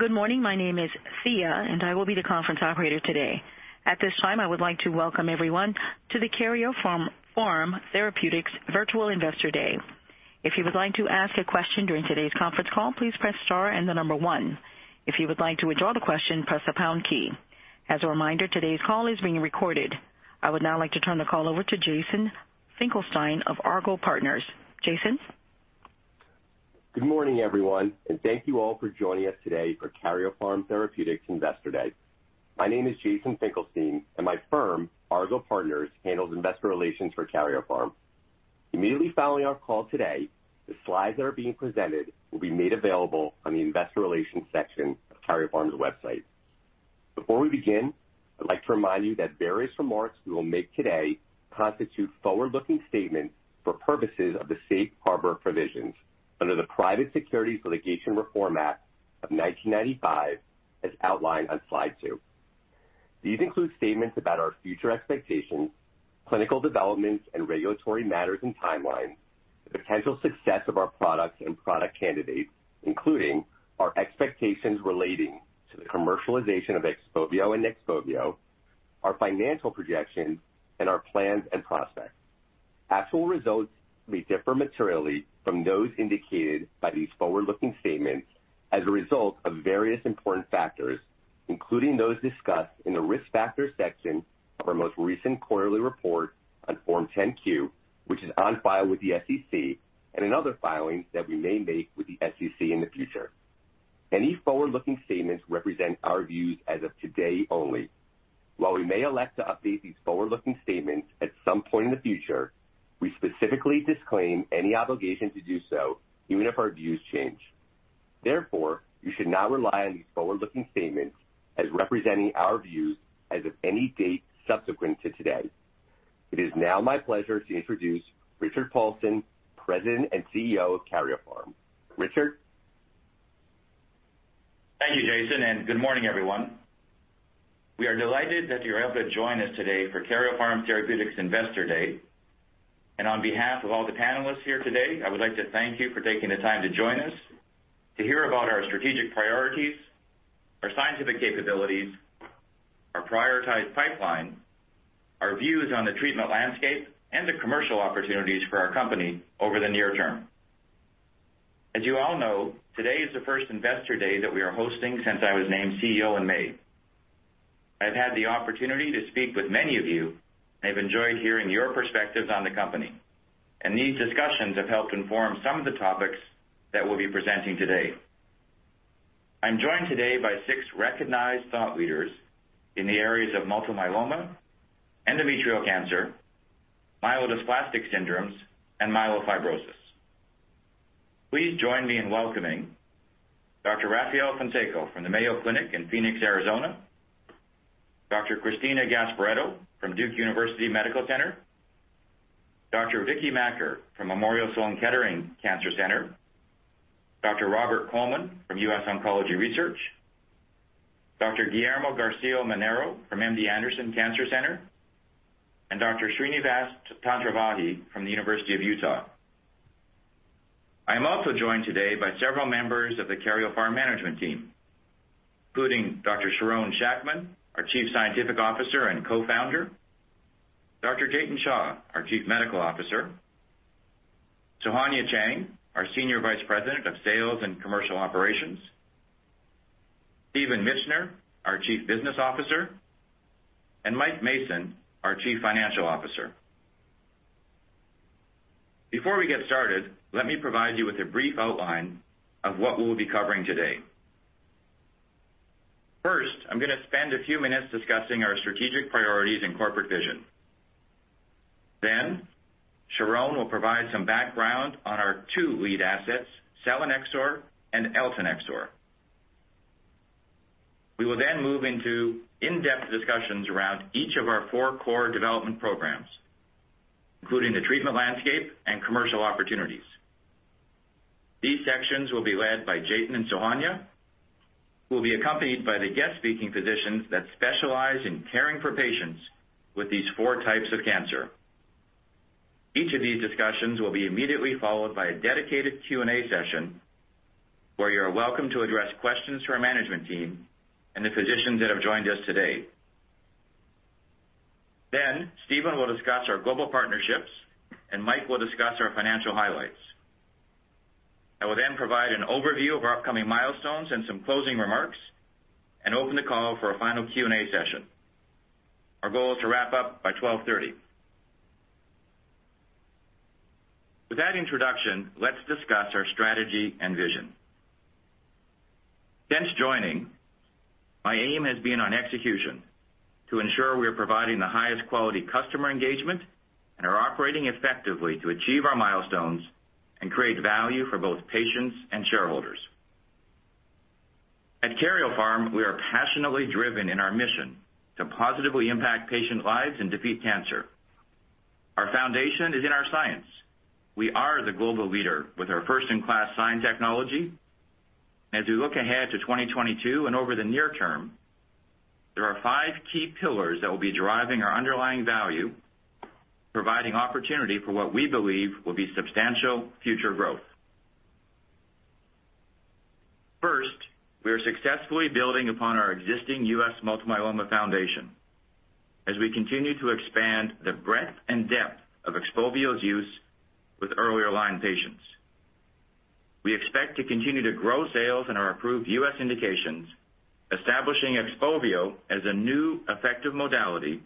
Good morning. My name is Thea, and I will be the conference operator today. At this time, I would like to welcome everyone to the Karyopharm Therapeutics Virtual Investor Day. If you would like to ask a question during today's conference call, please press star and the number One. If you would like to withdraw the question, press the pound key. As a reminder, today's call is being recorded. I would now like to turn the call over to Jason Finkelstein of Argot Partners. Jason? Good morning, everyone, and thank you all for joining us today for Karyopharm Therapeutics Investor Day. My name is Jason Finkelstein, and my firm, Argot Partners, handles investor relations for Karyopharm. Immediately following our call today, the slides that are being presented will be made available on the investor relations section of Karyopharm's website. Before we begin, I'd like to remind you that various remarks we will make today constitute forward-looking statements for purposes of the safe harbor provisions under the Private Securities Litigation Reform Act of 1995, as outlined on slide two. These include statements about our future expectations, clinical developments and regulatory matters and timelines, the potential success of our products and product candidates, including our expectations relating to the commercialization of XPOVIO and eltanexor, our financial projections, and our plans and prospects. Actual results may differ materially from those indicated by these forward-looking statements as a result of various important factors, including those discussed in the Risk Factors section of our most recent quarterly report on Form 10-Q, which is on file with the SEC, and in other filings that we may make with the SEC in the future. Any forward-looking statements represent our views as of today only. While we may elect to update these forward-looking statements at some point in the future, we specifically disclaim any obligation to do so, even if our views change. Therefore, you should not rely on these forward-looking statements as representing our views as of any date subsequent to today. It is now my pleasure to introduce Richard Paulson, President and CEO of Karyopharm. Richard? Thank you, Jason, and good morning, everyone. We are delighted that you're able to join us today for Karyopharm Therapeutics Investor Day. On behalf of all the panelists here today, I would like to thank you for taking the time to join us, to hear about our strategic priorities, our scientific capabilities, our prioritized pipeline, our views on the treatment landscape, and the commercial opportunities for our company over the near term. As you all know, today is the first Investor Day that we are hosting since I was named CEO in May. I've had the opportunity to speak with many of you. I've enjoyed hearing your perspectives on the company, and these discussions have helped inform some of the topics that we'll be presenting today. I'm joined today by six recognized thought leaders in the areas of multiple myeloma, endometrial cancer, myelodysplastic syndromes, and myelofibrosis. Please join me in welcoming Dr. Rafael Fonseca from the Mayo Clinic in Phoenix, Arizona. Dr. Cristina Gasparetto from Duke University Medical Center, Dr. Vicky Makker from Memorial Sloan Kettering Cancer Center, Dr. Robert Coleman from US Oncology Research, Dr. Guillermo Garcia-Manero from MD Anderson Cancer Center, and Dr. Srinivas Tantravahi from the University of Utah. I am also joined today by several members of the Karyopharm management team, including Dr. Sharon Shacham, our Chief Scientific Officer and Co-founder, Dr. Jatin Shah, our Chief Medical Officer, Sohanya Cheng, our Senior Vice President of Sales and Commercial Operations, Stephen Mitchener, our Chief Business Officer, and Mike Mason, our Chief Financial Officer. Before we get started, let me provide you with a brief outline of what we'll be covering today. First, I'm gonna spend a few minutes discussing our strategic priorities and corporate vision. Sharon will provide some background on our two lead assets, selinexor and eltanexor. We will then move into in-depth discussions around each of our four core development programs, including the treatment landscape and commercial opportunities. These sections will be led by Jatin and Sohanya, who will be accompanied by the guest speaking physicians that specialize in caring for patients with these four types of cancer. Each of these discussions will be immediately followed by a dedicated Q&A session, where you are welcome to address questions to our management team and the physicians that have joined us today. Stephen will discuss our global partnerships, and Mike will discuss our financial highlights. I will then provide an overview of our upcoming milestones and some closing remarks and open the call for a final Q&A session. Our goal is to wrap up by 12:30 P.M. With that introduction, let's discuss our strategy and vision. Since joining, my aim has been on execution to ensure we are providing the highest quality customer engagement and are operating effectively to achieve our milestones and create value for both patients and shareholders. At Karyopharm, we are passionately driven in our mission to positively impact patient lives and defeat cancer. Our foundation is in our science. We are the global leader with our first-in-class science technology. As we look ahead to 2022 and over the near term, there are five key pillars that will be driving our underlying value, providing opportunity for what we believe will be substantial future growth. First, we are successfully building upon our existing U.S. multiple myeloma foundation as we continue to expand the breadth and depth of XPOVIO's use with earlier line patients. We expect to continue to grow sales in our approved U.S. indications, establishing XPOVIO as a new effective modality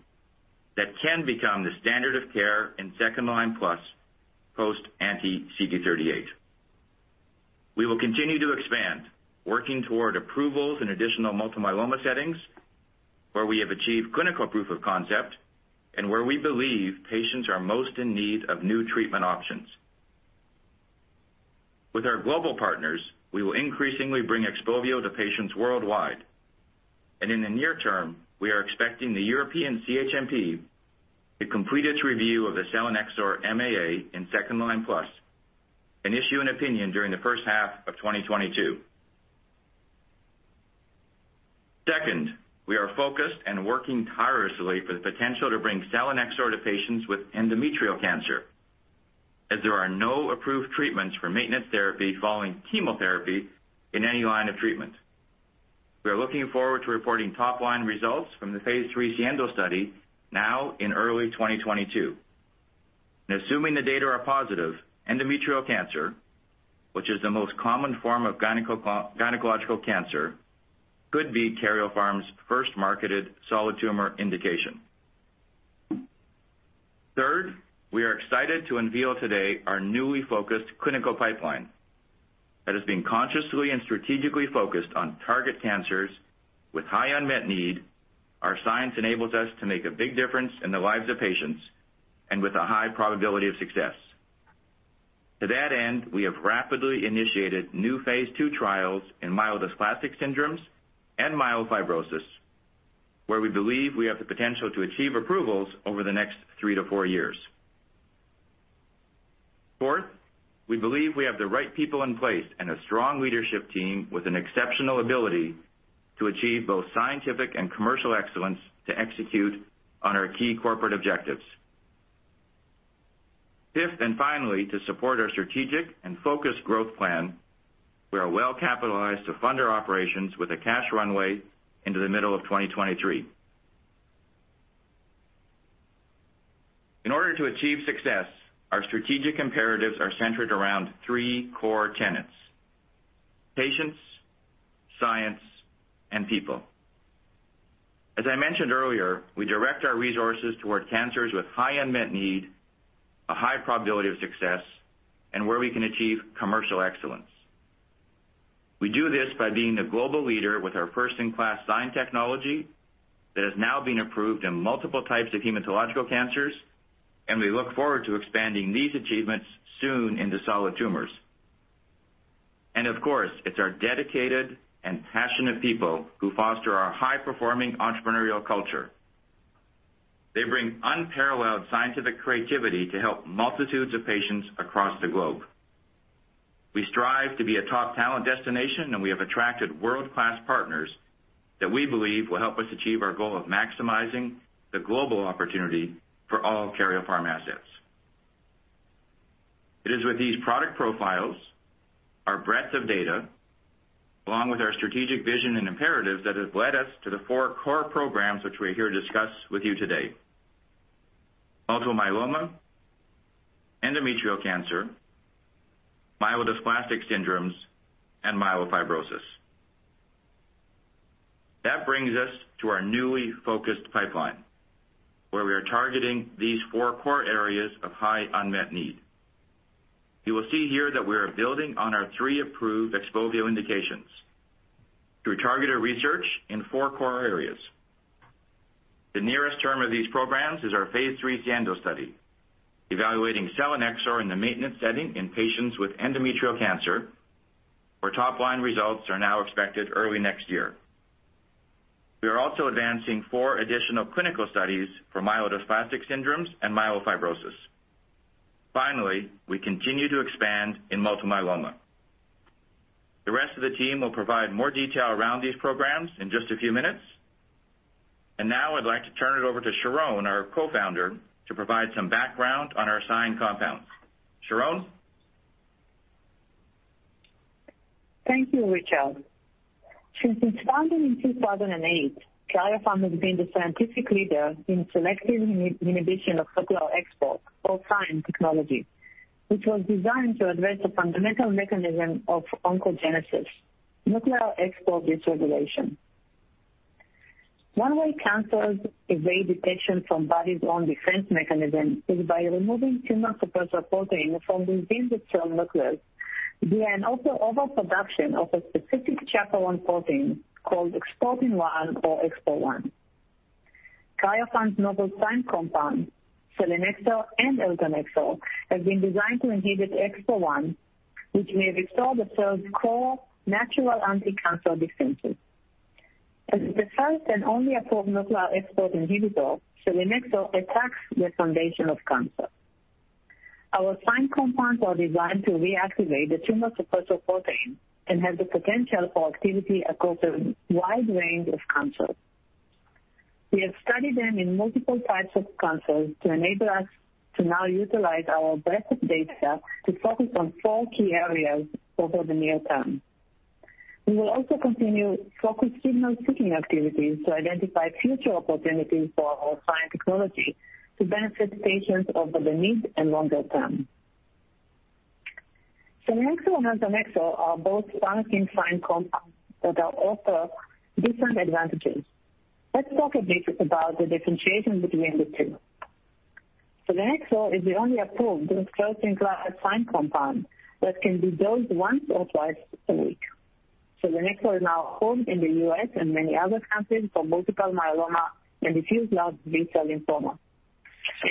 that can become the standard of care in second-line plus post anti-CD38. We will continue to expand, working toward approvals in additional multiple myeloma settings where we have achieved clinical proof of concept and where we believe patients are most in need of new treatment options. With our global partners, we will increasingly bring XPOVIO to patients worldwide. In the near term, we are expecting the European CHMP to complete its review of the selinexor MAA in second-line plus and issue an opinion during the first half of 2022. Second, we are focused and working tirelessly for the potential to bring selinexor to patients with endometrial cancer, as there are no approved treatments for maintenance therapy following chemotherapy in any line of treatment. We are looking forward to reporting top-line results from the phase III SIENDO study now in early 2022. Assuming the data are positive, endometrial cancer, which is the most common form of gynecological cancer, could be Karyopharm's first marketed solid tumor indication. Third, we are excited to unveil today our newly focused clinical pipeline that is being consciously and strategically focused on target cancers with high unmet need. Our science enables us to make a big difference in the lives of patients and with a high probability of success. To that end, we have rapidly initiated new phase II trials in myelodysplastic syndromes and myelofibrosis, where we believe we have the potential to achieve approvals over the next three to four years. Fourth, we believe we have the right people in place and a strong leadership team with an exceptional ability to achieve both scientific and commercial excellence to execute on our key corporate objectives. Fifth, and finally, to support our strategic and focused growth plan, we are well capitalized to fund our operations with a cash runway into the middle of 2023. In order to achieve success, our strategic imperatives are centered around three core tenets. Patients, science, and people. As I mentioned earlier, we direct our resources toward cancers with high unmet need, a high probability of success, and where we can achieve commercial excellence. We do this by being a global leader with our first-in-class science technology that has now been approved in multiple types of hematological cancers, and we look forward to expanding these achievements soon into solid tumors. Of course, it's our dedicated and passionate people who foster our high-performing entrepreneurial culture. They bring unparalleled scientific creativity to help multitudes of patients across the globe. We strive to be a top talent destination, and we have attracted world-class partners that we believe will help us achieve our goal of maximizing the global opportunity for all Karyopharm assets. It is with these product profiles, our breadth of data, along with our strategic vision and imperatives that has led us to the four core programs which we're here to discuss with you today, multiple myeloma, endometrial cancer, myelodysplastic syndromes, and myelofibrosis. That brings us to our newly focused pipeline, where we are targeting these four core areas of high unmet need. You will see here that we are building on our three approved XPOVIO indications through targeted research in four core areas. The nearest term of these programs is our phase III SIENDO study, evaluating selinexor in the maintenance setting in patients with endometrial cancer, where top-line results are now expected early next year. We are also advancing four additional clinical studies for myelodysplastic syndromes and myelofibrosis. Finally, we continue to expand in multiple myeloma. The rest of the team will provide more detail around these programs in just a few minutes. Now I'd like to turn it over to Sharon, our co-founder, to provide some background on our SINE compounds. Sharon? Thank you, Richard. Since its founding in 2008, Karyopharm has been the scientific leader in selective inhibition of nuclear export or SINE technology, which was designed to address the fundamental mechanism of oncogenesis, nuclear export dysregulation. One way cancers evade detection from the body's own defense mechanism is by removing tumor suppressor protein from the individual nucleus via an overproduction of a specific chaperone protein called exportin 1 or XPO1. Karyopharm's novel SINE compound, selinexor and eltanexor, have been designed to inhibit XPO1, which may restore the cell's core natural anticancer defenses. As the first and only approved nuclear export inhibitor, selinexor attacks the foundation of cancer. Our SINE compounds are designed to reactivate the tumor suppressor protein and have the potential for activity across a wide range of cancers. We have studied them in multiple types of cancers to enable us to now utilize our breadth of data to focus on four key areas over the near term. We will also continue focused signal-seeking activities to identify future opportunities for our SINE technology to benefit patients over the mid and longer term. Selinexor and eltanexor are both promising SINE compounds that offer different advantages. Let's talk a bit about the differentiation between the two. Selinexor is the only approved protein class SINE compound that can be dosed once or twice a week. Selinexor is now approved in the U.S. and many other countries for multiple myeloma and diffuse large B-cell lymphoma.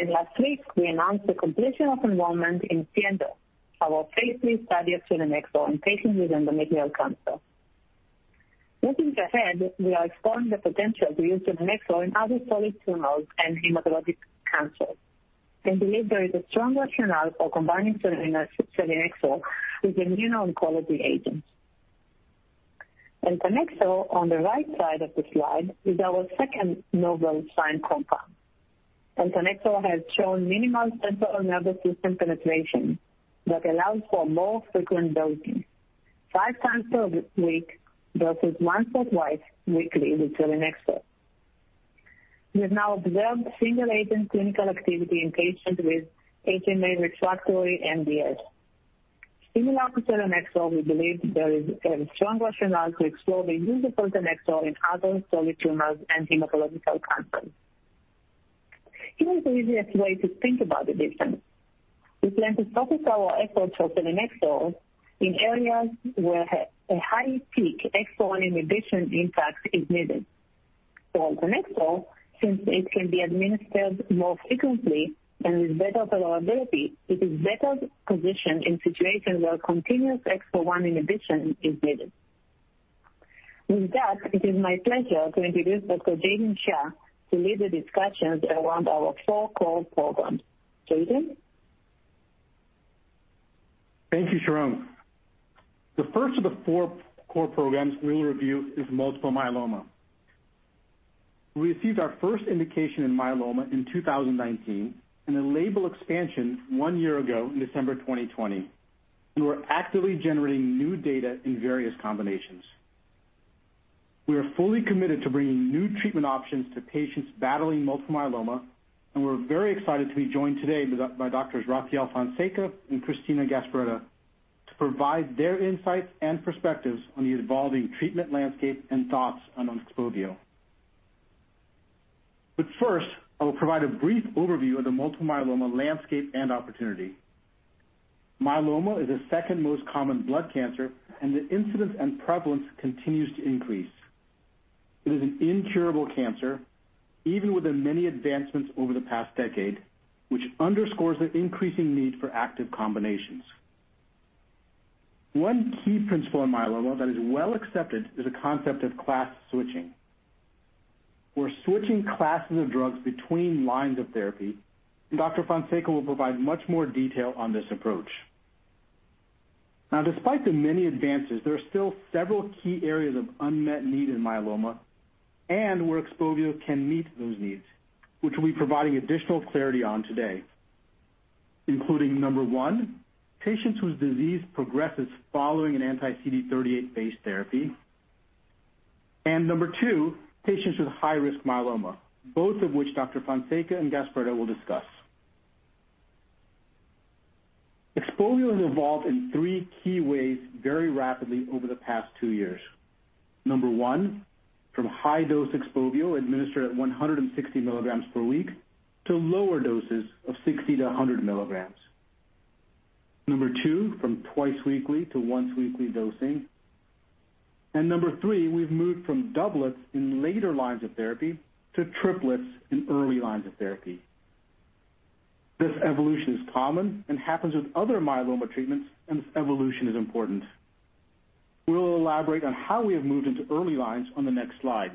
Last week, we announced the completion of enrollment in SIENDO, our phase III study of selinexor in patients with endometrial cancer. Looking ahead, we are exploring the potential to use selinexor in other solid tumors and hematologic cancers, and believe there is a strong rationale for combining selinexor with immuno-oncology agents. eltanexor, on the right side of the slide, is our second novel SINE compound. eltanexor has shown minimal central nervous system penetration that allows for more frequent dosing, five times per week versus once or twice weekly with selinexor. We have now observed single-agent clinical activity in patients with HMA refractory MDS. Similar to selinexor, we believe there is a strong rationale to explore the use of eltanexor in other solid tumors and hematologic cancers. Here is the easiest way to think about the difference. We plan to focus our efforts for selinexor in areas where a high peak XPO1 inhibition impact is needed. For eltanexor, since it can be administered more frequently and with better tolerability, it is better positioned in situations where continuous XPO1 inhibition is needed. With that, it is my pleasure to introduce Dr. Jatin Shah to lead the discussions around our four core programs. Jatin? Thank you, Sharon. The first of the four core programs we'll review is multiple myeloma. We received our first indication in myeloma in 2019, and a label expansion one year ago in December 2020. We are actively generating new data in various combinations. We are fully committed to bringing new treatment options to patients battling multiple myeloma, and we're very excited to be joined today by Doctors Rafael Fonseca and Cristina Gasparetto to provide their insights and perspectives on the evolving treatment landscape and thoughts on XPOVIO. I will provide a brief overview of the multiple myeloma landscape and opportunity. Myeloma is the second most common blood cancer, and the incidence and prevalence continues to increase. It is an incurable cancer, even with the many advancements over the past decade, which underscores the increasing need for active combinations. One key principle in myeloma that is well accepted is the concept of class switching. We're switching classes of drugs between lines of therapy, and Dr. Fonseca will provide much more detail on this approach. Now, despite the many advances, there are still several key areas of unmet need in myeloma and where XPOVIO can meet those needs, which we'll be providing additional clarity on today, including, number one, patients whose disease progresses following an anti-CD38-based therapy, and number two, patients with high-risk myeloma, both of which Dr. Fonseca and Dr. Gasparetto will discuss. XPOVIO has evolved in three key ways very rapidly over the past two years. Number one, from high-dose XPOVIO administered at 160 mg per week to lower doses of 60 mg-100 mg. Number two, from twice-weekly to once-weekly dosing. Number three, we've moved from doublets in later lines of therapy to triplets in early lines of therapy. This evolution is common and happens with other myeloma treatments, and this evolution is important. We will elaborate on how we have moved into early lines on the next slide.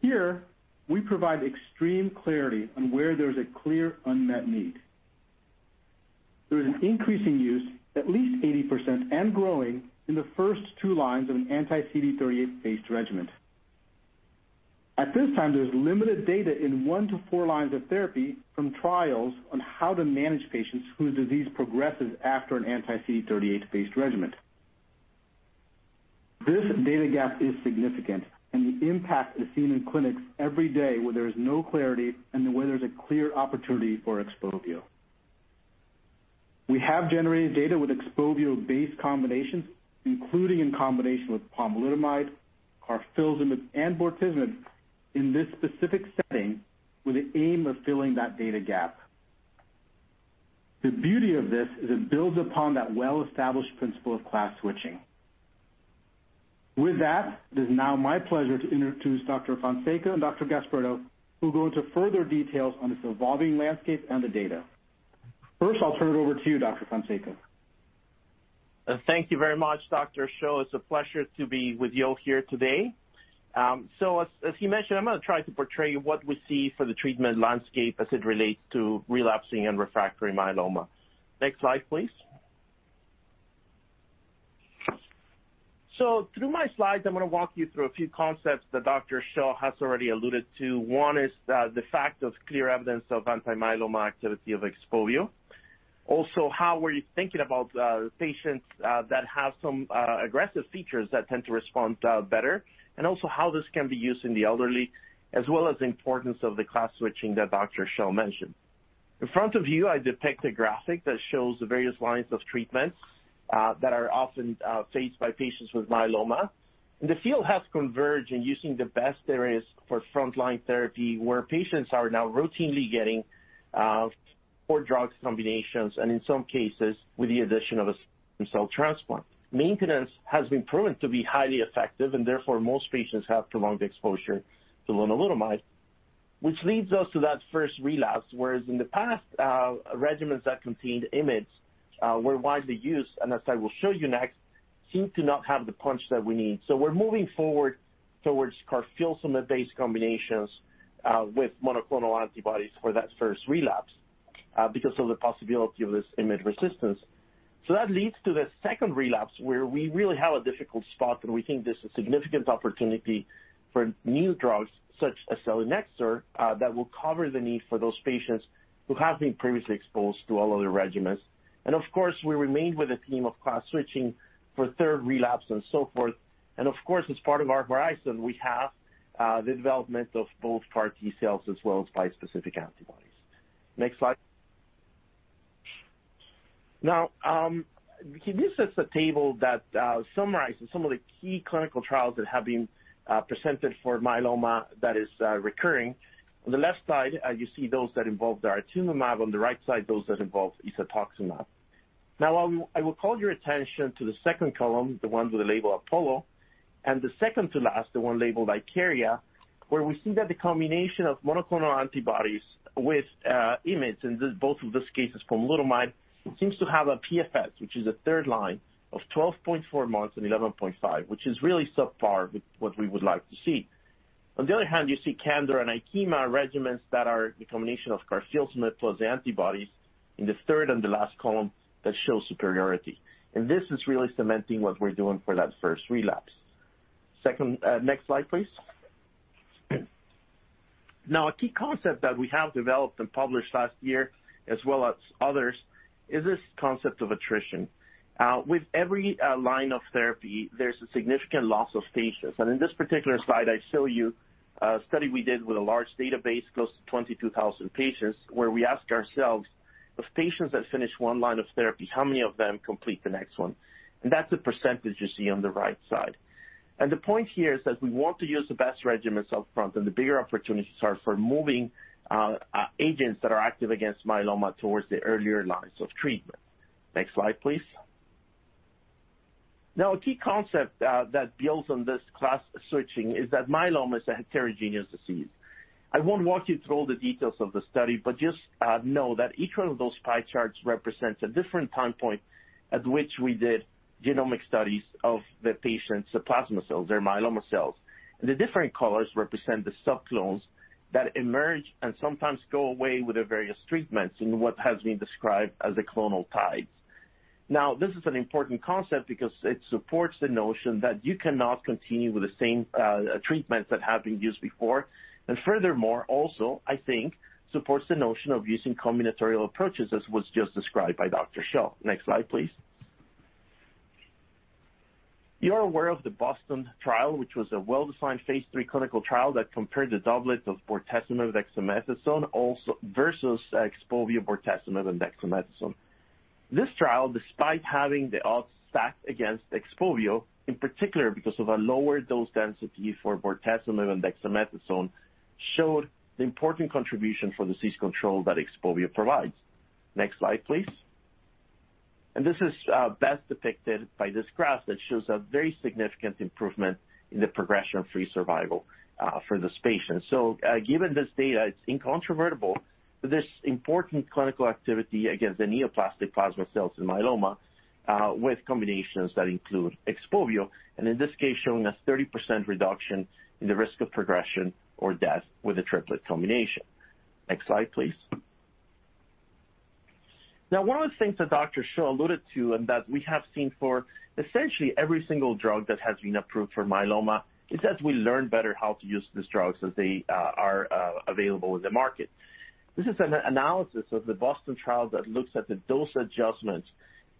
Here, we provide extreme clarity on where there's a clear unmet need. There is an increasing use, at least 80% and growing, in the first two lines of an anti-CD38-based regimen. At this time, there's limited data in one to four lines of therapy from trials on how to manage patients whose disease progresses after an anti-CD38-based regimen. This data gap is significant, and the impact is seen in clinics every day where there is no clarity and where there's a clear opportunity for XPOVIO. We have generated data with XPOVIO-based combinations, including in combination with pomalidomide, carfilzomib, and bortezomib, in this specific setting with the aim of filling that data gap. The beauty of this is it builds upon that well-established principle of class switching. With that, it is now my pleasure to introduce Dr. Fonseca and Dr. Gasparetto, who go into further details on this evolving landscape and the data. First, I'll turn it over to you, Dr. Fonseca. Thank you very much, Dr. Shah. It's a pleasure to be with you all here today. As he mentioned, I'm gonna try to portray what we see for the treatment landscape as it relates to relapsing and refractory myeloma. Next slide, please. Through my slides, I'm gonna walk you through a few concepts that Dr. Shah has already alluded to. One is the fact of clear evidence of anti-myeloma activity of XPOVIO. Also, how we're thinking about patients that have some aggressive features that tend to respond better, and also how this can be used in the elderly, as well as the importance of the class switching that Dr. Shah mentioned. In front of you, I depict a graphic that shows the various lines of treatments that are often faced by patients with myeloma. The field has converged in using the best there is for frontline therapy, where patients are now routinely getting four-drug combinations, and in some cases, with the addition of a stem cell transplant. Maintenance has been proven to be highly effective, and therefore, most patients have prolonged exposure to lenalidomide, which leads us to that first relapse, whereas in the past, regimens that contained IMiDs were widely used, and as I will show you next, seem to not have the punch that we need. We're moving forward towards carfilzomib-based combinations with monoclonal antibodies for that first relapse because of the possibility of this IMiD resistance. That leads to the second relapse, where we really have a difficult spot, and we think there's a significant opportunity for new drugs such as selinexor that will cover the need for those patients who have been previously exposed to all other regimens. Of course, we remain with a theme of class switching for third relapse and so forth. Of course, as part of our horizon, we have the development of both CAR T-cells as well as bispecific antibodies. Next slide. This is a table that summarizes some of the key clinical trials that have been presented for myeloma that is recurring. On the left side, you see those that involve daratumumab, on the right side, those that involve isatuximab. Now, I will call your attention to the second column, the one with the label APOLLO, and the second to last, the one labeled ICARIA, where we see that the combination of monoclonal antibodies with IMiDs, in both of these cases, pomalidomide, seems to have a PFS, which is a third line of 12.4 months and 11.5, which is really subpar with what we would like to see. On the other hand, you see CANDOR and IKEMA regimens that are the combination of carfilzomib plus antibodies in the third and the last column that show superiority. This is really cementing what we're doing for that first relapse. Next slide, please. Now, a key concept that we have developed and published last year, as well as others, is this concept of attrition. With every line of therapy, there's a significant loss of patients. In this particular slide, I show you a study we did with a large database, close to 22,000 patients, where we asked ourselves, if patients that finish one line of therapy, how many of them complete the next one? That's the percentage you see on the right side. The point here is that we want to use the best regimens up front, and the bigger opportunities are for moving agents that are active against myeloma towards the earlier lines of treatment. Next slide, please. Now, a key concept that builds on this class switching is that myeloma is a heterogeneous disease. I won't walk you through all the details of the study, but just, know that each one of those pie charts represents a different time point at which we did genomic studies of the patient's plasma cells, their myeloma cells. The different colors represent the sub-clones that emerge and sometimes go away with the various treatments in what has been described as the clonal tides. Now, this is an important concept because it supports the notion that you cannot continue with the same, treatments that have been used before, and furthermore, also, I think, supports the notion of using combinatorial approaches, as was just described by Dr. Shah. Next slide, please. You're aware of the BOSTON trial, which was a well-designed phase III clinical trial that compared the doublet of bortezomib, dexamethasone versus selinexor, bortezomib, and dexamethasone. This trial, despite having the odds stacked against selinexor, in particular because of a lower dose density for bortezomib and dexamethasone, showed the important contribution for disease control that selinexor provides. Next slide, please. This is best depicted by this graph that shows a very significant improvement in the progression-free survival for this patient. Given this data, it's incontrovertible that this important clinical activity against the neoplastic plasma cells in myeloma with combinations that include selinexor, and in this case, showing a 30% reduction in the risk of progression or death with a triplet combination. Next slide, please. Now, one of the things that Dr. Shah alluded to and that we have seen for essentially every single drug that has been approved for myeloma is that we learn better how to use these drugs as they are available in the market. This is an analysis of the BOSTON trial that looks at the dose adjustment.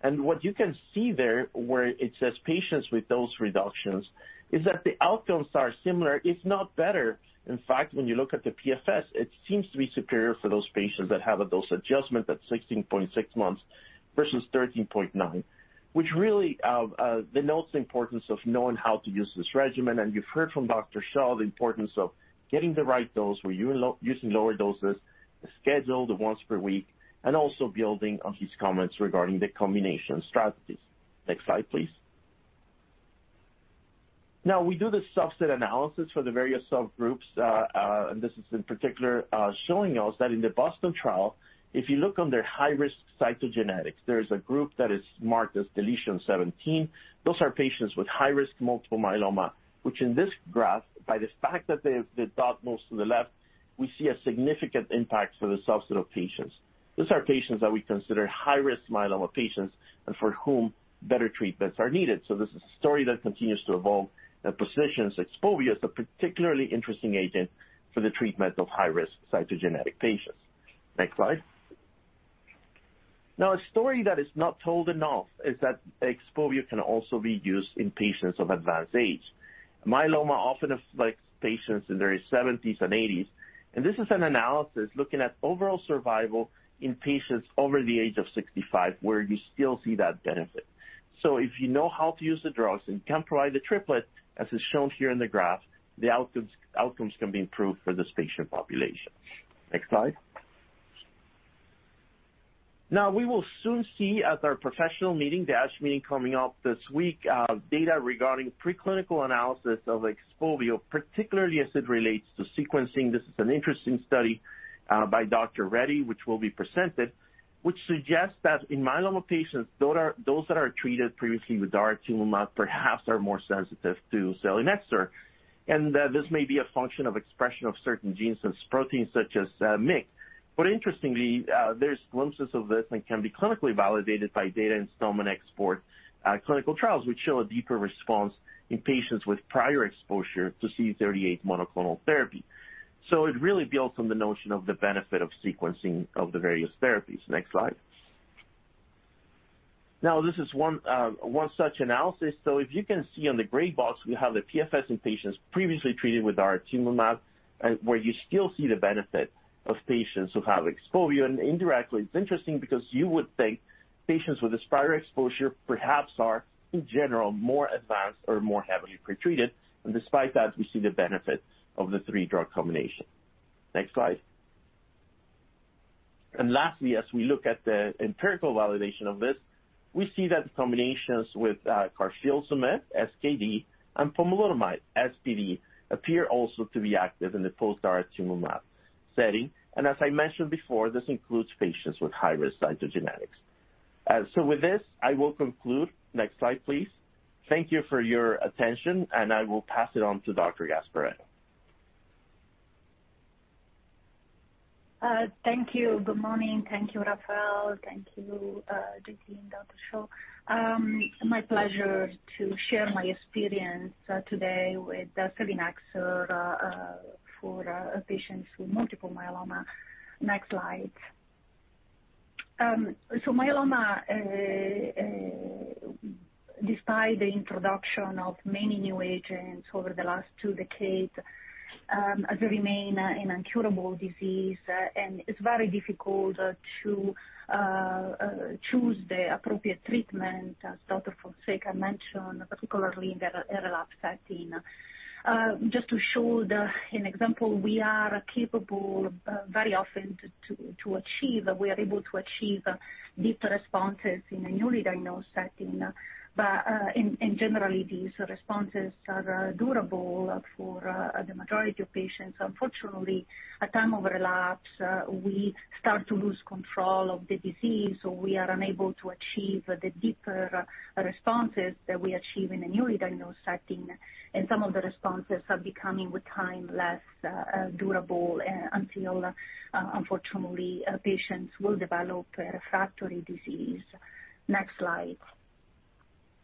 What you can see there, where it says patients with dose reductions, is that the outcomes are similar, if not better. In fact, when you look at the PFS, it seems to be superior for those patients that have a dose adjustment at 16.6 months versus 13.9, which really denotes the importance of knowing how to use this regimen. You've heard from Dr. Shah the importance of getting the right dose, using lower doses, the schedule, the once per week, and also building on his comments regarding the combination strategies. Next slide, please. Now we do the subset analysis for the various subgroups, and this is in particular, showing us that in the BOSTON trial, if you look under high-risk cytogenetics, there is a group that is marked as del(17p). Those are patients with high-risk multiple myeloma, which in this graph, by the fact that they have the dot most to the left, we see a significant impact for the subset of patients. These are patients that we consider high-risk myeloma patients and for whom better treatments are needed. This is a story that continues to evolve and positions XPOVIO as a particularly interesting agent for the treatment of high-risk cytogenetic patients. Next slide. Now, a story that is not told enough is that XPOVIO can also be used in patients of advanced age. Myeloma often affects patients in their seventies and eighties, and this is an analysis looking at overall survival in patients over the age of 65 years, where you still see that benefit. If you know how to use the drugs and can provide the triplet as is shown here in the graph, the outcomes can be improved for this patient population. Next slide. Now, we will soon see at our professional meeting, the ASH Meeting coming up this week, data regarding preclinical analysis of XPOVIO, particularly as it relates to sequencing. This is an interesting study by Dr. Reddy, which will be presented, which suggests that in myeloma patients, those that are treated previously with daratumumab, perhaps are more sensitive to selinexor. This may be a function of expression of certain genes and proteins such as MYC. Interestingly, there's glimpses of this and can be clinically validated by data from selinexor clinical trials, which show a deeper response in patients with prior exposure to CD38 monoclonal therapy. It really builds on the notion of the benefit of sequencing of the various therapies. Next slide. Now, this is one such analysis. If you can see on the gray box, we have the PFS in patients previously treated with daratumumab and where you still see the benefit of patients who have XPOVIO. Indirectly, it's interesting because you would think patients with this prior exposure perhaps are, in general, more advanced or more heavily pretreated. Despite that, we see the benefits of the three-drug combination. Next slide. Lastly, as we look at the empirical validation of this, we see that the combinations with carfilzomib, SKD, and pomalidomide, SPd, appear also to be active in the post-daratumumab setting. As I mentioned before, this includes patients with high-risk cytogenetics. With this, I will conclude. Next slide, please. Thank you for your attention, and I will pass it on to Dr. Gasparetto. Thank you. Good morning. Thank you, Rafael. Thank you, Jatin and Dr. Shah. My pleasure to share my experience today with selinexor for patients with multiple myeloma. Next slide. Myeloma, despite the introduction of many new agents over the last two decades, as it remains an incurable disease, and it's very difficult to choose the appropriate treatment, as Dr. Fonseca mentioned, particularly in the relapsed setting. Just to show an example, we are able to achieve deeper responses in a newly diagnosed setting. Generally these responses are durable for the majority of patients. Unfortunately, at time of relapse, we start to lose control of the disease, or we are unable to achieve the deeper responses that we achieve in a newly diagnosed setting. Some of the responses are becoming, with time, less durable, until, unfortunately, patients will develop refractory disease. Next slide.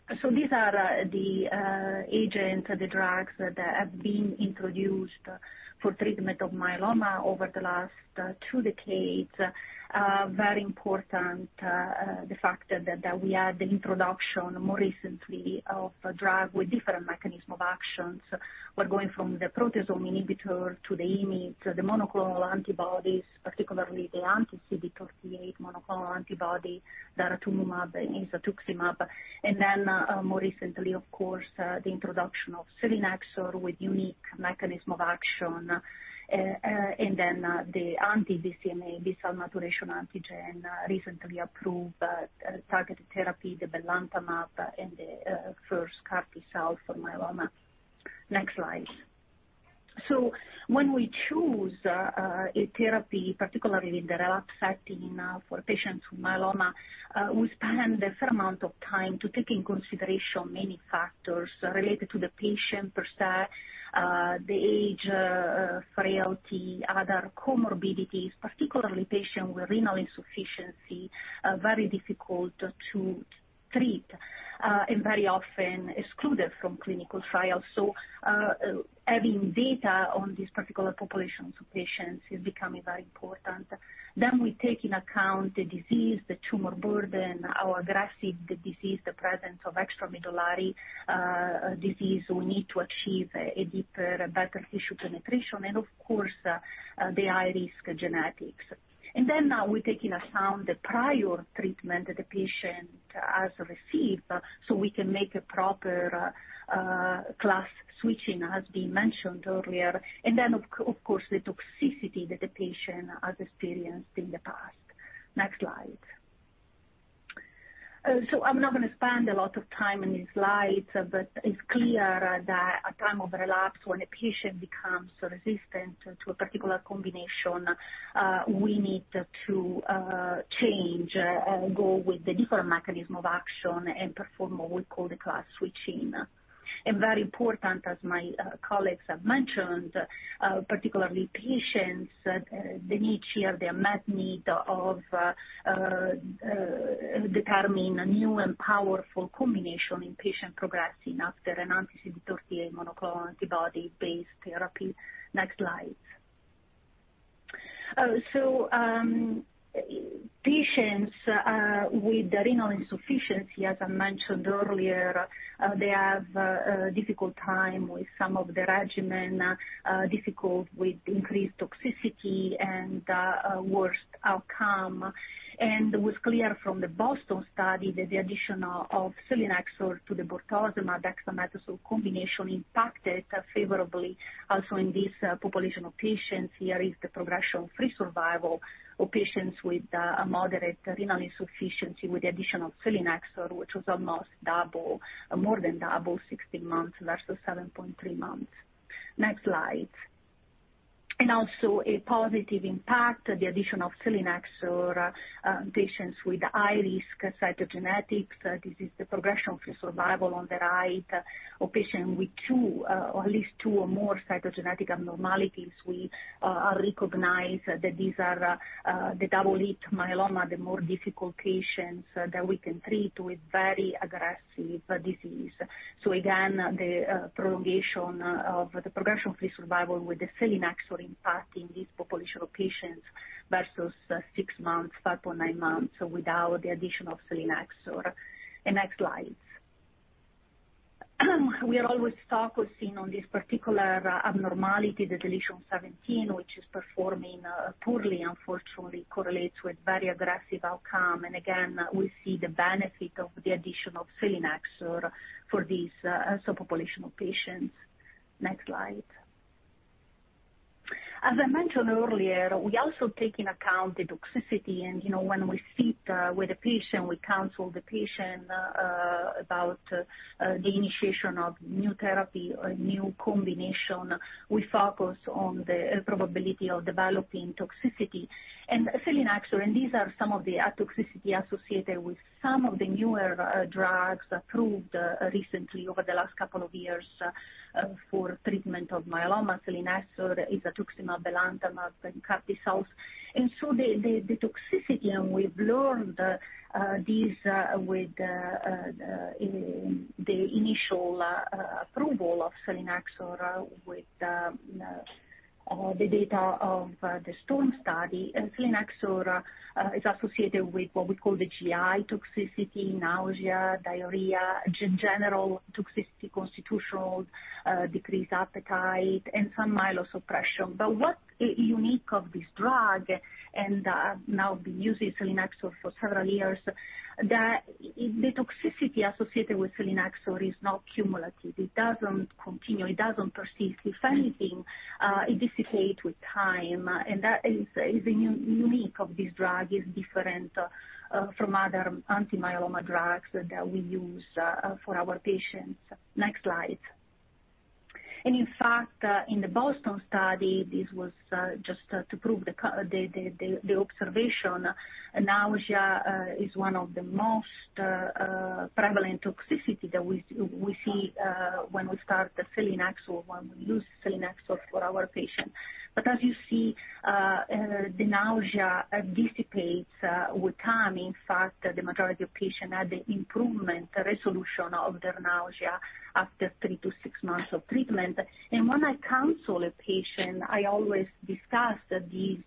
These are the agent, the drugs that have been introduced for treatment of myeloma over the last two decades. Very important, the fact that we had the introduction more recently of a drug with different mechanism of actions. We're going from the proteasome inhibitor to the IMiD, to the monoclonal antibodies, particularly the anti-CD38 monoclonal antibody, daratumumab and isatuximab. More recently, of course, the introduction of selinexor with unique mechanism of action, and then the anti-BCMA, B-cell maturation antigen, recently approved, targeted therapy, the belantamab and the, first CAR T-cell for myeloma. Next slide. when we choose a therapy, particularly in the relapsed setting, for patients with myeloma, we spend a fair amount of time to take in consideration many factors related to the patient per se, the age, frailty, other comorbidities, particularly patient with renal insufficiency, very difficult to treat, and very often excluded from clinical trials. having data on these particular populations of patients is becoming very important. We take in account the disease, the tumor burden, how aggressive the disease, the presence of extramedullary disease, we need to achieve a deeper, better tissue penetration, and of course, the high-risk genetics. We take in account the prior treatment that the patient has received, so we can make a proper class switching, as we mentioned earlier. Of course, the toxicity that the patient has experienced in the past. Next slide. I'm not gonna spend a lot of time in these slides, but it's clear that at time of relapse when a patient becomes resistant to a particular combination, we need to change or go with the different mechanism of action and perform what we call the class switching. Very important, as my colleagues have mentioned, particularly patients, they need to meet their unmet need of determining a new and powerful combination in patients progressing after an anti-CD38 monoclonal antibody-based therapy. Next slide. Patients with renal insufficiency, as I mentioned earlier, they have a difficult time with some of the regimen, difficult with increased toxicity and a worse outcome. It was clear from the BOSTON study that the addition of selinexor to the bortezomib-dexamethasone combination impacted favorably also in this population of patients. Here is the progression-free survival of patients with a moderate renal insufficiency with the addition of selinexor, which was almost double, more than double 16 months versus 7.3 months. Next slide. Also a positive impact, the addition of selinexor on patients with high-risk cytogenetics. This is the progression-free survival on the right of patient with two, or at least two or more cytogenetic abnormalities. We recognize that these are the double-hit myeloma, the more difficult patients that we can treat with very aggressive disease. So again, the prolongation of the progression-free survival with the selinexor impacting these population of patients versus six months, 5.9 months without the addition of selinexor. The next slide. We are always focusing on this particular abnormality, the deletion seventeen, which is performing poorly, unfortunately correlates with very aggressive outcome. Again, we see the benefit of the addition of selinexor for these subpopulation of patients. Next slide. As I mentioned earlier, we also take into account the toxicity and, you know, when we sit with the patient, we counsel the patient about the initiation of new therapy or new combination, we focus on the probability of developing toxicity. Selinexor, and these are some of the toxicity associated with some of the newer drugs approved recently over the last couple of years for treatment of myeloma, selinexor, ixazomib, belantamab and carfilzomib. The toxicity and we've learned these with the initial approval of selinexor with the data of the STORM study. Selinexor is associated with what we call the GI toxicity, nausea, diarrhea, general toxicity, constitutional, decreased appetite and some myelosuppression. What is unique of this drug, and I've now been using selinexor for several years, that the toxicity associated with selinexor is not cumulative. It doesn't continue, it doesn't persist. If anything, it dissipate with time, and that is unique of this drug, is different from other anti-myeloma drugs that we use for our patients. Next slide. In fact, in the BOSTON study, this was just to prove the observation. Nausea is one of the most prevalent toxicity that we see when we start the selinexor, when we use selinexor for our patient. As you see, the nausea dissipates with time. In fact, the majority of patient had the improvement, resolution of their nausea after three to six months of treatment. When I counsel a patient, I always discuss these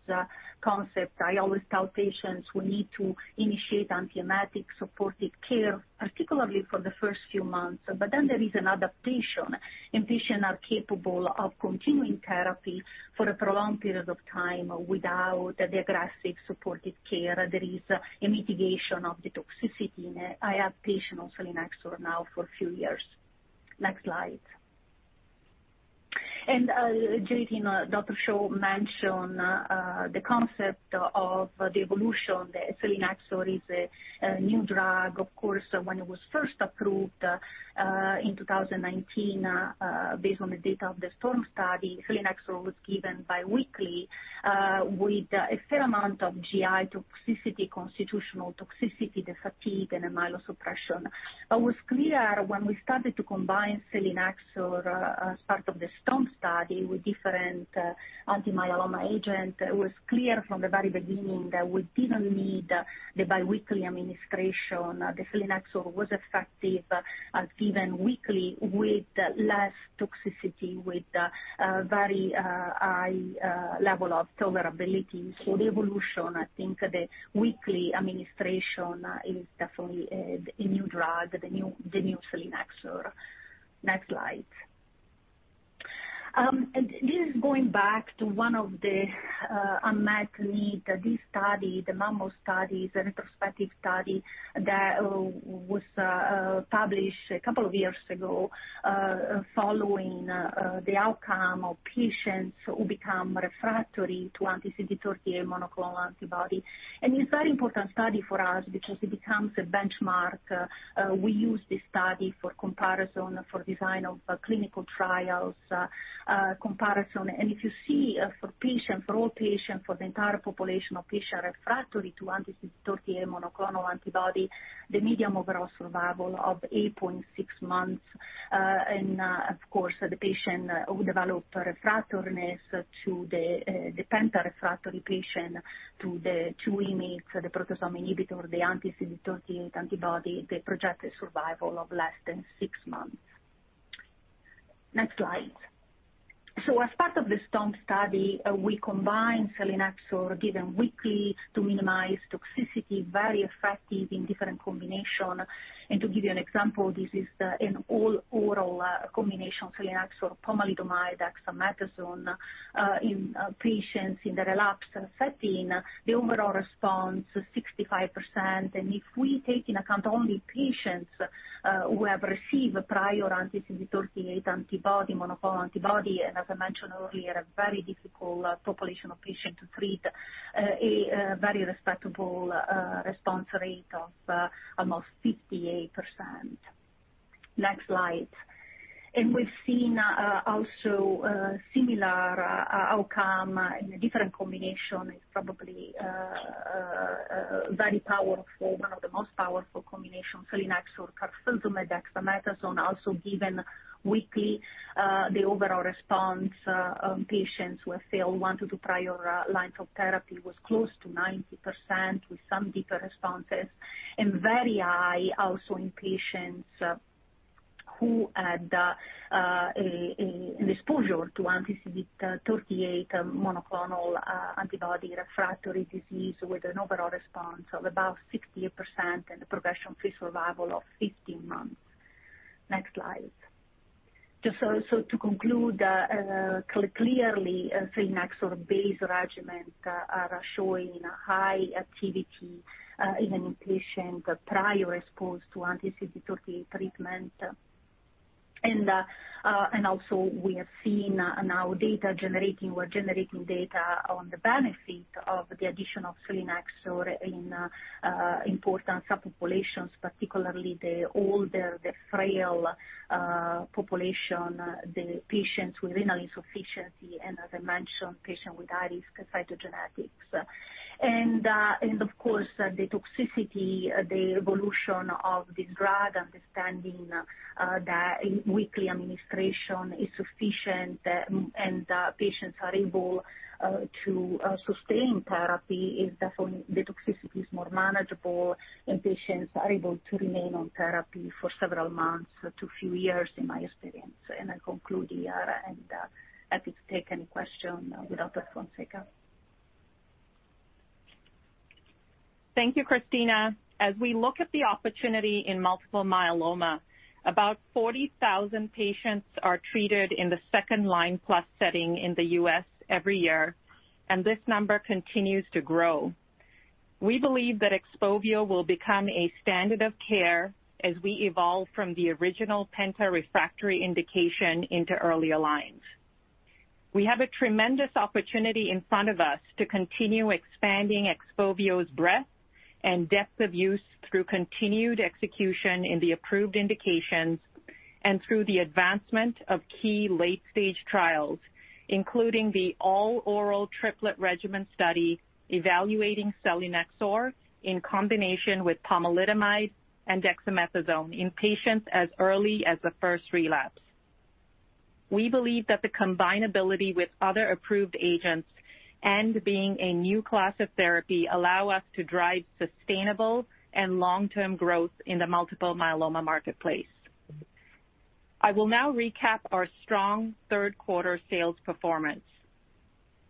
concepts. I always tell patients we need to initiate antiemetic supportive care, particularly for the first few months. Then there is another patient and patient are capable of continuing therapy for a prolonged period of time without the aggressive supportive care. There is a mitigation of the toxicity. I have patient on selinexor now for a few years. Next slide. Jatin, Dr. Shah mentioned the concept of the evolution. The selinexor is a new drug. Of course, when it was first approved in 2019, based on the data of the STORM study, selinexor was given biweekly with a fair amount of GI toxicity, constitutional toxicity, the fatigue and myelosuppression. It was clear when we started to combine selinexor as part of the STORM study with different anti-myeloma agent. It was clear from the very beginning that we didn't need the biweekly administration. The selinexor was effective at even weekly with less toxicity, with a very high level of tolerability. The evolution, I think the weekly administration is definitely a new drug, the new selinexor. Next slide. This is going back to one of the unmet need. This study, the MAMMOTH study and retrospective study that was published a couple of years ago, following the outcome of patients who become refractory to anti-CD38 monoclonal antibody. It's very important study for us because it becomes a benchmark. We use this study for comparison for design of clinical trials, comparison. If you see for patients, for all patients, for the entire population of patients refractory to anti-CD38 monoclonal antibody, the median overall survival of 8.6 months. Of course, the patient who developed refractoriness to the penta-refractory patient to the two IMiDs, two proteasome inhibitors, the anti-CD38 antibody, the projected survival of less than six months. Next slide. As part of the STORM study, we combine selinexor given weekly to minimize toxicity, very effective in different combination. To give you an example, this is an all-oral combination of selinexor, pomalidomide, dexamethasone in patients in the relapsed setting. The overall response is 65%. If we take into account only patients who have received prior anti-CD38 antibody, monoclonal antibody, and as I mentioned earlier, a very difficult population of patients to treat, a very respectable response rate of almost 58%. Next slide. We've seen also similar outcome in a different combination. It's probably very powerful, one of the most powerful combination, selinexor, carfilzomib, dexamethasone, also given weekly. The overall response on patients who have failed one to two prior lines of therapy was close to 90% with some deeper responses, and very high also in patients who had an exposure to anti-CD38 monoclonal antibody refractory disease with an overall response of about 60% and a progression-free survival of 15 months. Next slide. To conclude, clearly, a selinexor-based regimen are showing high activity, even in patients prior exposed to anti-CD38 treatment. Also, we have seen now data, generating data on the benefit of the addition of selinexor in important subpopulations, particularly the older, the frail population, the patients with renal insufficiency and, as I mentioned, patients with high-risk cytogenetics. Of course, the toxicity, the evolution of this drug, understanding that weekly administration is sufficient, and patients are able to sustain therapy. The toxicity is definitely more manageable, and patients are able to remain on therapy for several months to a few years, in my experience. I conclude here, happy to take any question with Dr. Fonseca. Thank you, Cristina. As we look at the opportunity in multiple myeloma, about 40,000 patients are treated in the second-line-plus setting in the U.S. every year, and this number continues to grow. We believe that XPOVIO will become a standard of care as we evolve from the original penta-refractory indication into earlier lines. We have a tremendous opportunity in front of us to continue expanding XPOVIO's breadth and depth of use through continued execution in the approved indications and through the advancement of key late-stage trials, including the all-oral triplet regimen study evaluating selinexor in combination with pomalidomide and dexamethasone in patients as early as the first relapse. We believe that the combinability with other approved agents and being a new class of therapy allow us to drive sustainable and long-term growth in the multiple myeloma marketplace. I will now recap our strong third quarter sales performance.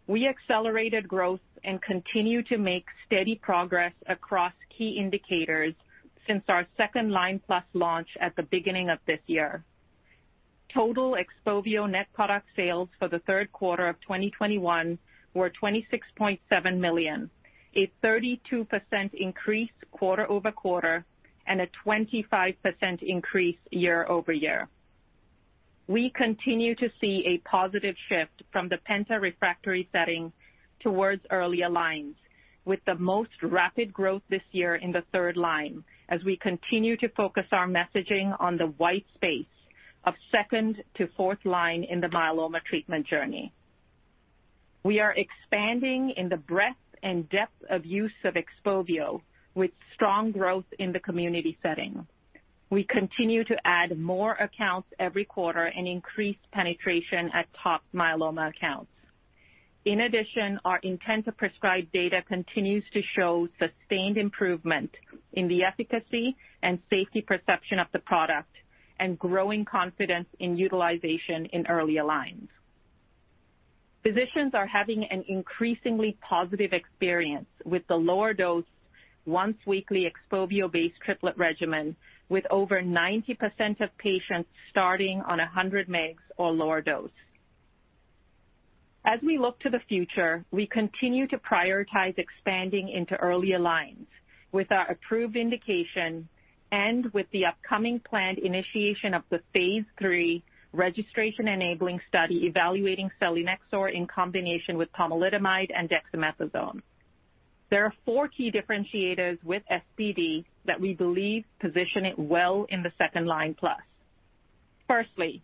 We accelerated growth and continue to make steady progress across key indicators since our second-line-plus launch at the beginning of this year. Total XPOVIO net product sales for Q3 2021 were $26.7 million, a 32% increase quarter-over-quarter and a 25% increase year-over-year. We continue to see a positive shift from the penta-refractory setting towards earlier lines, with the most rapid growth this year in the third line, as we continue to focus our messaging on the white space of second to fourth line in the myeloma treatment journey. We are expanding in the breadth and depth of use of XPOVIO with strong growth in the community setting. We continue to add more accounts every quarter and increase penetration at top myeloma accounts. In addition, our intent to prescribe data continues to show sustained improvement in the efficacy and safety perception of the product and growing confidence in utilization in earlier lines. Physicians are having an increasingly positive experience with the lower dose once weekly XPOVIO-based triplet regimen with over 90% of patients starting on 100 mg or lower dose. As we look to the future, we continue to prioritize expanding into earlier lines with our approved indication and with the upcoming planned initiation of the phase III registration-enabling study evaluating selinexor in combination with pomalidomide and dexamethasone. There are four key differentiators with SPD that we believe position it well in the second-line plus. Firstly,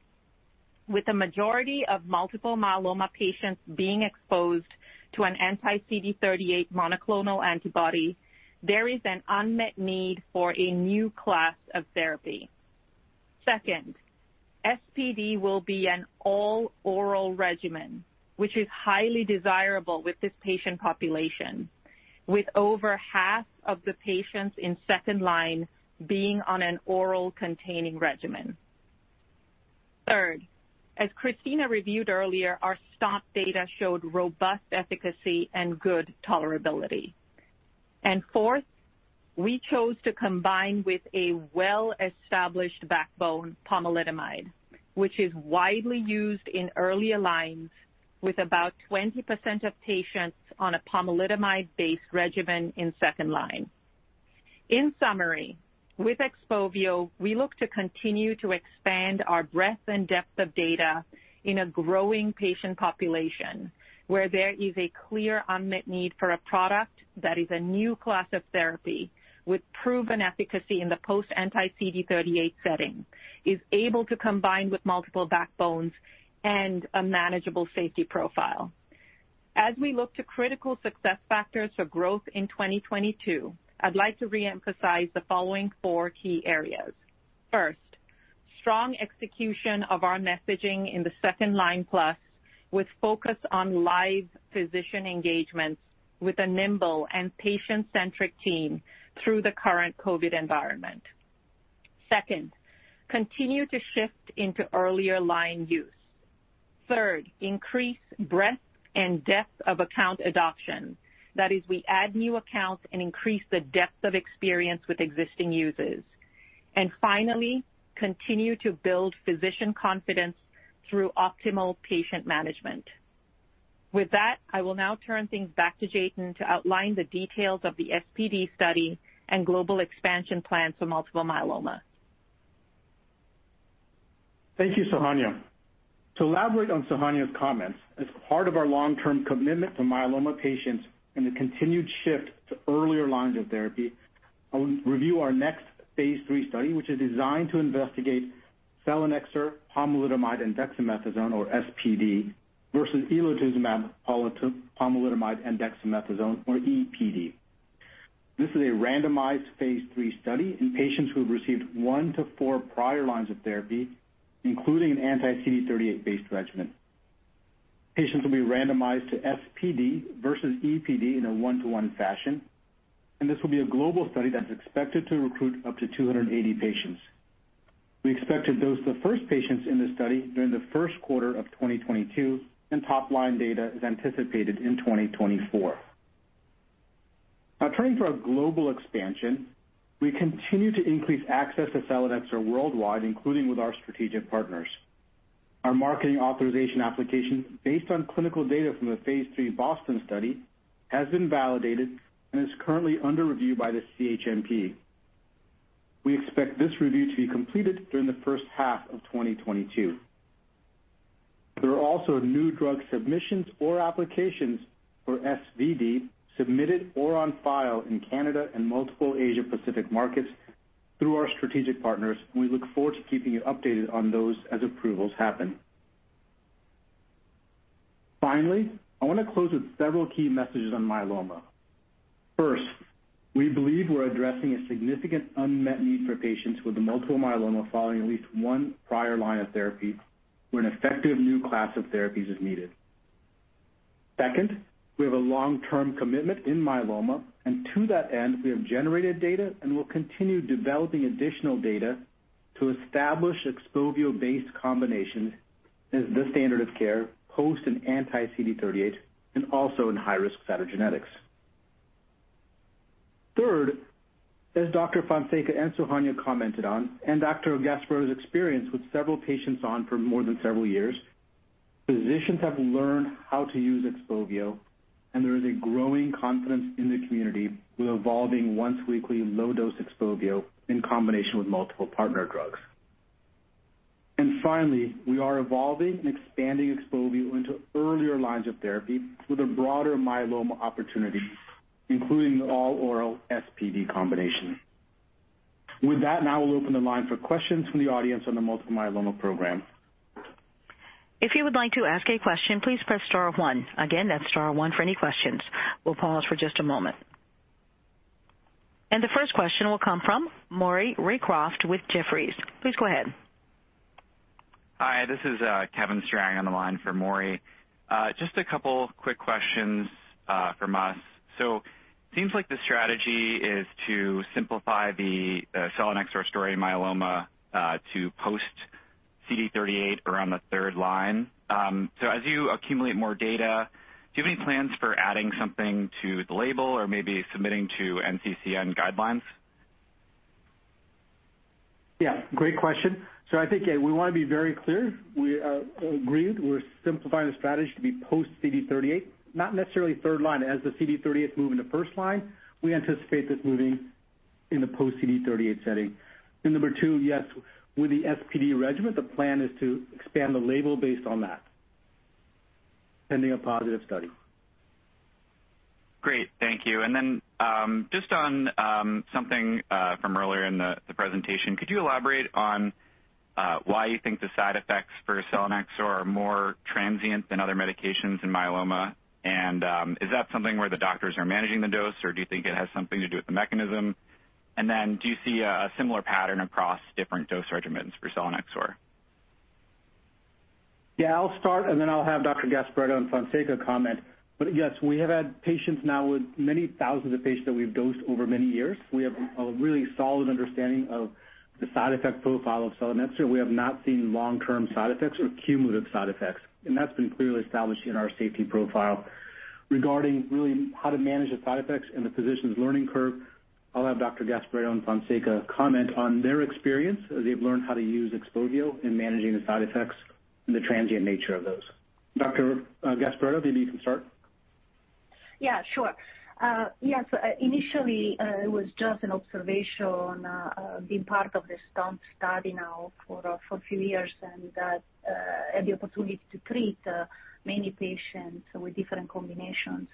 with the majority of multiple myeloma patients being exposed to an anti-CD38 monoclonal antibody, there is an unmet need for a new class of therapy. Second, SPd will be an all-oral regimen, which is highly desirable with this patient population, with over half of the patients in second line being on an oral-containing regimen. Third, as Cristina reviewed earlier, our STOMP data showed robust efficacy and good tolerability. Fourth, we chose to combine with a well-established backbone pomalidomide, which is widely used in earlier lines with about 20% of patients on a pomalidomide-based regimen in second line. In summary, with XPOVIO, we look to continue to expand our breadth and depth of data in a growing patient population, where there is a clear unmet need for a product that is a new class of therapy with proven efficacy in the post-anti-CD38 setting, is able to combine with multiple backbones and a manageable safety profile. As we look to critical success factors for growth in 2022, I'd like to reemphasize the following four key areas. First, strong execution of our messaging in the second line plus with focus on live physician engagements with a nimble and patient-centric team through the current COVID environment. Second, continue to shift into earlier line use. Third, increase breadth and depth of account adoption. That is, we add new accounts and increase the depth of experience with existing users. Finally, continue to build physician confidence through optimal patient management. With that, I will now turn things back to Jatin to outline the details of the SPd study and global expansion plans for multiple myeloma. Thank you, Sohanya. To elaborate on Sohanya's comments, as part of our long-term commitment to myeloma patients and the continued shift to earlier lines of therapy, I will review our next phase III study, which is designed to investigate selinexor, pomalidomide, and dexamethasone, or SPD, versus elotuzumab, pomalidomide, and dexamethasone, or EPD. This is a randomized phase III study in patients who have received one to four prior lines of therapy, including an anti-CD38-based regimen. Patients will be randomized to SPD versus EPD in a one-to-one fashion, and this will be a global study that is expected to recruit up to 280 patients. We expect to dose the first patients in this study during the first quarter of 2022, and top-line data is anticipated in 2024. Now turning to our global expansion. We continue to increase access to selinexor worldwide, including with our strategic partners. Our marketing authorization application based on clinical data from the phase III BOSTON study has been validated and is currently under review by the CHMP. We expect this review to be completed during the first half of 2022. There are also new drug submissions or applications for SPd submitted or on file in Canada and multiple Asia Pacific markets through our strategic partners, and we look forward to keeping you updated on those as approvals happen. Finally, I wanna close with several key messages on myeloma. First, we believe we're addressing a significant unmet need for patients with multiple myeloma following at least one prior line of therapy where an effective new class of therapies is needed. Second, we have a long-term commitment in myeloma, and to that end, we have generated data and will continue developing additional data to establish XPOVIO-based combinations as the standard of care post an anti-CD38 and also in high-risk cytogenetics. Third, as Dr. Fonseca and Sohanya commented on, and Dr. Gasparetto's experience with several patients on for more than several years, physicians have learned how to use XPOVIO, and there is a growing confidence in the community with evolving once-weekly low-dose XPOVIO in combination with multiple partner drugs. Finally, we are evolving and expanding XPOVIO into earlier lines of therapy with a broader myeloma opportunity, including the all-oral SPd combination. With that, now we'll open the line for questions from the audience on the multiple myeloma program. If you would like to ask a question, please press star one. Again, that's star one for any questions. We'll pause for just a moment. The first question will come from Maury Raycroft with Jefferies. Please go ahead. Hi, this is Kevin Strang on the line for Maury. Just a couple quick questions from us. Seems like the strategy is to simplify the selinexor story myeloma to post- CD38 around the third line. As you accumulate more data, do you have any plans for adding something to the label or maybe submitting to NCCN guidelines? Yeah, great question. I think, yeah, we wanna be very clear. We are agreed we're simplifying the strategy to be post-CD38, not necessarily third line. As the CD38s move in the first line, we anticipate this moving in the post-CD38 setting. Number two, yes, with the SPd regimen, the plan is to expand the label based on that pending a positive study. Great. Thank you. Just on something from earlier in the presentation, could you elaborate on why you think the side effects for selinexor are more transient than other medications in myeloma? Is that something where the doctors are managing the dose, or do you think it has something to do with the mechanism? Do you see a similar pattern across different dose regimens for selinexor? Yeah, I'll start, and then I'll have Dr. Gasparetto and Dr. Fonseca comment. Yes, we have had patients now with many thousands of patients that we've dosed over many years. We have a really solid understanding of the side effect profile of selinexor. We have not seen long-term side effects or cumulative side effects, and that's been clearly established in our safety profile. Regarding really how to manage the side effects and the physician's learning curve, I'll have Dr. Gasparetto and Dr. Fonseca comment on their experience as they've learned how to use XPOVIO in managing the side effects and the transient nature of those. Dr. Gasparetto, maybe you can start. Yeah, sure. Yes, initially, it was just an observation, being part of the STORM study now for a few years and had the opportunity to treat many patients with different combinations.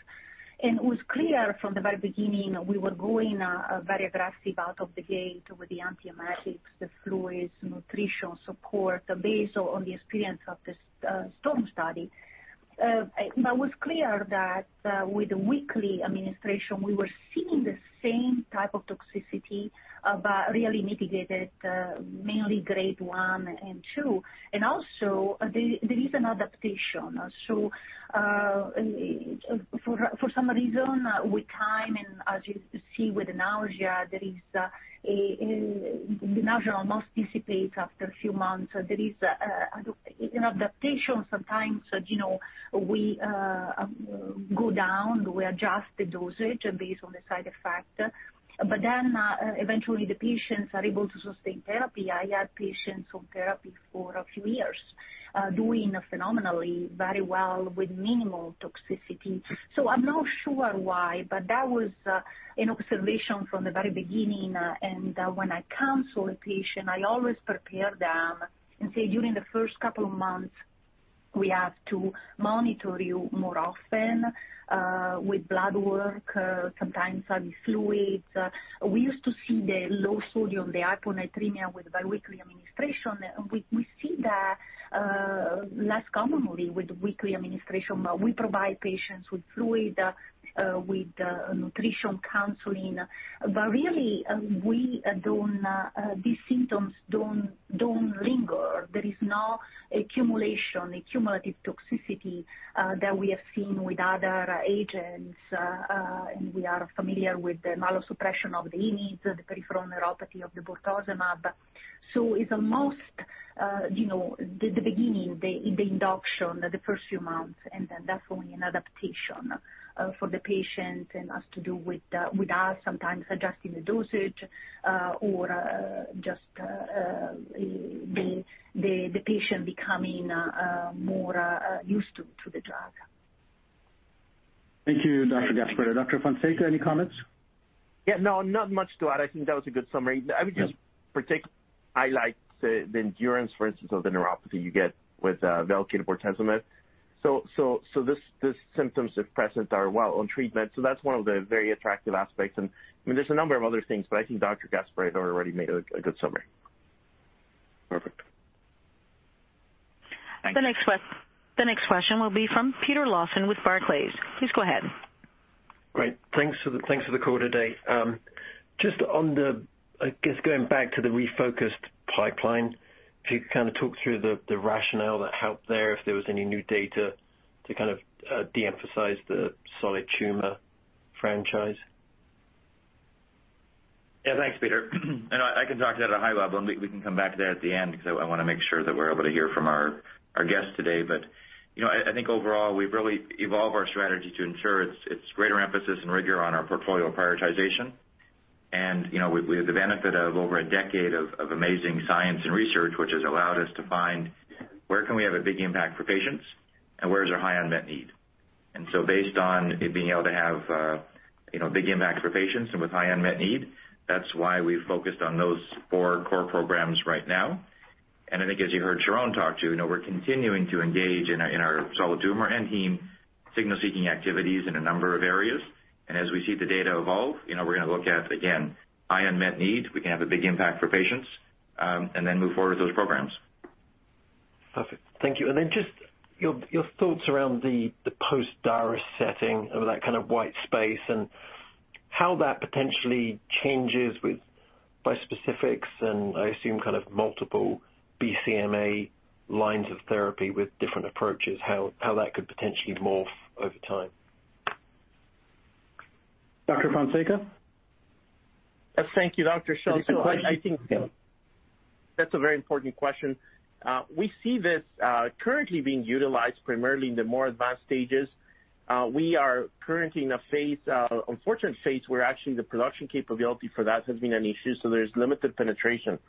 It was clear from the very beginning we were going very aggressive out of the gate with the antiemetics, the fluids, nutritional support based on the experience of the STORM study. But it was clear that with weekly administration, we were seeing the same type of toxicity, but really mitigated, mainly grade one and two. Also there is an adaptation. For some reason, with time and as you see with nausea, the nausea almost dissipates after a few months. There is an adaptation sometimes, so you know, we go down, we adjust the dosage based on the side effect. Eventually the patients are able to sustain therapy. I have patients on therapy for a few years, doing phenomenally very well with minimal toxicity. I'm not sure why, but that was an observation from the very beginning. When I counsel a patient, I always prepare them and say, "During the first couple of months, we have to monitor you more often, with blood work, sometimes some fluids." We used to see the low sodium, the hyponatremia with biweekly administration. We see that less commonly with weekly administration, but we provide patients with fluid with nutrition counseling. Really, we don't, these symptoms don't linger. There is no accumulation or cumulative toxicity that we have seen with other agents. We are familiar with the myelosuppression of the IMiDs, the peripheral neuropathy of the bortezomib. It's almost, you know, the beginning, the induction, the first few months, and then that's only an adaptation for the patient and has to do with us sometimes adjusting the dosage, or just the patient becoming more used to the drug. Thank you, Dr. Gasparetto. Dr. Fonseca, any comments? Yeah. No, not much to add. I think that was a good summary. I would just particularly highlight the endurance, for instance, of the neuropathy you get with Velcade bortezomib. So this symptom suppressant is well on treatment, so that's one of the very attractive aspects. I mean, there's a number of other things, but I think Dr. Gasparetto had already made a good summary. Perfect. Thank you. The next question will be from Peter Lawson with Barclays. Please go ahead. Great. Thanks for the call today. Just on the, I guess going back to the refocused pipeline, if you could kinda talk through the rationale that helped there, if there was any new data to kind of de-emphasize the solid tumor franchise. Yeah. Thanks, Peter. You know, I can talk to that at a high level, and we can come back to that at the end because I wanna make sure that we're able to hear from our guests today. You know, I think overall, we've really evolved our strategy to ensure its greater emphasis and rigor on our portfolio prioritization. You know, we have the benefit of over a decade of amazing science and research, which has allowed us to find where can we have a big impact for patients and where is our high unmet need. Based on it being able to have, you know, a big impact for patients and with high unmet need, that's why we focused on those four core programs right now. I think as you heard Sharon talk to, you know, we're continuing to engage in our solid tumor and heme signal-seeking activities in a number of areas. As we see the data evolve, you know, we're gonna look at, again, high unmet need. We can have a big impact for patients, and then move forward with those programs. Perfect. Thank you. Just your thoughts around the post-Darzalex setting of that kind of white space and how that potentially changes with bispecifics and I assume kind of multiple BCMA lines of therapy with different approaches, how that could potentially morph over time. Dr. Fonseca? Thank you, Dr. Shah. I think. Yeah. That's a very important question. We see this currently being utilized primarily in the more advanced stages. We are currently in a phase, unfortunate phase, where actually the production capability for that has been an issue, so there's limited penetration.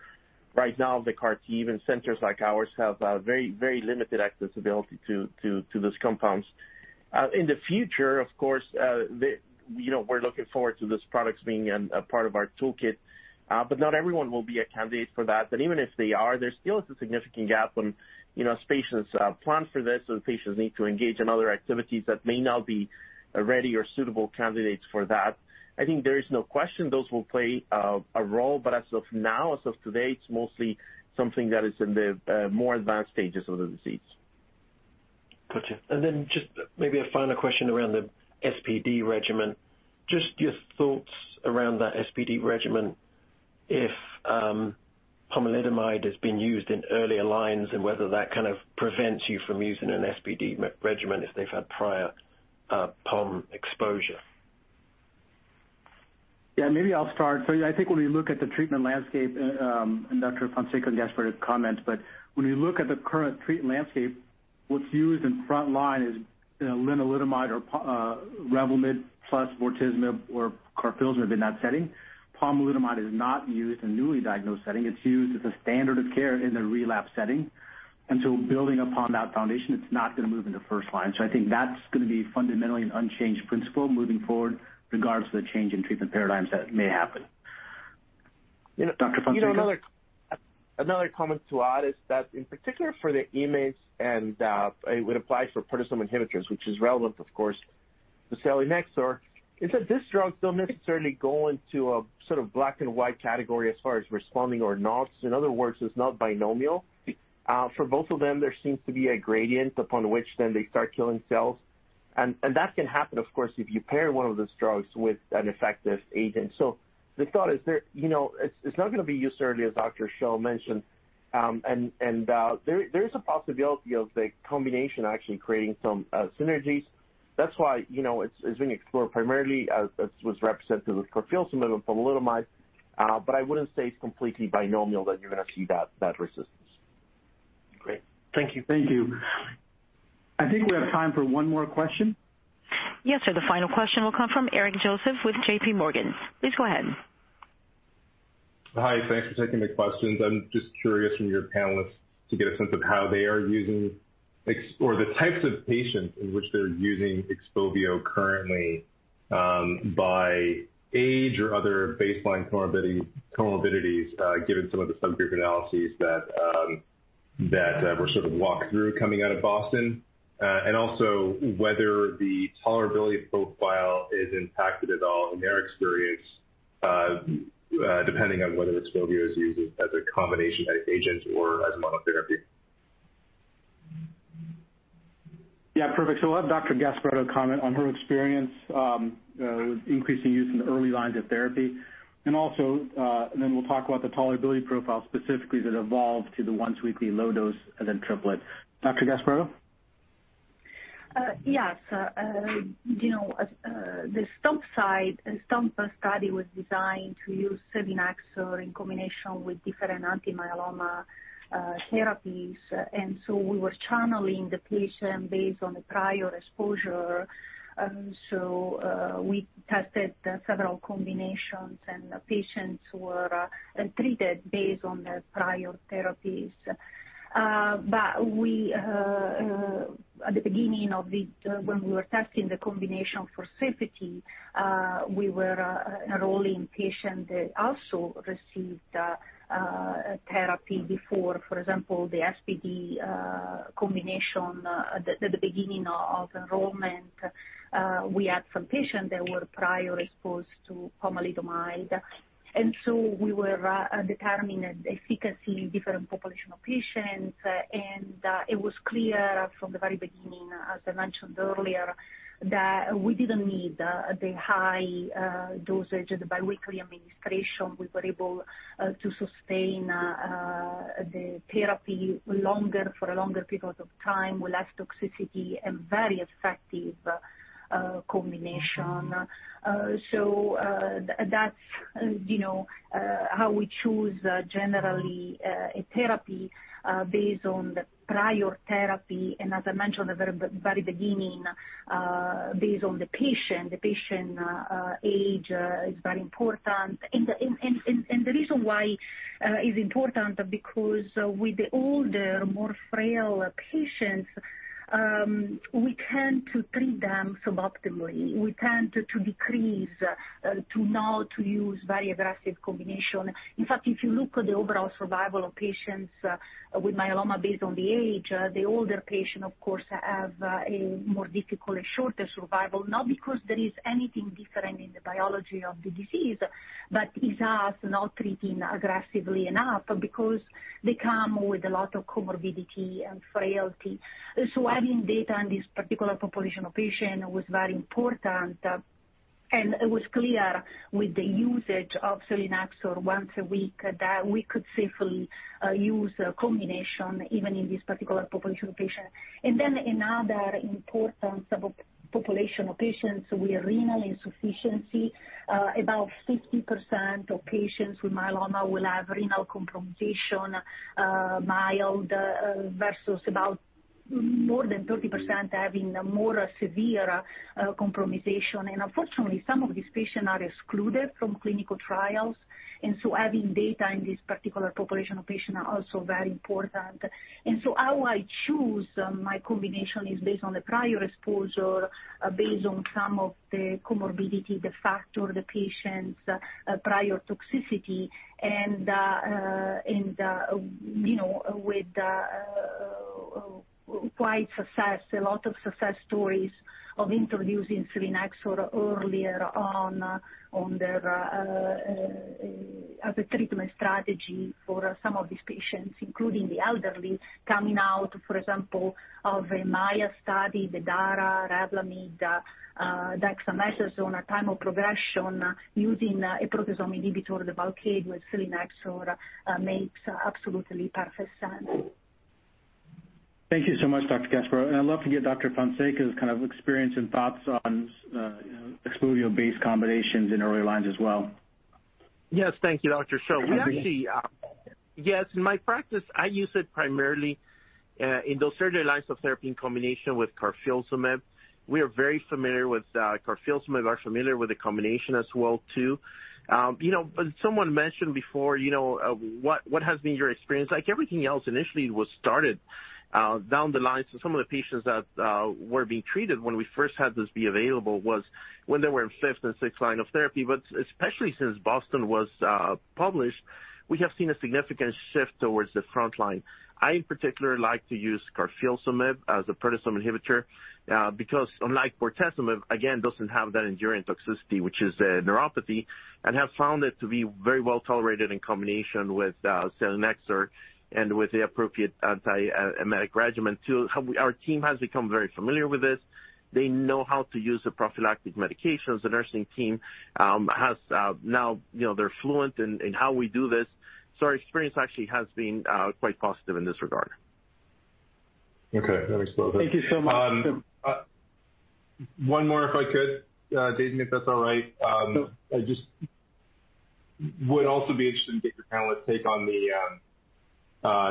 Right now, the CAR T, even centers like ours, have a very, very limited accessibility to those compounds. In the future, of course, you know, we're looking forward to these products being a part of our toolkit, but not everyone will be a candidate for that. But even if they are, there still is a significant gap when, you know, as patients plan for this or the patients need to engage in other activities that may not be ready or suitable candidates for that. I think there is no question those will play a role, but as of now, as of today, it's mostly something that is in the more advanced stages of the disease. Gotcha. Just maybe a final question around the SPD regimen. Just your thoughts around that SPD regimen if pomalidomide is being used in earlier lines, and whether that kind of prevents you from using an SPD regimen if they've had prior POM exposure. Yeah, maybe I'll start. Yeah, I think when you look at the treatment landscape, and Dr. Fonseca and Dr. Gasparetto to comment, but when you look at the current treatment landscape, what's used in front line is, you know, lenalidomide or Revlimid plus bortezomib or carfilzomib in that setting. Pomalidomide is not used in newly diagnosed setting. It's used as a standard of care in the relapse setting. Building upon that foundation, it's not gonna move in the first line. I think that's gonna be fundamentally an unchanged principle moving forward, regardless of the change in treatment paradigms that may happen. Dr. Fonseca? You know, another comment to add is that in particular for the IMiDs and it would apply for proteasome inhibitors, which is relevant, of course, to selinexor, is that this drug don't necessarily go into a sort of black and white category as far as responding or not. In other words, it's not binary. For both of them, there seems to be a gradient upon which then they start killing cells. And that can happen, of course, if you pair one of those drugs with an effective agent. So the thought is there, you know, it's not gonna be used early, as Dr. Shah mentioned. And there is a possibility of the combination actually creating some synergies. That's why, you know, it's being explored primarily as was represented with carfilzomib and pomalidomide, but I wouldn't say it's completely inevitable that you're gonna see that resistance. Great. Thank you. Thank you. I think we have time for one more question. Yes, sir. The final question will come from Eric Joseph with JPMorgan. Please go ahead. Hi. Thanks for taking the questions. I'm just curious from your panelists to get a sense of how they are using XPOVIO or the types of patients in which they're using XPOVIO currently, by age or other baseline comorbidities, given some of the subgroup analyses that were sort of walked through coming out of BOSTON. Also whether the tolerability profile is impacted at all in their experience, depending on whether XPOVIO is used as a combination agent or as monotherapy. Yeah, perfect. I'll have Dr. Gasparetto comment on her experience with increasing use in the early lines of therapy. We'll talk about the tolerability profile specifically that evolved to the once-weekly low dose, and then triplet. Dr. Gasparetto? Yes. You know, the STOMP study was designed to use selinexor in combination with different anti-myeloma therapies. We were stratifying the patients based on the prior exposure. We tested several combinations, and the patients were treated based on their prior therapies. When we were testing the combination for safety, we were enrolling patients that also received therapy before. For example, the SPd combination, at the beginning of enrollment, we had some patients that were previously exposed to pomalidomide. We were determining efficacy in different populations of patients. It was clear from the very beginning, as I mentioned earlier, that we didn't need the high dosage of the bi-weekly administration. We were able to sustain the therapy longer, for a longer period of time with less toxicity and very effective combination. That's, you know, how we choose generally a therapy based on the prior therapy, and as I mentioned at the very beginning, based on the patient. The patient age is very important because with the older, more frail patients, we tend to treat them suboptimally. We tend to decrease to not use very aggressive combination. In fact, if you look at the overall survival of patients with myeloma based on the age, the older patient, of course, have a more difficult and shorter survival, not because there is anything different in the biology of the disease, but is us not treating aggressively enough because they come with a lot of comorbidity and frailty. Having data on this particular population of patient was very important. It was clear with the usage of selinexor once a week that we could safely use a combination even in this particular population of patients. Then another important subpopulation of patients with renal insufficiency, about 50% of patients with myeloma will have renal compromise, mild, versus about more than 30% having a more severe compromise. Unfortunately, some of these patients are excluded from clinical trials, and so having data in this particular population of patients are also very important. How I choose my combination is based on the prior exposure, based on some of the comorbidity, the factor, the patient's prior toxicity and you know, with great success, a lot of success stories of introducing selinexor earlier on in their as a treatment strategy for some of these patients, including the elderly coming out, for example, of the MAIA study, the dara, Revlimid, dexamethasone at the time of progression using a proteasome inhibitor, the Velcade with selinexor makes absolutely perfect sense. Thank you so much, Dr. Gasparetto. I'd love to get Dr. Fonseca's kind of experience and thoughts on XPOVIO-based combinations in early lines as well. Yes. Thank you, Dr. Shah. Actually, in my practice, I use it primarily in those earlier lines of therapy in combination with carfilzomib. We are very familiar with carfilzomib. We are familiar with the combination as well too. You know, but someone mentioned before, you know, what has been your experience? Like everything else, initially it was started down the line. Some of the patients that were being treated when we first had this become available were in fifth and sixth line of therapy. Especially since BOSTON was published, we have seen a significant shift towards the front line. I in particular like to use carfilzomib as a proteasome inhibitor, because unlike bortezomib, again, doesn't have that enduring toxicity, which is a neuropathy, and have found it to be very well-tolerated in combination with selinexor and with the appropriate antiemetic regimen too. Our team has become very familiar with this. They know how to use the prophylactic medications. The nursing team has now, you know, they're fluent in how we do this. So our experience actually has been quite positive in this regard. Okay. That makes both. Thank you so much. One more if I could, Jason, if that's all right. Sure. I just would also be interested in getting your panel's take on the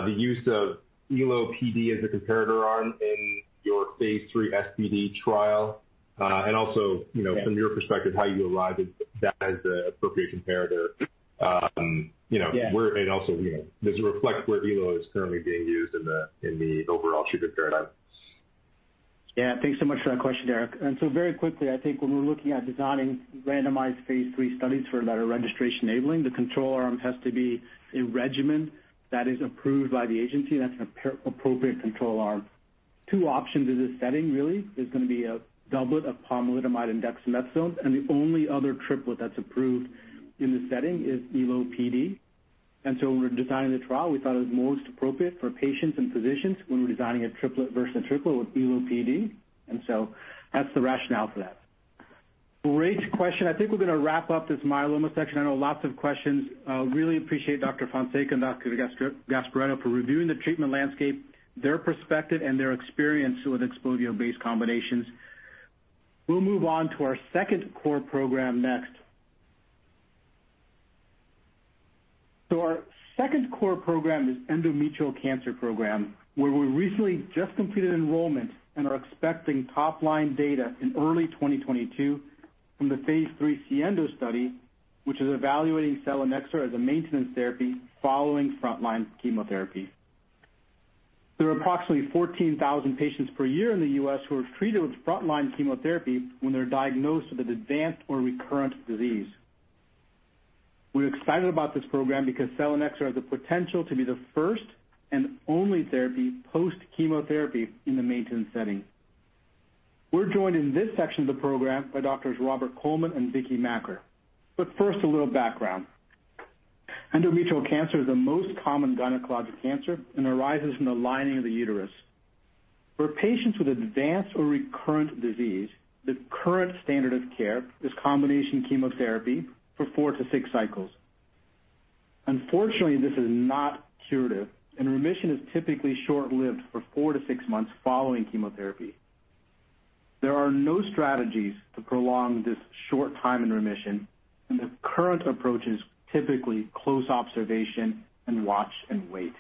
use of EPd as a comparator arm in your phase III SPd trial. Also, you know- Yeah. from your perspective, how you arrived at that as the appropriate comparator? You know. Yeah. also, you know, does it reflect where Elo is currently being used in the overall treatment paradigm? Yeah. Thanks so much for that question, Eric. Very quickly, I think when we're looking at designing randomized phase III studies for better registration enabling, the control arm has to be a regimen that is approved by the agency. That's an appropriate control arm. Two options in this setting really is gonna be a doublet of pomalidomide and dexamethasone, and the only other triplet that's approved in this setting is EPd. When we're designing the trial, we thought it was most appropriate for patients and physicians when we're designing a triplet versus a triplet with EPd. That's the rationale for that. Great question. I think we're gonna wrap up this myeloma section. I know lots of questions. Really appreciate Dr. Fonseca and Dr. Gasparetto for reviewing the treatment landscape, their perspective, and their experience with XPOVIO-based combinations. We'll move on to our second core program next. Our second core program is endometrial cancer program, where we recently just completed enrollment and are expecting top-line data in early 2022 from the phase III SIENDO study, which is evaluating selinexor as a maintenance therapy following frontline chemotherapy. There are approximately 14,000 patients per year in the U.S. who are treated with frontline chemotherapy when they're diagnosed with an advanced or recurrent disease. We're excited about this program because selinexor has the potential to be the first and only therapy post-chemotherapy in the maintenance setting. We're joined in this section of the program by Doctors Robert Coleman and Vicky Makker. First, a little background. Endometrial cancer is the most common gynecologic cancer and arises in the lining of the uterus. For patients with advanced or recurrent disease, the current standard of care is combination chemotherapy for four to six cycles. Unfortunately, this is not curative, and remission is typically short-lived for 4-6 months following chemotherapy. There are no strategies to prolong this short time in remission, and the current approach is typically close observation and watch and wait.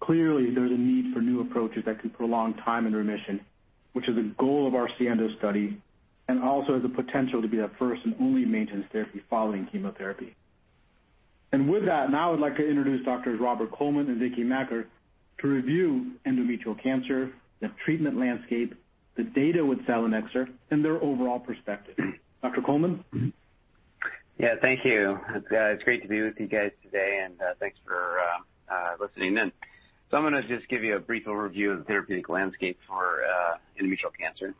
Clearly, there's a need for new approaches that can prolong time in remission, which is a goal of our SIENDO study and also has the potential to be the first and only maintenance therapy following chemotherapy. With that, now I'd like to introduce Doctors Robert Coleman and Vicky Makker to review endometrial cancer, the treatment landscape, the data with selinexor, and their overall perspective. Dr. Coleman? Yeah. Thank you. It's great to be with you guys today, and thanks for listening in. So I'm gonna just give you a brief overview of the therapeutic landscape for endometrial cancer.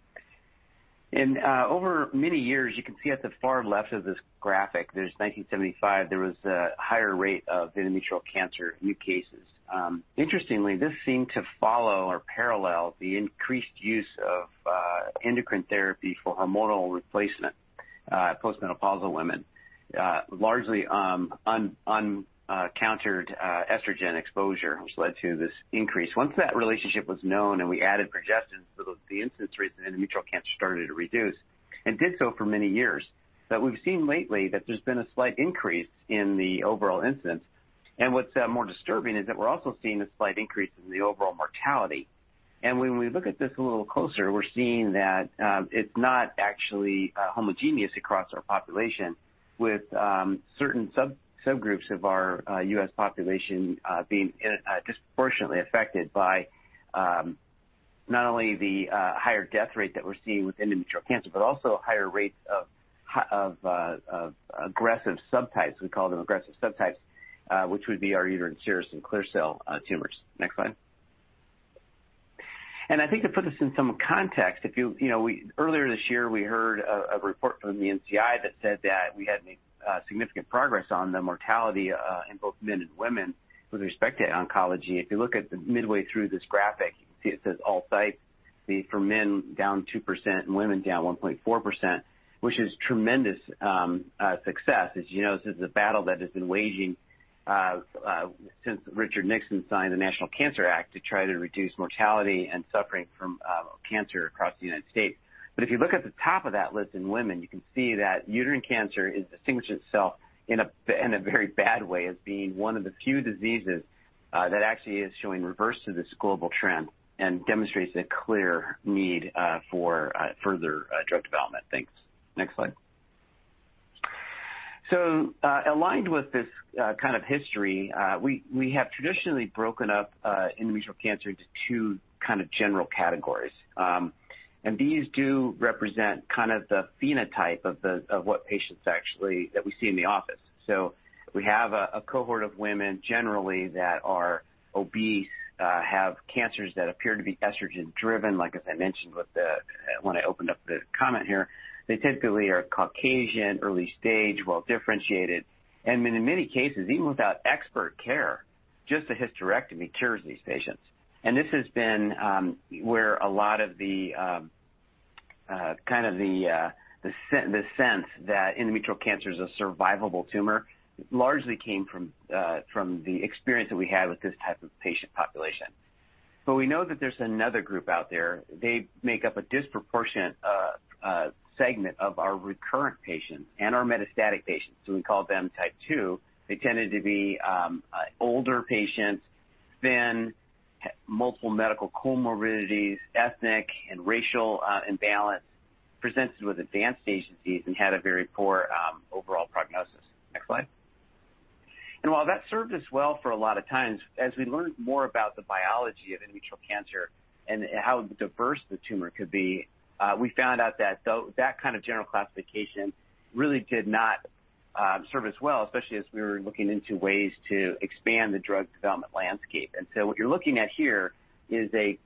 Over many years, you can see at the far left of this graphic, there's 1975, there was a higher rate of endometrial cancer new cases. Interestingly, this seemed to follow or parallel the increased use of endocrine therapy for hormonal replacement. Postmenopausal women largely unopposed estrogen exposure, which led to this increase. Once that relationship was known and we added progestins to those, the incidence rates in endometrial cancer started to reduce and did so for many years. We've seen lately that there's been a slight increase in the overall incidence. What's more disturbing is that we're also seeing a slight increase in the overall mortality. When we look at this a little closer, we're seeing that it's not actually homogeneous across our population with certain subgroups of our U.S. population being disproportionately affected by not only the higher death rate that we're seeing with endometrial cancer, but also higher rates of aggressive subtypes. We call them aggressive subtypes, which would be our uterine serous and clear cell tumors. Next slide. I think to put this in some context. Earlier this year, we heard a report from the NCI that said that we had made significant progress on the mortality in both men and women with respect to oncology. If you look at the midway through this graphic, you can see it says all sites. For men down 2% and women down 1.4%, which is tremendous success. As you know, this is a battle that has been waging since Richard Nixon signed the National Cancer Act to try to reduce mortality and suffering from cancer across the United States. If you look at the top of that list in women, you can see that uterine cancer is distinguishing itself in a very bad way as being one of the few diseases that actually is showing reverse to this global trend and demonstrates a clear need for further drug development. Thanks. Next slide. Aligned with this kind of history, we have traditionally broken up endometrial cancer into two kind of general categories. These do represent kind of what patients actually that we see in the office. We have a cohort of women generally that are obese, have cancers that appear to be estrogen-driven, like as I mentioned with the when I opened up the comment here. They typically are Caucasian, early stage, well-differentiated. In many cases, even without expert care, just a hysterectomy cures these patients. This has been where a lot of the kind of sense that endometrial cancer is a survivable tumor largely came from the experience that we had with this type of patient population. We know that there's another group out there. They make up a disproportionate segment of our recurrent patients and our metastatic patients, so we call them type two. They tended to be older patients, thin, multiple medical comorbidities, ethnic and racial imbalance, presented with advanced stage disease, and had a very poor overall prognosis. Next slide. While that served us well for a lot of times, as we learned more about the biology of endometrial cancer and how diverse the tumor could be, we found out that that kind of general classification really did not serve us well, especially as we were looking into ways to expand the drug development landscape. What you're looking at here is a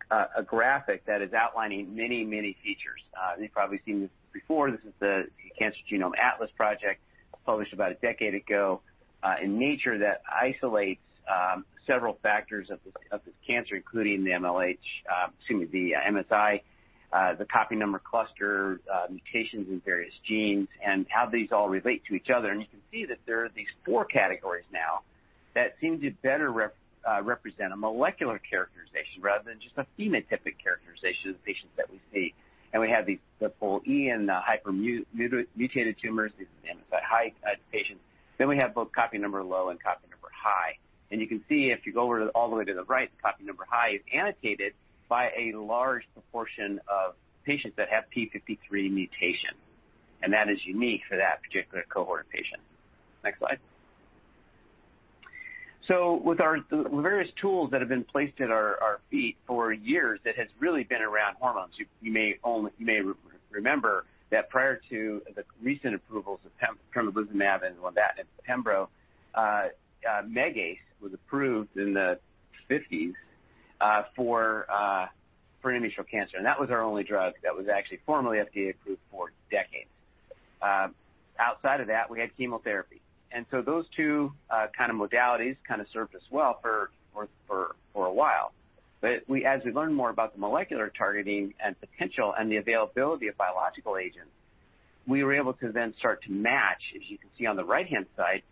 graphic that is outlining many, many features. You've probably seen this before. This is The Cancer Genome Atlas project, published about a decade ago in Nature that isolates several factors of this cancer, including the MSI, the copy number cluster, mutations in various genes, and how these all relate to each other. You can see that there are these four categories now that seem to better represent a molecular characterization rather than just a phenotypic characterization of the patients that we see. We have these, POLE and hypermutated tumors. These are MSI-H patients. Then we have both copy number low and copy number high. You can see if you go over, all the way to the right, the copy number high is annotated by a large proportion of patients that have p53 mutation, and that is unique for that particular cohort of patients. Next slide. With the various tools that have been placed at our feet for years, that has really been around hormones. You may remember that prior to the recent approvals of pembrolizumab and lenvatinib and pembro, Megace was approved in the fifties for endometrial cancer. That was our only drug that was actually formally FDA approved for decades. Outside of that, we had chemotherapy. Those two kind of modalities kind of served us well for a while. As we learn more about the molecular targeting and potential and the availability of biological agents, we were able to then start to match, as you can see on the right-hand side,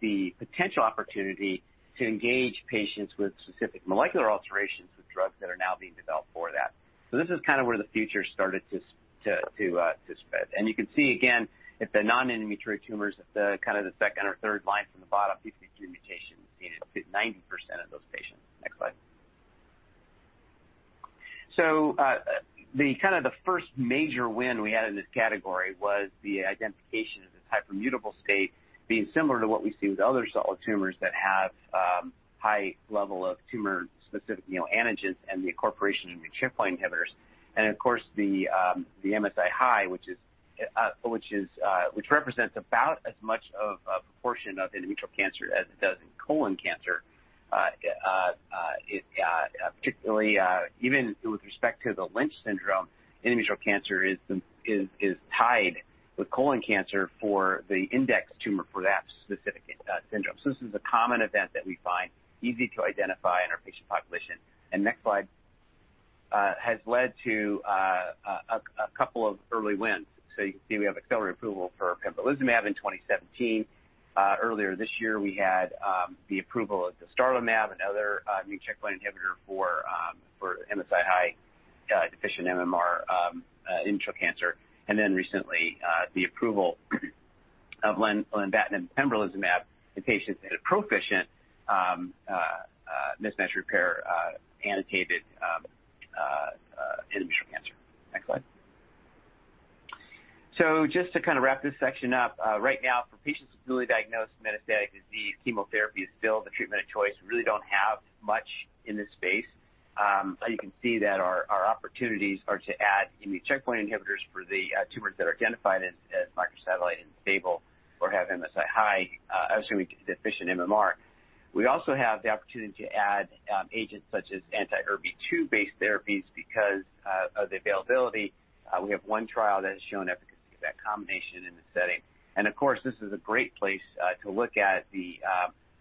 the potential opportunity to engage patients with specific molecular alterations with drugs that are now being developed for that. This is kind of where the future started to spread. You can see again, if the non-endometrial tumors, the kind of the second or third line from the bottom p53 mutation is seen in 50%-90% of those patients. Next slide. The kind of the first major win we had in this category was the identification of this hypermutable state being similar to what we see with other solid tumors that have high level of tumor-specific, you know, antigens and the incorporation of PARP inhibitors. Of course, the MSI-H, which represents about as much of a proportion of endometrial cancer as it does in colon cancer. It particularly, even with respect to the Lynch syndrome, endometrial cancer is the is tied with colon cancer for the index tumor for that specific syndrome. This is a common event that we find easy to identify in our patient population. Next slide has led to a couple of early wins. You can see we have accelerated approval for pembrolizumab in 2017. Earlier this year, we had the approval of the dostarlimab, another immune checkpoint inhibitor for MSI-H, dMMR endometrial cancer, and then recently, the approval of lenvatinib, pembrolizumab in patients that are pMMR annotated endometrial cancer. Next slide. Just to kind of wrap this section up, right now for patients who's newly diagnosed metastatic disease, chemotherapy is still the treatment of choice. We really don't have much in this space. You can see that our opportunities are to add immune checkpoint inhibitors for the tumors that are identified as microsatellite unstable or have MSI-H, assuming deficient MMR. We also have the opportunity to add agents such as anti-HER2-based therapies because of the availability. We have one trial that has shown efficacy of that combination in the setting. Of course, this is a great place to look at the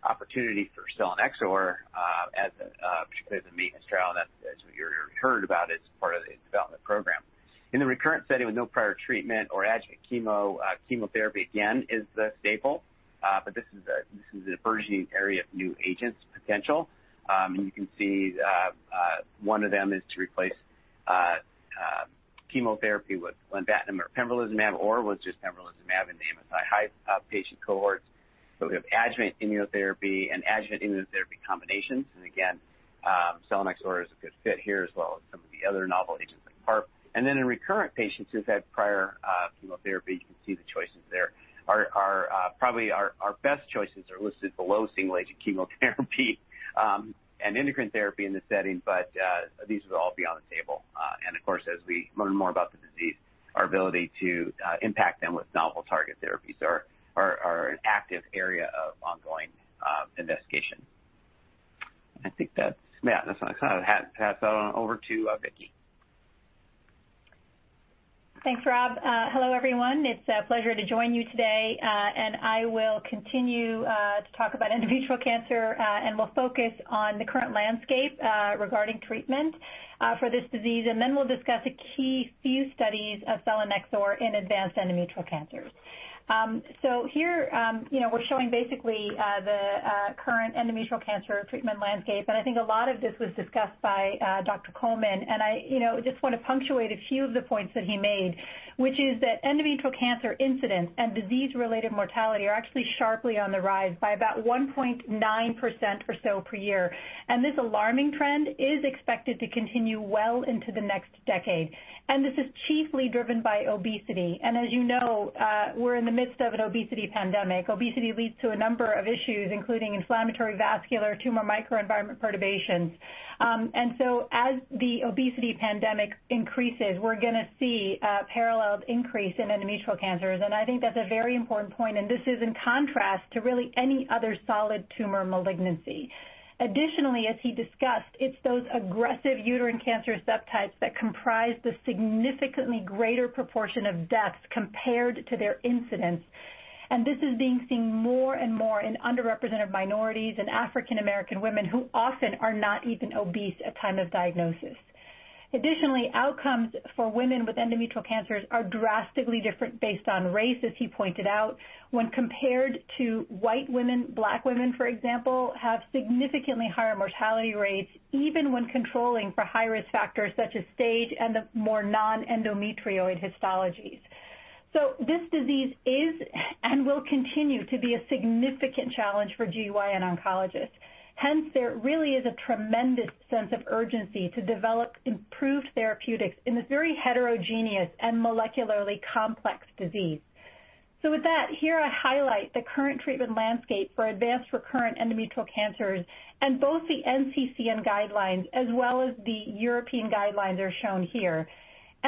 opportunity for selinexor, particularly as a maintenance trial. That's as we already heard about it as part of the development program. In the recurrent setting with no prior treatment or adjuvant chemo, chemotherapy again is the staple, but this is a burgeoning area of new agents potential. You can see one of them is to replace chemotherapy with lenvatinib or pembrolizumab or with just pembrolizumab in the MSI high patient cohorts. We have adjuvant immunotherapy and adjuvant immunotherapy combinations. Again, selinexor is a good fit here, as well as some of the other novel agents like PARP. Then in recurrent patients who've had prior chemotherapy, you can see the choices there. Our best choices are listed below single agent chemotherapy and endocrine therapy in this setting, but these will all be on the table. Of course, as we learn more about the disease, our ability to impact them with novel target therapies are an active area of ongoing investigation. I think that's. Yeah, I kind of pass that on over to Vicky. Thanks, Rob. Hello, everyone. It's a pleasure to join you today. I will continue to talk about endometrial cancer, and we'll focus on the current landscape regarding treatment for this disease. Then we'll discuss a key few studies of selinexor in advanced endometrial cancers. So here, you know, we're showing basically the current endometrial cancer treatment landscape, and I think a lot of this was discussed by Dr. Coleman. I, you know, just wanna punctuate a few of the points that he made, which is that endometrial cancer incidence and disease-related mortality are actually sharply on the rise by about 1.9% or so per year. This alarming trend is expected to continue well into the next decade. This is chiefly driven by obesity. As you know, we're in the midst of an obesity pandemic. Obesity leads to a number of issues, including inflammatory vascular tumor microenvironment perturbations. As the obesity pandemic increases, we're gonna see a parallel increase in endometrial cancers, and I think that's a very important point, and this is in contrast to really any other solid tumor malignancy. Additionally, as he discussed, it's those aggressive uterine cancer subtypes that comprise the significantly greater proportion of deaths compared to their incidence. This is being seen more and more in underrepresented minorities and African American women who often are not even obese at time of diagnosis. Additionally, outcomes for women with endometrial cancers are drastically different based on race, as he pointed out. When compared to White women, Black women, for example, have significantly higher mortality rates, even when controlling for high-risk factors such as stage and the more non-endometrioid histologies. This disease is and will continue to be a significant challenge for GYN oncologists. Hence, there really is a tremendous sense of urgency to develop improved therapeutics in this very heterogeneous and molecularly complex disease. With that, here I highlight the current treatment landscape for advanced recurrent endometrial cancers, and both the NCCN guidelines, as well as the European guidelines, are shown here.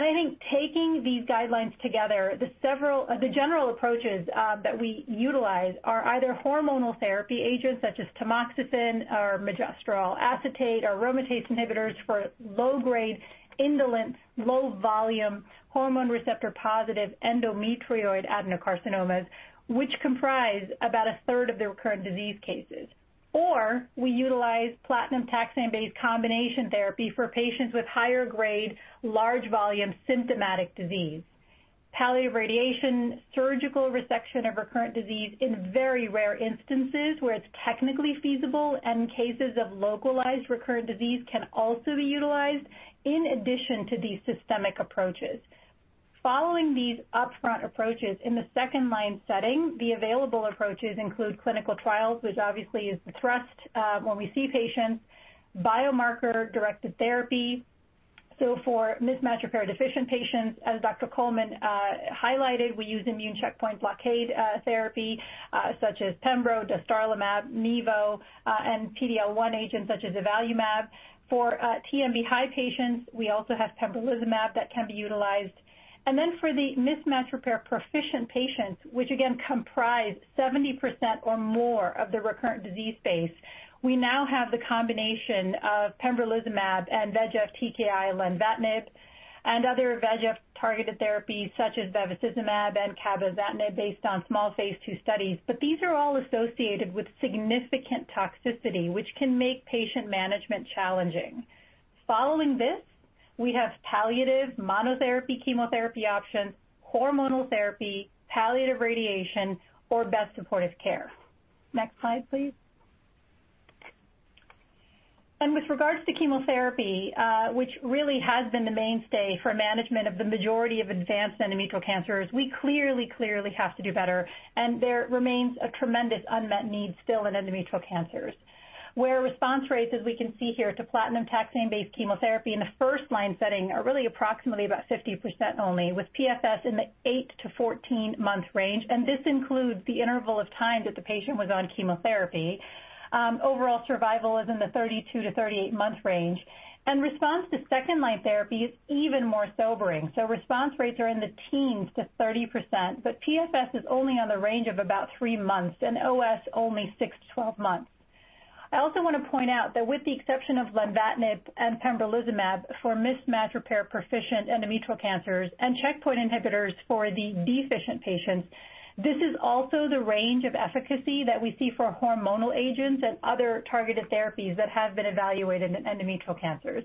I think taking these guidelines together, the general approaches that we utilize are either hormonal therapy agents such as tamoxifen or megestrol acetate or aromatase inhibitors for low-grade, indolent, low-volume, hormone receptor-positive endometrioid adenocarcinomas, which comprise about a third of the recurrent disease cases. We utilize platinum taxane-based combination therapy for patients with higher grade, large volume symptomatic disease. Palliative radiation, surgical resection of recurrent disease in very rare instances where it's technically feasible and cases of localized recurrent disease can also be utilized in addition to these systemic approaches. Following these upfront approaches in the second-line setting, the available approaches include clinical trials, which obviously is the thrust when we see patients, biomarker-directed therapy. For mismatch repair-deficient patients, as Dr. Coleman highlighted, we use immune checkpoint blockade therapy such as pembro, dostarlimab, nivo and PD-L1 agents such as avelumab. For TMB-high patients, we also have pembrolizumab that can be utilized. For the mismatch repair proficient patients, which again comprise 70% or more of the recurrent disease base, we now have the combination of pembrolizumab and VEGF-TKI lenvatinib and other VEGF-targeted therapies such as bevacizumab and cabozantinib based on small phase II studies. These are all associated with significant toxicity, which can make patient management challenging. Following this, we have palliative monotherapy chemotherapy options, hormonal therapy, palliative radiation, or best supportive care. Next slide, please. With regards to chemotherapy, which really has been the mainstay for management of the majority of advanced endometrial cancers, we clearly have to do better, and there remains a tremendous unmet need still in endometrial cancers, where response rates, as we can see here, to platinum taxane-based chemotherapy in the first line setting are really approximately about 50% only, with PFS in the 8-14-month range. This includes the interval of time that the patient was on chemotherapy. Overall survival is in the 32-38 month range, and response to second-line therapy is even more sobering. Response rates are in the teens to 30%, but PFS is only on the range of about three months, and OS only 6-12 months. I also want to point out that with the exception of lenvatinib and pembrolizumab for mismatch repair-proficient endometrial cancers and checkpoint inhibitors for the deficient patients, this is also the range of efficacy that we see for hormonal agents and other targeted therapies that have been evaluated in endometrial cancers.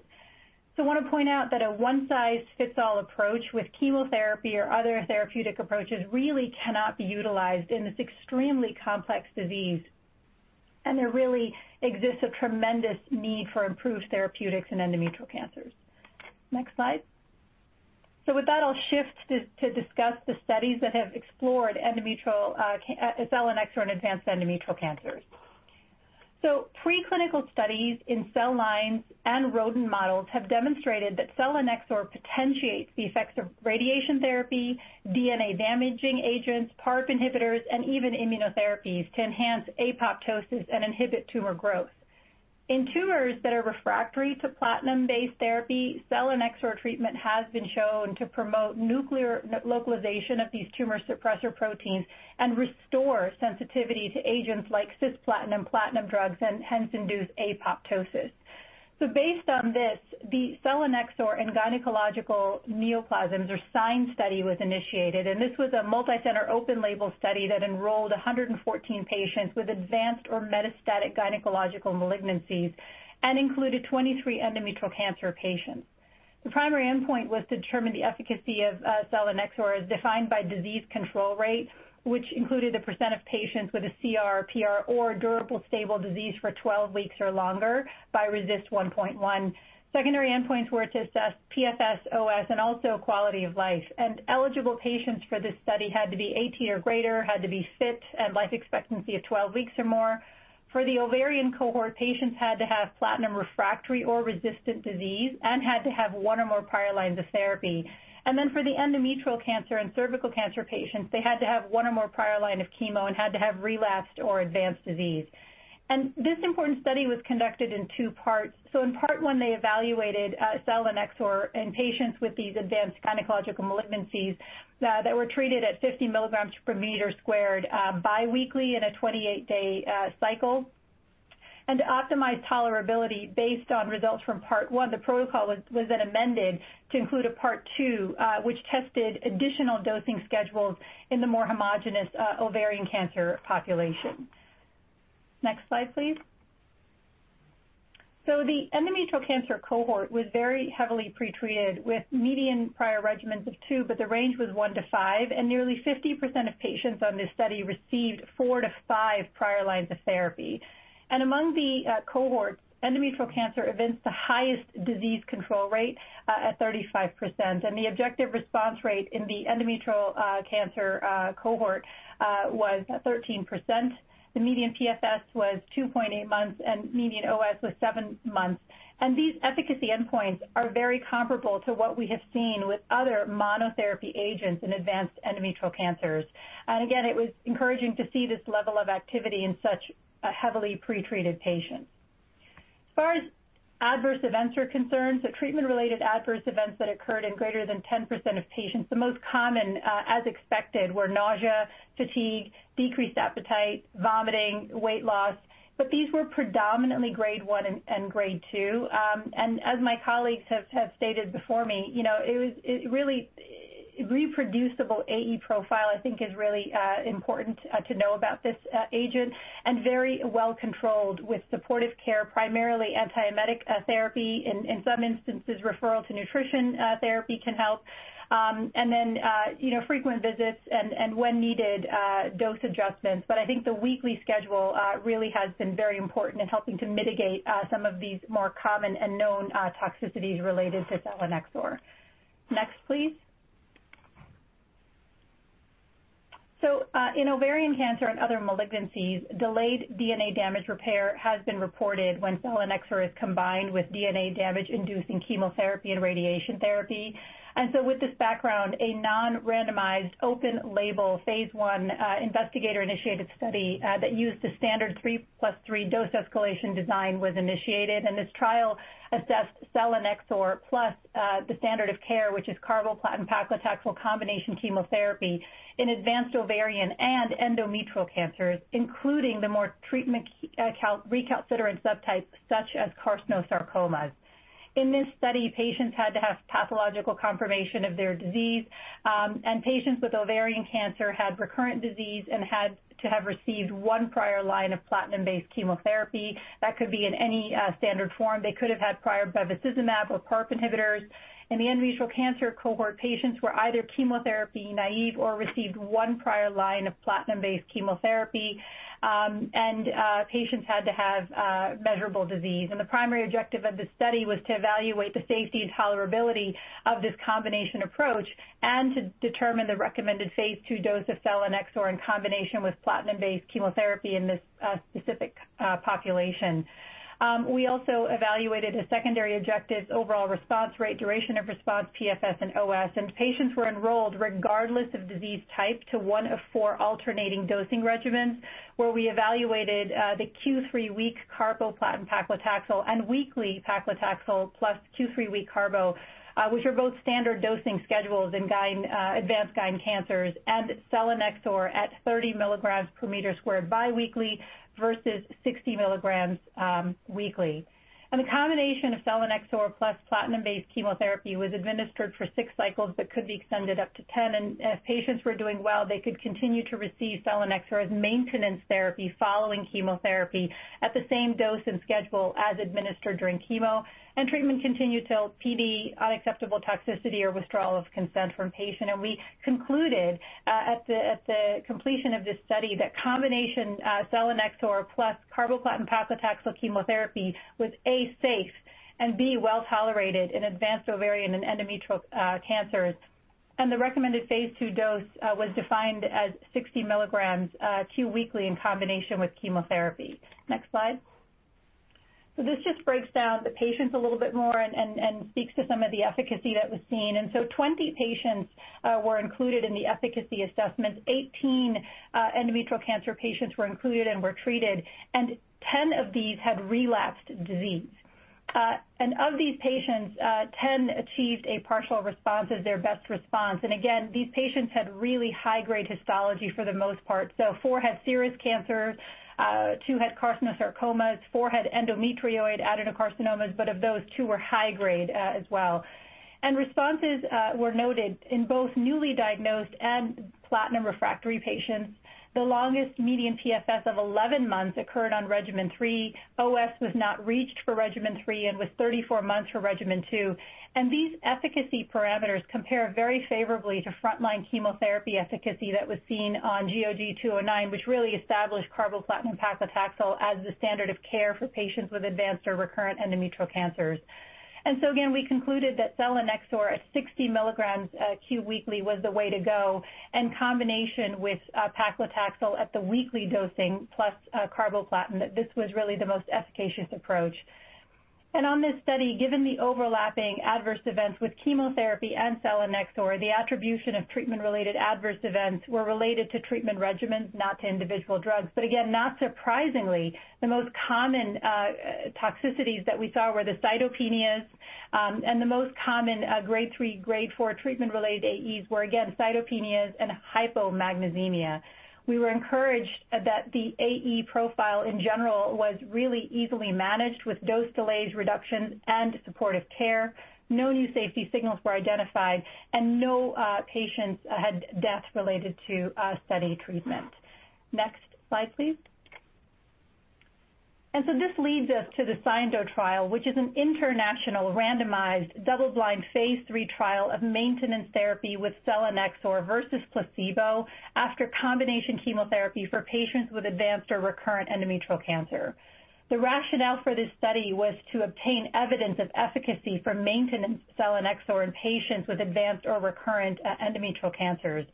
I want to point out that a one-size-fits-all approach with chemotherapy or other therapeutic approaches really cannot be utilized in this extremely complex disease, and there really exists a tremendous need for improved therapeutics in endometrial cancers. Next slide. With that, I'll shift to discuss the studies that have explored endometrial selinexor in advanced endometrial cancers. Preclinical studies in cell lines and rodent models have demonstrated that selinexor potentiates the effects of radiation therapy, DNA-damaging agents, PARP inhibitors, and even immunotherapies to enhance apoptosis and inhibit tumor growth. In tumors that are refractory to platinum-based therapy, selinexor treatment has been shown to promote nuclear localization of these tumor suppressor proteins and restore sensitivity to agents like cisplatin, platinum drugs, and hence induce apoptosis. Based on this, the Selinexor in Gynecologic Neoplasms or SIGN study was initiated, and this was a multicenter open-label study that enrolled 114 patients with advanced or metastatic gynecologic malignancies and included 23 endometrial cancer patients. The primary endpoint was to determine the efficacy of selinexor as defined by disease control rate, which included a percent of patients with a CR, PR, or durable stable disease for 12 weeks or longer by RECIST 1.1. Secondary endpoints were to assess PFS, OS, and also quality of life. Eligible patients for this study had to be 18 or greater, had to be fit, and life expectancy of 12 weeks or more. For the ovarian cohort, patients had to have platinum refractory or resistant disease and had to have one or more prior lines of therapy. For the endometrial cancer and cervical cancer patients, they had to have one or more prior line of chemo and had to have relapsed or advanced disease. This important study was conducted in two parts. In part one, they evaluated selinexor in patients with these advanced gynecologic malignancies that were treated at 50 mg per meter squared biweekly in a 28-day cycle. To optimize tolerability based on results from part one, the protocol was then amended to include a part two which tested additional dosing schedules in the more homogeneous ovarian cancer population. Next slide, please. The endometrial cancer cohort was very heavily pretreated with median prior regimens of two, but the range was 1-5, and nearly 50% of patients on this study received 4-5 prior lines of therapy. Among the cohorts, endometrial cancer had the highest disease control rate at 35%. The objective response rate in the endometrial cancer cohort was 13%. The median PFS was 2.8 months, and median OS was seven months. These efficacy endpoints are very comparable to what we have seen with other monotherapy agents in advanced endometrial cancers. Again, it was encouraging to see this level of activity in such a heavily pretreated patient. As far as adverse events are concerned, the treatment-related adverse events that occurred in greater than 10% of patients, the most common, as expected, were nausea, fatigue, decreased appetite, vomiting, weight loss, but these were predominantly grade one and grade two. As my colleagues have stated before me, reproducible AE profile I think is really important to know about this agent. Very well controlled with supportive care, primarily anti-emetic therapy. In some instances, referral to nutrition therapy can help. You know, frequent visits and when needed, dose adjustments. I think the weekly schedule really has been very important in helping to mitigate some of these more common and known toxicities related to selinexor. Next, please. In ovarian cancer and other malignancies, delayed DNA damage repair has been reported when selinexor is combined with DNA damage inducing chemotherapy and radiation therapy. With this background, a non-randomized open label phase I investigator-initiated study that used the standard three plus three dose escalation design was initiated, and this trial assessed selinexor plus the standard of care, which is carboplatin paclitaxel combination chemotherapy in advanced ovarian and endometrial cancers, including the more treatment recalcitrant subtypes such as carcinosarcomas. In this study, patients had to have pathological confirmation of their disease, and patients with ovarian cancer had recurrent disease and had to have received one prior line of platinum-based chemotherapy. That could be in any standard form. They could have had prior bevacizumab or PARP inhibitors. In the endometrial cancer cohort, patients were either chemotherapy naive or received one prior line of platinum-based chemotherapy. Patients had to have measurable disease. The primary objective of this study was to evaluate the safety and tolerability of this combination approach and to determine the recommended phase II dose of selinexor in combination with platinum-based chemotherapy in this specific population. We also evaluated a secondary objective overall response rate, duration of response, PFS and OS. Patients were enrolled regardless of disease type to one of four alternating dosing regimens, where we evaluated the Q3 week carboplatin paclitaxel and weekly paclitaxel plus Q3 week carbo, which are both standard dosing schedules in advanced gyn cancers and selinexor at 30 mg/m² bi-weekly versus 60 mg weekly. The combination of selinexor plus platinum-based chemotherapy was administered for six cycles but could be extended up to 10. If patients were doing well, they could continue to receive selinexor as maintenance therapy following chemotherapy at the same dose and schedule as administered during chemo, and treatment continued till PD, unacceptable toxicity or withdrawal of consent from patient. We concluded at the completion of this study that combination selinexor plus carboplatin paclitaxel chemotherapy was A, safe, and B, well-tolerated in advanced ovarian and endometrial cancers. The recommended phase II dose was defined as 60 mg Q weekly in combination with chemotherapy. Next slide. This just breaks down the patients a little bit more and speaks to some of the efficacy that was seen. Twenty patients were included in the efficacy assessment. Eighteen endometrial cancer patients were included and were treated, and 10 of these had relapsed disease. Of these patients, 10 achieved a partial response as their best response. Again, these patients had really high-grade histology for the most part. Four had serous cancer, two had carcinosarcomas, four had endometrioid adenocarcinomas, but of those two were high grade as well. Responses were noted in both newly diagnosed and platinum refractory patients. The longest median PFS of 11 months occurred on regimen three. OS was not reached for regimen three and was 34 months for regimen two. These efficacy parameters compare very favorably to frontline chemotherapy efficacy that was seen on GOG-0209, which really established carboplatin paclitaxel as the standard of care for patients with advanced or recurrent endometrial cancers. We concluded that selinexor at 60 mg Q weekly was the way to go, in combination with paclitaxel at the weekly dosing plus carboplatin, that this was really the most efficacious approach. On this study, given the overlapping adverse events with chemotherapy and selinexor, the attribution of treatment-related adverse events were related to treatment regimens, not to individual drugs. But again, not surprisingly, the most common toxicities that we saw were the cytopenias, and the most common grade three, grade four treatment-related AEs were again, cytopenias and hypomagnesemia. We were encouraged that the AE profile in general was really easily managed with dose delays, reductions and supportive care. No new safety signals were identified, and no patients had death related to study treatment. Next slide, please. This leads us to the SIENDO trial, which is an international randomized double-blind phase III trial of maintenance therapy with selinexor versus placebo after combination chemotherapy for patients with advanced or recurrent endometrial cancer. The rationale for this study was to obtain evidence of efficacy for maintenance selinexor in patients with advanced or recurrent endometrial cancers.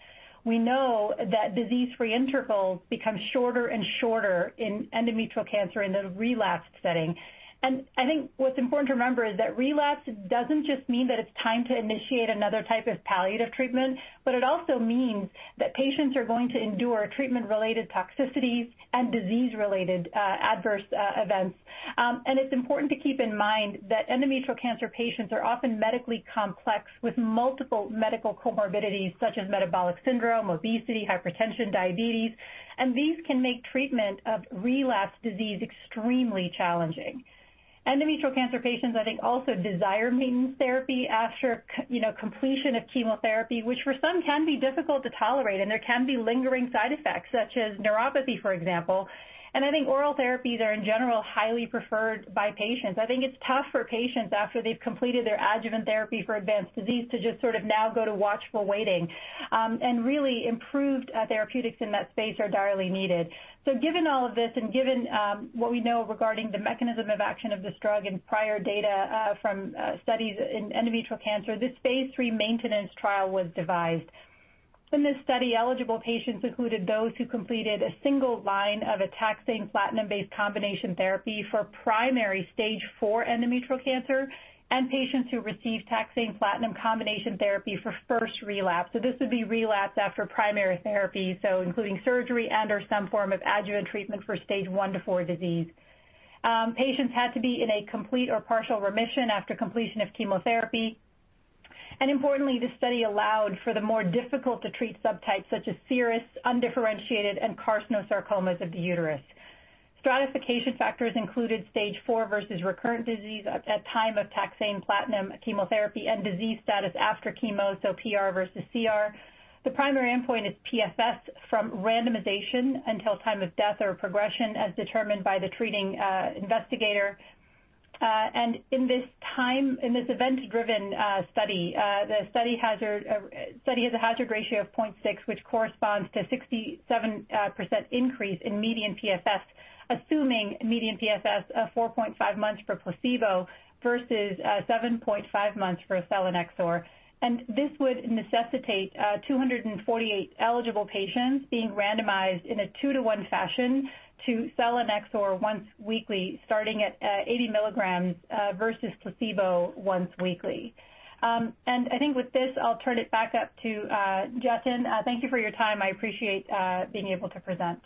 We know that disease-free intervals become shorter and shorter in endometrial cancer in the relapsed setting. I think what's important to remember is that relapse doesn't just mean that it's time to initiate another type of palliative treatment, but it also means that patients are going to endure treatment-related toxicities and disease-related adverse events. It's important to keep in mind that endometrial cancer patients are often medically complex with multiple medical comorbidities such as metabolic syndrome, obesity, hypertension, diabetes, and these can make treatment of relapsed disease extremely challenging. Endometrial cancer patients, I think, also desire maintenance therapy after you know, completion of chemotherapy, which for some can be difficult to tolerate, and there can be lingering side effects such as neuropathy, for example. I think oral therapies are in general, highly preferred by patients. I think it's tough for patients after they've completed their adjuvant therapy for advanced disease to just sort of now go to watchful waiting, and really improved therapeutics in that space are direly needed. Given all of this and given what we know regarding the mechanism of action of this drug and prior data from studies in endometrial cancer, this phase III maintenance trial was devised. In this study, eligible patients included those who completed a single line of a taxane platinum-based combination therapy for primary stage 4 endometrial cancer and patients who received taxane platinum combination therapy for first relapse. This would be relapse after primary therapy, including surgery and/or some form of adjuvant treatment for stage 1 to 4 disease. Patients had to be in a complete or partial remission after completion of chemotherapy. Importantly, this study allowed for the more difficult to treat subtypes such as serous, undifferentiated, and carcinosarcomas of the uterus. Stratification factors included stage four versus recurrent disease at time of taxane platinum chemotherapy and disease status after chemo, so PR versus CR. The primary endpoint is PFS from randomization until time of death or progression as determined by the treating investigator. In this event-driven study, the study has a hazard ratio of 0.6, which corresponds to 67% increase in median PFS, assuming median PFS of 4.5 months for placebo versus 7.5 months for selinexor. This would necessitate 248 eligible patients being randomized in a 2:1 fashion to selinexor once weekly, starting at 80 mg versus placebo once weekly. I think with this, I'll turn it back up to Jatin. Thank you for your time. I appreciate being able to present.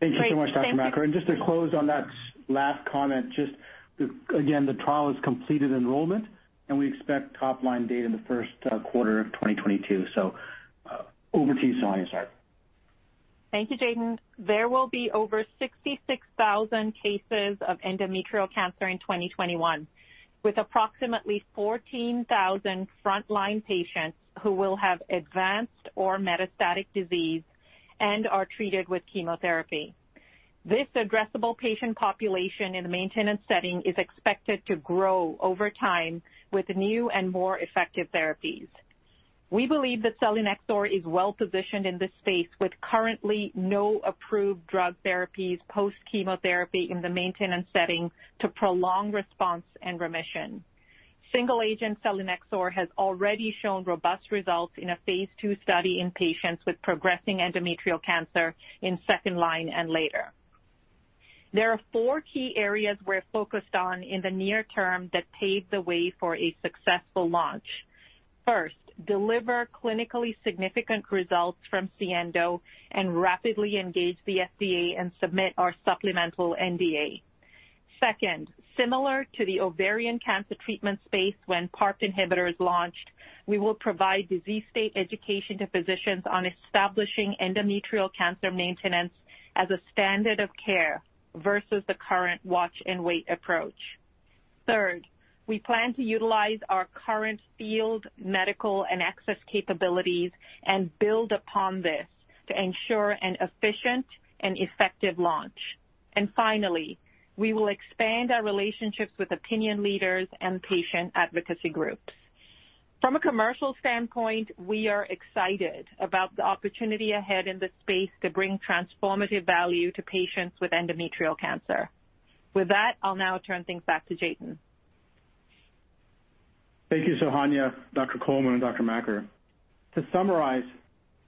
Great. Thank you. Thank you so much, Dr. Makker Just to close on that last comment, again, the trial has completed enrollment, and we expect top-line data in the first quarter of 2022. Over to you, Sohanya. Sorry. Thank you, Jatin. There will be over 66,000 cases of endometrial cancer in 2021, with approximately 14,000 frontline patients who will have advanced or metastatic disease and are treated with chemotherapy. This addressable patient population in the maintenance setting is expected to grow over time with new and more effective therapies. We believe that selinexor is well-positioned in this space with currently no approved drug therapies, post-chemotherapy in the maintenance setting to prolong response and remission. Single-agent selinexor has already shown robust results in a phase II study in patients with progressing endometrial cancer in second line and later. There are four key areas we're focused on in the near term that pave the way for a successful launch. First, deliver clinically significant results from SIENDO and rapidly engage the FDA and submit our supplemental NDA. Second, similar to the ovarian cancer treatment space when PARP inhibitor is launched, we will provide disease state education to physicians on establishing endometrial cancer maintenance as a standard of care versus the current watch-and-wait approach. Third, we plan to utilize our current field medical and access capabilities and build upon this to ensure an efficient and effective launch. Finally, we will expand our relationships with opinion leaders and patient advocacy groups. From a commercial standpoint, we are excited about the opportunity ahead in this space to bring transformative value to patients with endometrial cancer. With that, I'll now turn things back to Jatin. Thank you, Sohanya, Dr. Coleman, and Dr. Makker. To summarize,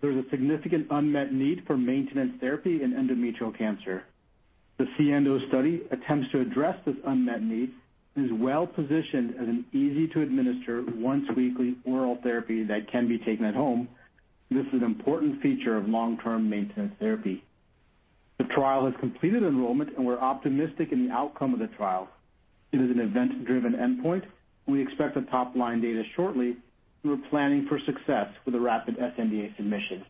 there's a significant unmet need for maintenance therapy in endometrial cancer. The SIENDO study attempts to address this unmet need and is well-positioned as an easy-to-administer once weekly oral therapy that can be taken at home. This is an important feature of long-term maintenance therapy. The trial has completed enrollment, and we're optimistic in the outcome of the trial. It is an event-driven endpoint. We expect the top-line data shortly. We're planning for success with a rapid sNDA submission.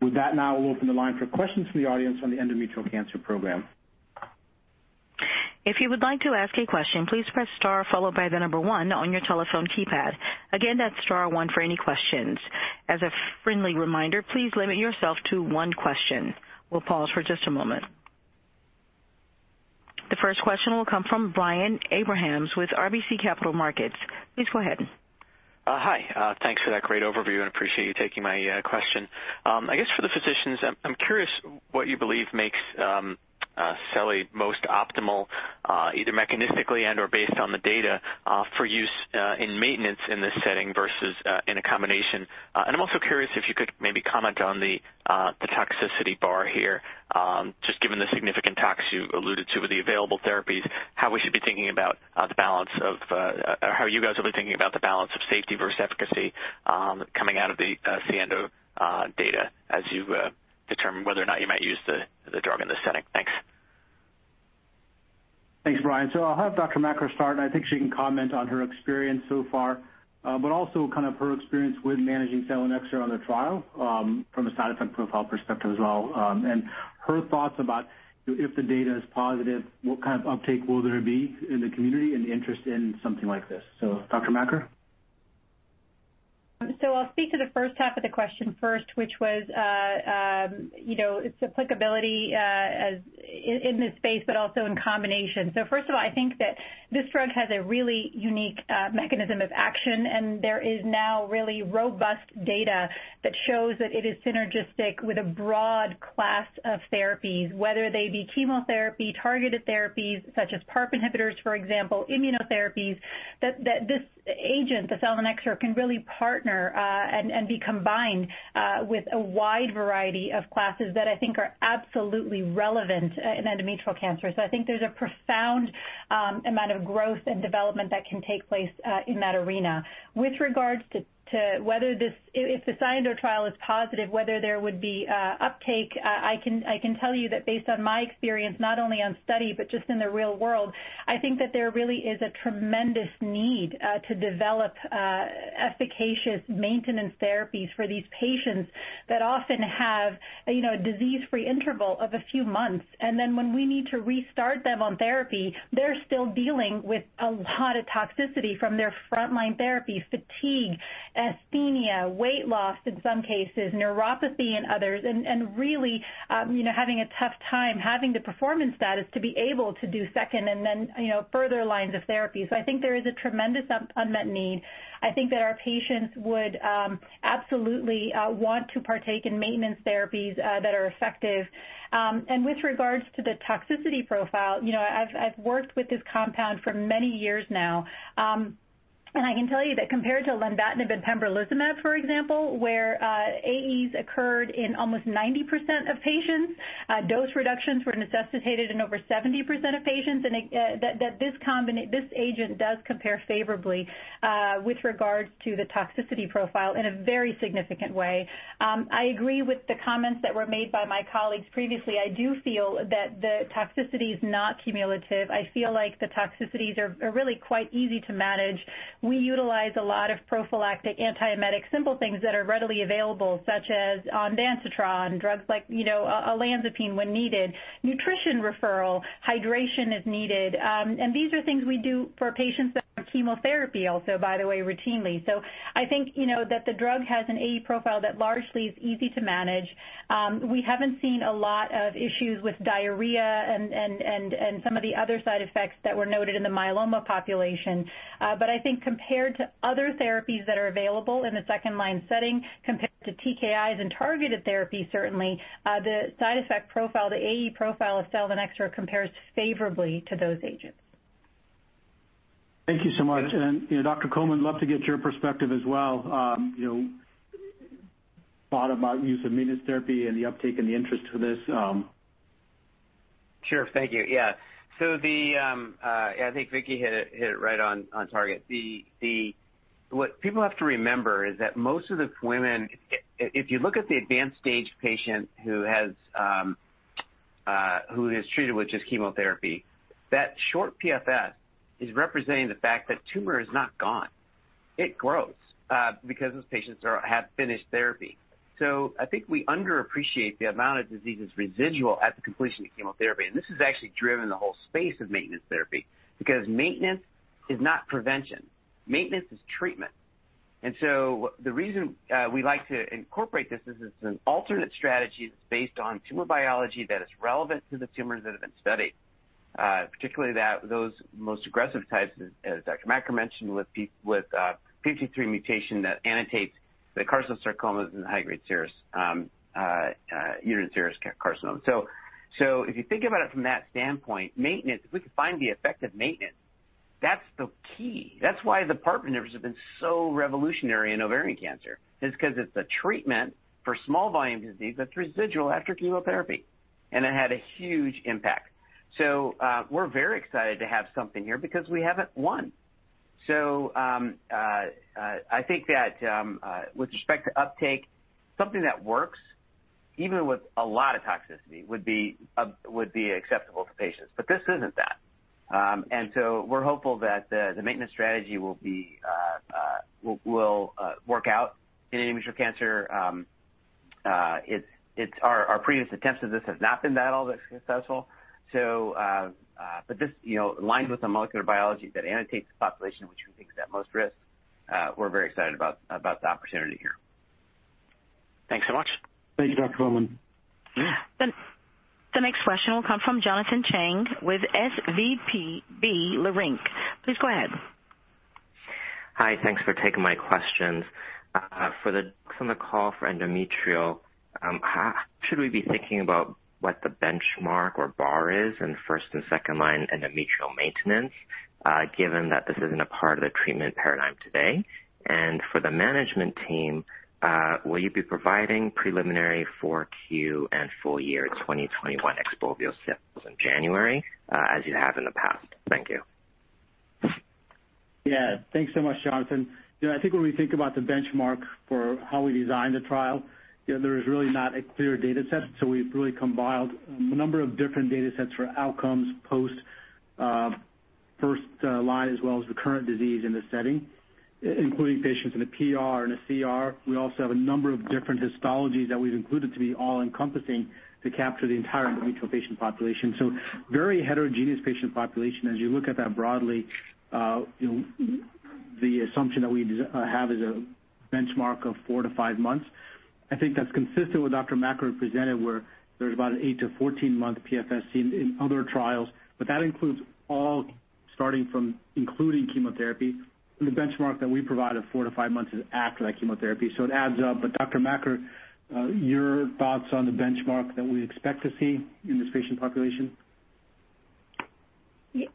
With that, now we'll open the line for questions from the audience on the endometrial cancer program. If you would like to ask a question, please press star followed by the number one on your telephone keypad. Again, that's star one for any questions. As a friendly reminder, please limit yourself to one question. We'll pause for just a moment. The first question will come from Brian Abrahams with RBC Capital Markets. Please go ahead. Hi. Thanks for that great overview, and I appreciate you taking my question. I guess for the physicians, I'm curious what you believe makes selinexor most optimal, either mechanistically and or based on the data, for use in maintenance in this setting versus in a combination. I'm also curious if you could maybe comment on the toxicity bar here, just given the significant tox you alluded to with the available therapies, how you guys will be thinking about the balance of safety versus efficacy, coming out of the SIENDO data as you determine whether or not you might use the drug in this setting. Thanks. Thanks, Brian. I'll have Dr. Makker start, and I think she can comment on her experience so far, but also kind of her experience with managing selinexor on the trial, from a side effect profile perspective as well, and her thoughts about if the data is positive, what kind of uptake will there be in the community and the interest in something like this. Dr. Makker? I'll speak to the first half of the question first, which was, you know, its applicability, as in this space but also in combination. First of all, I think that this drug has a really unique mechanism of action, and there is now really robust data that shows that it is synergistic with a broad class of therapies, whether they be chemotherapy, targeted therapies such as PARP inhibitors, for example, immunotherapies, that this agent, the selinexor, can really partner and be combined with a wide variety of classes that I think are absolutely relevant in endometrial cancer. I think there's a profound amount of growth and development that can take place in that arena. With regards to whether this, if the SIENDO trial is positive, whether there would be uptake, I can tell you that based on my experience, not only on study, but just in the real world, I think that there really is a tremendous need to develop efficacious maintenance therapies for these patients that often have, you know, a disease-free interval of a few months. When we need to restart them on therapy, they're still dealing with a lot of toxicity from their frontline therapy, fatigue, asthenia, weight loss in some cases, neuropathy in others, and really, you know, having a tough time, having the performance status to be able to do second and then, you know, further lines of therapy. I think there is a tremendous unmet need. I think that our patients would absolutely want to partake in maintenance therapies that are effective. With regards to the toxicity profile, you know, I've worked with this compound for many years now, and I can tell you that compared to lenvatinib and pembrolizumab, for example, where AEs occurred in almost 90% of patients, dose reductions were necessitated in over 70% of patients, and that this agent does compare favorably with regards to the toxicity profile in a very significant way. I agree with the comments that were made by my colleagues previously. I do feel that the toxicity is not cumulative. I feel like the toxicities are really quite easy to manage. We utilize a lot of prophylactic antiemetic, simple things that are readily available, such as ondansetron, drugs like, you know, olanzapine when needed, nutrition referral, hydration if needed. These are things we do for patients that are on chemotherapy also, by the way, routinely. I think, you know, that the drug has an AE profile that largely is easy to manage. We haven't seen a lot of issues with diarrhea and some of the other side effects that were noted in the myeloma population. I think compared to other therapies that are available in the second-line setting, compared to TKIs and targeted therapy, certainly the side effect profile, the AE profile of selinexor compares favorably to those agents. Thank you so much. You know, Dr. Coleman, love to get your perspective as well. You know, thought about use of maintenance therapy and the uptake and the interest for this. Sure. Thank you. Yeah. I think Vicky hit it right on target. What people have to remember is that most of the women, if you look at the advanced stage patient who is treated with just chemotherapy, that short PFS is representing the fact that tumor is not gone. It grows because those patients have finished therapy. I think we underappreciate the amount of disease is residual at the completion of chemotherapy, and this has actually driven the whole space of maintenance therapy because maintenance is not prevention. Maintenance is treatment. The reason we like to incorporate this is it's an alternate strategy that's based on tumor biology that is relevant to the tumors that have been studied, particularly those most aggressive types, as Dr. Makker mentioned with p53 mutation that annotates the carcinosarcomas and the high-grade serous uterine serous carcinoma. If you think about it from that standpoint, maintenance if we could find the effect of maintenance, that's the key. That's why the PARP inhibitors have been so revolutionary in ovarian cancer. It's 'cause it's a treatment for small volume disease that's residual after chemotherapy, and it had a huge impact. We're very excited to have something here because we haven't had one. I think that with respect to uptake, something that works, even with a lot of toxicity, would be acceptable to patients, but this isn't that. We're hopeful that the maintenance strategy will work out in endometrial cancer. Our previous attempts at this have not been all that successful. This, you know, aligns with the molecular biology that annotates the population, which we think is at most risk. We're very excited about the opportunity here. Thanks so much. Thank you, Dr. Coleman. Yeah. The next question will come from Jonathan Chang with SVB Leerink. Please go ahead. Hi. Thanks for taking my questions. From the call for endometrial, how should we be thinking about what the benchmark or bar is in first and second-line endometrial maintenance, given that this isn't a part of the treatment paradigm today? For the management team, will you be providing preliminary Q4 and full year 2021 XPOVIO sales in January, as you have in the past? Thank you. Yeah. Thanks so much, Jonathan. You know, I think when we think about the benchmark for how we design the trial, you know, there is really not a clear dataset. We've really compiled a number of different datasets for outcomes post first line as well as recurrent disease in this setting, including patients in the PR and the CR. We also have a number of different histologies that we've included to be all-encompassing to capture the entire endometrial patient population. Very heterogeneous patient population. As you look at that broadly, you know, the assumption that we have is a benchmark of 4-5 months. I think that's consistent with Dr. Makker presented, where there's about an 8-14 month PFS seen in other trials, but that includes all starting from including chemotherapy and the benchmark that we provide of 4-5 months is after that chemotherapy. It adds up. Dr. Makker, your thoughts on the benchmark that we expect to see in this patient population.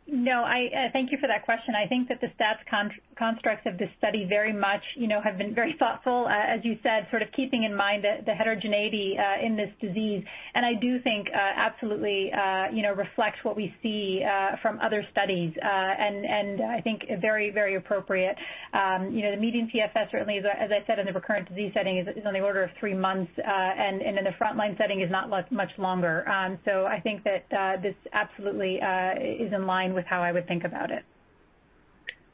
No, thank you for that question. I think that the study's construct of this study very much, you know, have been very thoughtful, as you said, sort of keeping in mind the heterogeneity in this disease. I do think absolutely, you know, reflects what we see from other studies and I think very appropriate. You know, the median PFS certainly is, as I said, in the recurrent disease setting is on the order of three months and in the frontline setting is not much longer. I think that this absolutely is in line with how I would think about it.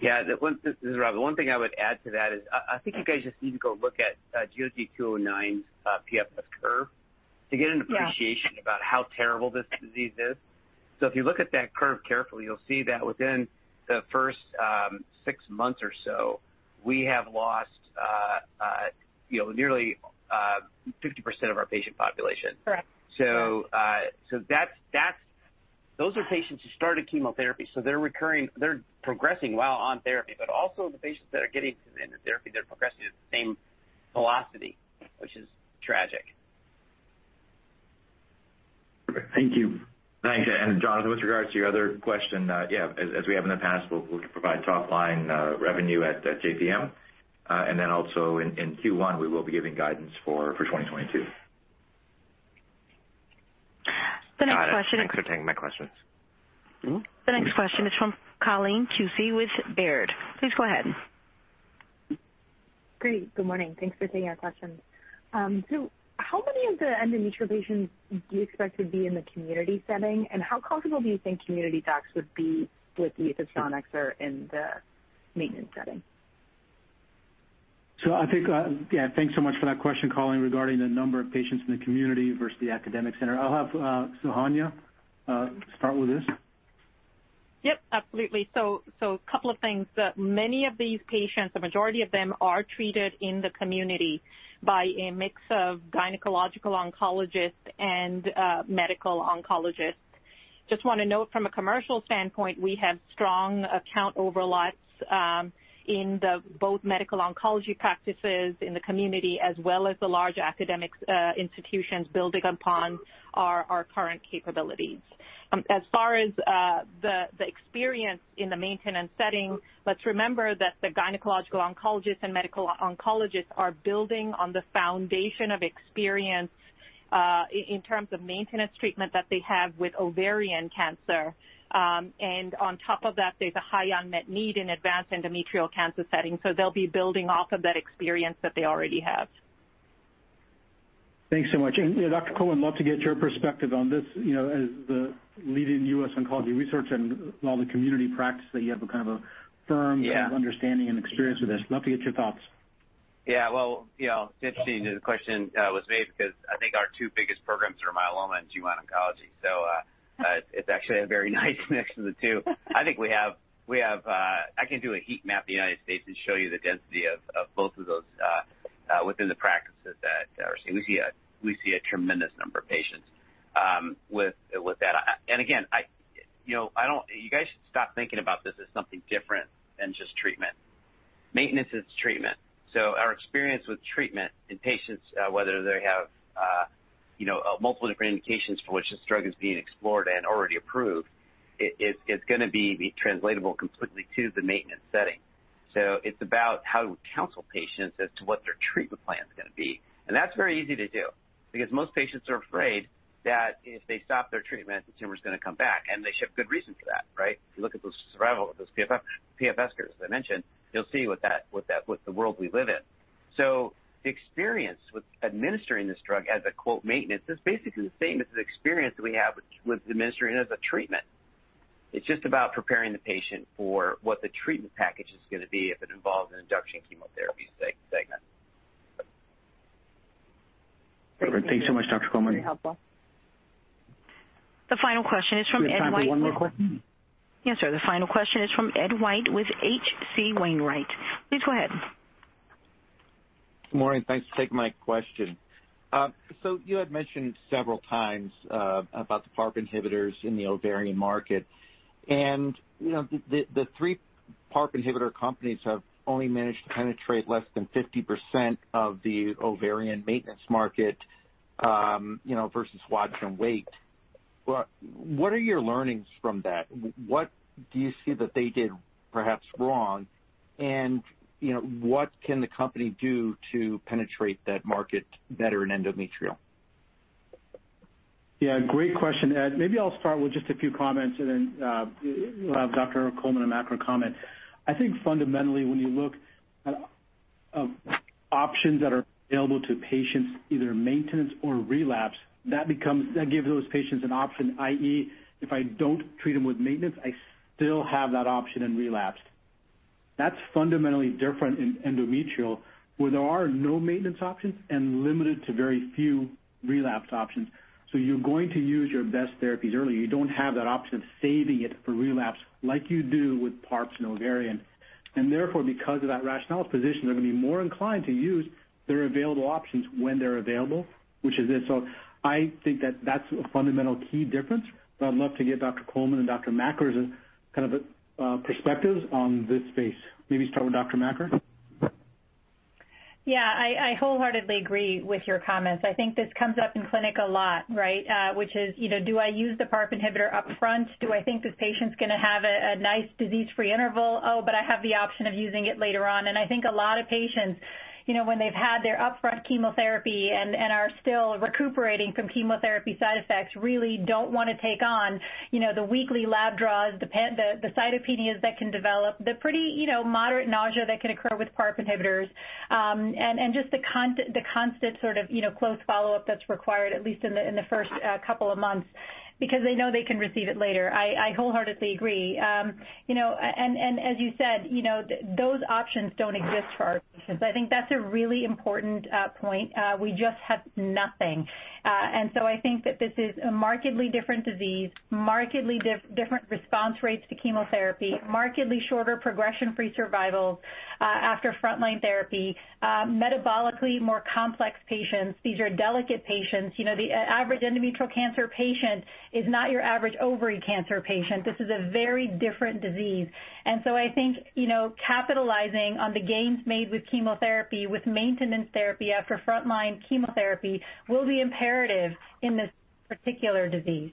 Yeah. This is Rob. The one thing I would add to that is I think you guys just need to go look at GOG-0209's PFS curve to get an- Yeah. Appreciation about how terrible this disease is. If you look at that curve carefully, you'll see that within the first six months or so, we have lost, you know, nearly 50% of our patient population. Correct. That's those are patients who started chemotherapy, so they're progressing while on therapy. But also the patients that are getting the therapy, they're progressing at the same velocity, which is tragic. Okay. Thank you. Thanks. Jonathan, with regards to your other question, yeah, as we have in the past, we'll provide top line revenue at JPM. Also in Q1, we will be giving guidance for 2022. The next question. Got it. Thanks for taking my questions. Mm-hmm. The next question is from Colleen Kusy with Baird. Please go ahead. Great. Good morning. Thanks for taking our questions. How many of the endometrial patients do you expect to be in the community setting, and how comfortable do you think community docs would be with the use of XPOVIO in the maintenance setting? I think, yeah, thanks so much for that question, Colleen, regarding the number of patients in the community versus the academic center. I'll have, Sohanya, start with this. Yep, absolutely. A couple of things. Many of these patients, the majority of them are treated in the community by a mix of gynecologic oncologists and medical oncologists. Just wanna note from a commercial standpoint, we have strong account overlaps in both medical oncology practices in the community as well as the large academic institutions building upon our current capabilities. As far as the experience in the maintenance setting, let's remember that the gynecologic oncologists and medical oncologists are building on the foundation of experience in terms of maintenance treatment that they have with ovarian cancer. On top of that, there's a high unmet need in advanced endometrial cancer setting, so they'll be building off of that experience that they already have. Thanks so much. Yeah, Dr. Coleman, love to get your perspective on this, you know, as the leading US Oncology Research and all the community practice that you have a kind of a firm. Yeah. Sort of understanding and experience with this. Love to get your thoughts. Yeah. Well, you know, it's interesting the question was made because I think our two biggest programs are myeloma and GYN oncology. It's actually a very nice mix of the two. I think we have. I can do a heat map of the United States and show you the density of both of those within the practices that are. We see a tremendous number of patients with that. Again, you know, I don't, you guys should stop thinking about this as something different than just treatment. Maintenance is treatment. Our experience with treatment in patients whether they have you know multiple different indications for which this drug is being explored and already approved, it's gonna be translatable completely to the maintenance setting. It's about how to counsel patients as to what their treatment plan's gonna be. That's very easy to do because most patients are afraid that if they stop their treatment, the tumor's gonna come back, and they should have good reason for that, right? If you look at those survival PFS curves, as I mentioned, you'll see what the world we live in. The experience with administering this drug as a quote "maintenance" is basically the same as the experience we have with administering it as a treatment. It's just about preparing the patient for what the treatment package is gonna be if it involves an induction chemotherapy segment. Perfect. Thanks so much, Dr. Coleman. Very helpful. The final question is from Ed White with... Do we have time for one more question? Yes, sir. The final question is from Ed White with H.C. Wainwright. Please go ahead. Good morning. Thanks for taking my question. So you had mentioned several times about the PARP inhibitors in the ovarian market. You know, the three PARP inhibitor companies have only managed to penetrate less than 50% of the ovarian maintenance market, you know, versus watch and wait. What are your learnings from that? What do you see that they did perhaps wrong? You know, what can the company do to penetrate that market better in endometrial? Yeah, great question, Ed. Maybe I'll start with just a few comments and then we'll have Dr. Coleman and Makker comment. I think fundamentally, when you look at options that are available to patients, either maintenance or relapse, that gives those patients an option, i.e., if I don't treat them with maintenance, I still have that option in relapse. That's fundamentally different in endometrial, where there are no maintenance options and limited to very few relapse options. You're going to use your best therapies early. You don't have that option of saving it for relapse like you do with PARPs in ovarian. Therefore, because of that rationale's position, they're gonna be more inclined to use their available options when they're available, which is it. I think that that's a fundamental key difference, but I'd love to get Dr. Coleman and Dr. Makker's kind of perspectives on this space. Maybe start with Dr. Makker. Yeah, I wholeheartedly agree with your comments. I think this comes up in clinic a lot, right? Which is, you know, do I use the PARP inhibitor upfront? Do I think this patient's gonna have a nice disease-free interval? Oh, but I have the option of using it later on. I think a lot of patients, you know, when they've had their upfront chemotherapy and are still recuperating from chemotherapy side effects, really don't wanna take on, you know, the weekly lab draws, the cytopenias that can develop, the pretty, you know, moderate nausea that can occur with PARP inhibitors. And just the constant sort of, you know, close follow-up that's required, at least in the first couple of months because they know they can receive it later. I wholeheartedly agree. As you said, you know, those options don't exist for our patients. I think that's a really important point. We just have nothing. I think that this is a markedly different disease, markedly different response rates to chemotherapy, markedly shorter progression-free survival after frontline therapy, metabolically more complex patients. These are delicate patients. You know, the average endometrial cancer patient is not your average ovarian cancer patient. This is a very different disease. I think, you know, capitalizing on the gains made with chemotherapy, with maintenance therapy after frontline chemotherapy will be imperative in this particular disease.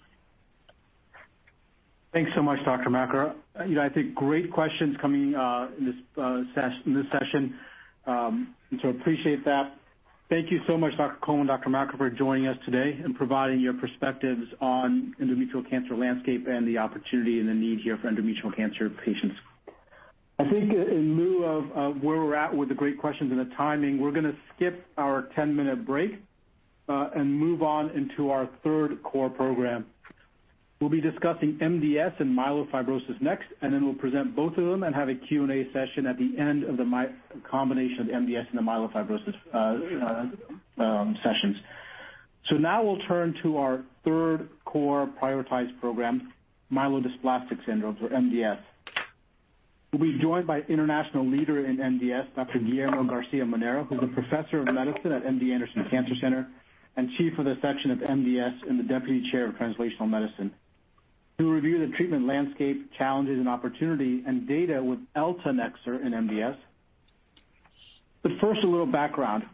Thanks so much, Dr. Makker. You know, I think great questions coming in this session. Appreciate that. Thank you so much, Dr. Co, Dr. Makker, for joining us today and providing your perspectives on endometrial cancer landscape and the opportunity and the need here for endometrial cancer patients. I think in lieu of where we're at with the great questions and the timing, we're gonna skip our 10-minute break and move on into our third core program. We'll be discussing MDS and myelofibrosis next, and then we'll present both of them and have a Q&A session at the end of the combination of MDS and the myelofibrosis sessions. Now we'll turn to our third core prioritized program, myelodysplastic syndrome or MDS. We'll be joined by international leader in MDS, Dr. Guillermo Garcia-Manero, who's a professor of medicine at MD Anderson Cancer Center and chief of the section of MDS and the deputy chair of Translational Medicine. He'll review the treatment landscape, challenges and opportunity, and data with eltanexor in MDS. First, a little background.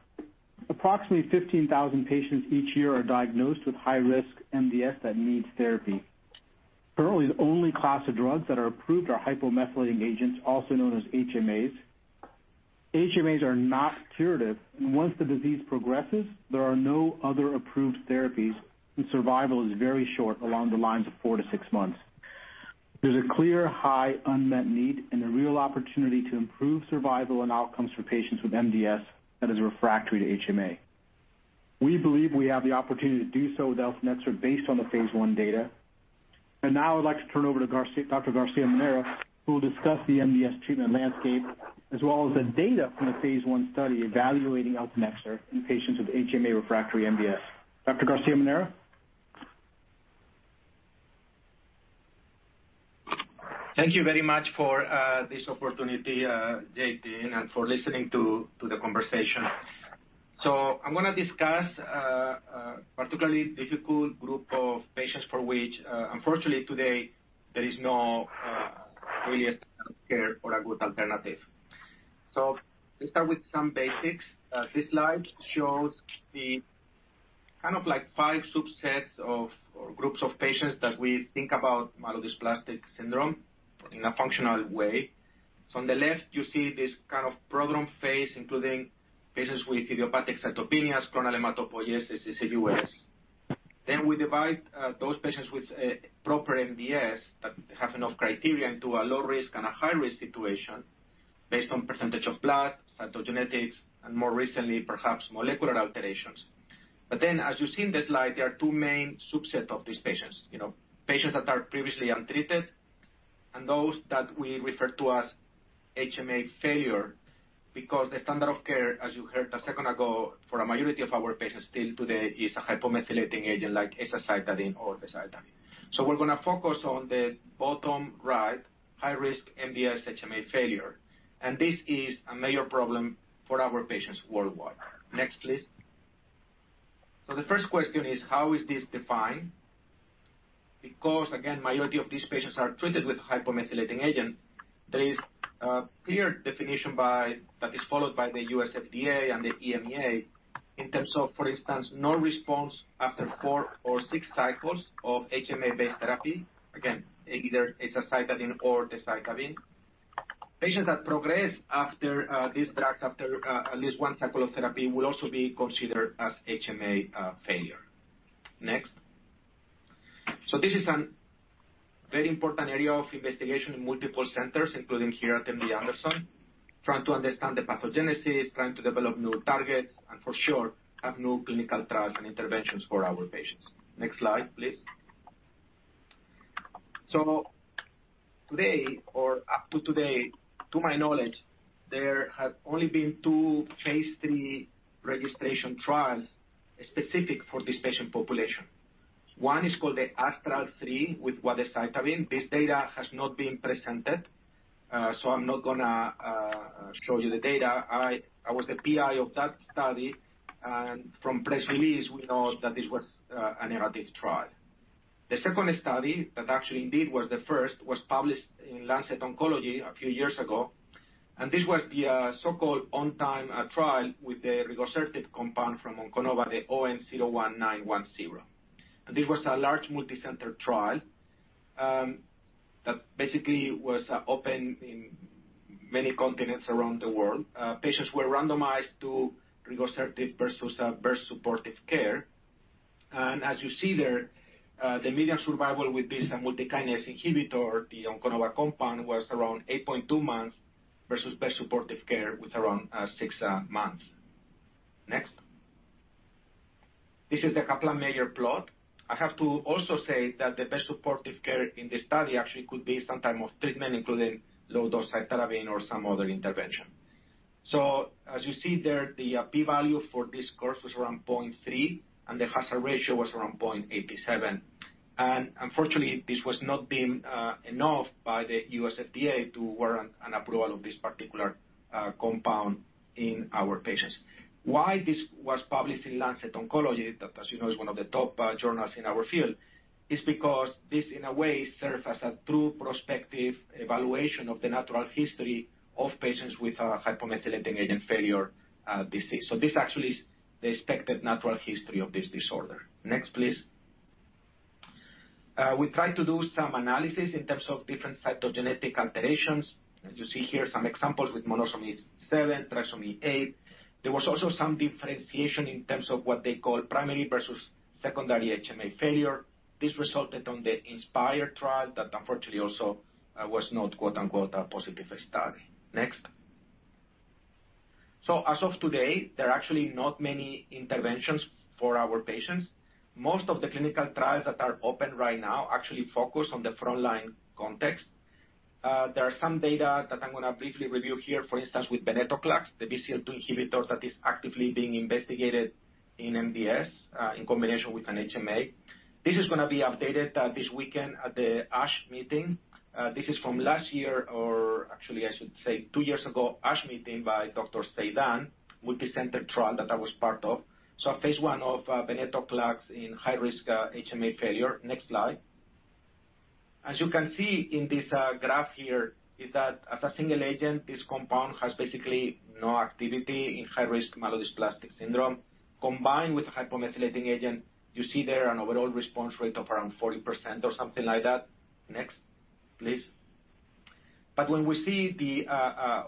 Approximately 15,000 patients each year are diagnosed with high-risk MDS that needs therapy. Currently, the only class of drugs that are approved are hypomethylating agents, also known as HMAs. HMAs are not curative, and once the disease progresses, there are no other approved therapies, and survival is very short, along the lines of 4-6 months. There's a clear high unmet need and a real opportunity to improve survival and outcomes for patients with MDS that is refractory to HMA. We believe we have the opportunity to do so with eltanexor based on the phase I data. Now I'd like to turn over to Dr. Guillermo Garcia-Manero, who will discuss the MDS treatment landscape as well as the data from the phase I study evaluating eltanexor in patients with HMA-refractory MDS. Dr. Guillermo Garcia-Manero. Thank you very much for this opportunity, Jatin, and for listening to the conversation. I'm gonna discuss a particularly difficult group of patients for which, unfortunately today there is no really standard of care or a good alternative. Let's start with some basics. This slide shows the kind of like five subsets of, or groups of patients that we think about myelodysplastic syndrome in a functional way. On the left, you see this kind of problem phase, including patients with idiopathic cytopenias, clonal hematopoiesis, this is CVS. Then we divide those patients with proper MDS that have enough criteria into a low risk and a high-risk situation based on percentage of blood, cytogenetics, and more recently, perhaps molecular alterations. As you see in the slide, there are two main subset of these patients. You know, patients that are previously untreated and those that we refer to as HMA failure because the standard of care, as you heard a second ago, for a majority of our patients still today is a hypomethylating agent like azacitidine or decitabine. We're gonna focus on the bottom right, high-risk MDS HMA failure. This is a major problem for our patients worldwide. Next, please. The first question is: How is this defined? Because, again, majority of these patients are treated with hypomethylating agent, there is a clear definition that is followed by the U.S. FDA and the EMA in terms of, for instance, no response after four or six cycles of HMA-based therapy. Again, either azacitidine or decitabine. Patients that progress after these drugs after at least one cycle of therapy will also be considered as HMA failure. Next. This is a very important area of investigation in multiple centers, including here at MD Anderson, trying to understand the pathogenesis, trying to develop new targets, and for sure have new clinical trials and interventions for our patients. Next slide, please. Today, or up to today, to my knowledge, there have only been two phase III registration trials specific for this patient population. One is called the ASTRAL-3 with decitabine. This data has not been presented, so I'm not gonna show you the data. I was the PI of that study, and from press release we know that this was a negative trial. The second study that actually indeed was the first, was published in Lancet Oncology a few years ago, and this was the so-called ONTIME trial with the rigosertib compound from Onconova, the ON01910. This was a large multi-center trial that basically was open in many continents around the world. Patients were randomized to rigosertib versus best supportive care. As you see there, the median survival with this multikinase inhibitor, the Onconova compound, was around 8.2 months versus best supportive care with around 6 months. Next. This is the Kaplan-Meier plot. I have to also say that the best supportive care in this study actually could be some type of treatment, including low-dose cytarabine or some other intervention. As you see there, the P value for this curve was around 0.3, and the hazard ratio was around 0.87. Unfortunately, this was not deemed enough by the U.S. FDA to warrant an approval of this particular compound in our patients. Why this was published in Lancet Oncology, that as you know, is one of the top journals in our field, is because this in a way served as a true prospective evaluation of the natural history of patients with a hypomethylating agent failure disease. This actually is the expected natural history of this disorder. Next, please. We tried to do some analysis in terms of different cytogenetic alterations. As you see here, some examples with monosomy seven, trisomy eight. There was also some differentiation in terms of what they call primary versus secondary HMA failure. This resulted on the INSPIRE trial that unfortunately also was not, quote-unquote, "a positive study." Next. As of today, there are actually not many interventions for our patients. Most of the clinical trials that are open right now actually focus on the frontline context. There are some data that I'm gonna briefly review here, for instance, with venetoclax, the BCL-2 inhibitor that is actively being investigated in MDS, in combination with an HMA. This is gonna be updated this weekend at the ASH meeting. This is from last year, or actually I should say two years ago, ASH meeting by Dr. Seydan, with the center trial that I was part of. phase I of venetoclax in high-risk HMA failure. Next slide. As you can see in this graph here, is that as a single agent, this compound has basically no activity in high-risk myelodysplastic syndrome. Combined with a hypomethylating agent, you see there an overall response rate of around 40% or something like that. Next, please. When we see the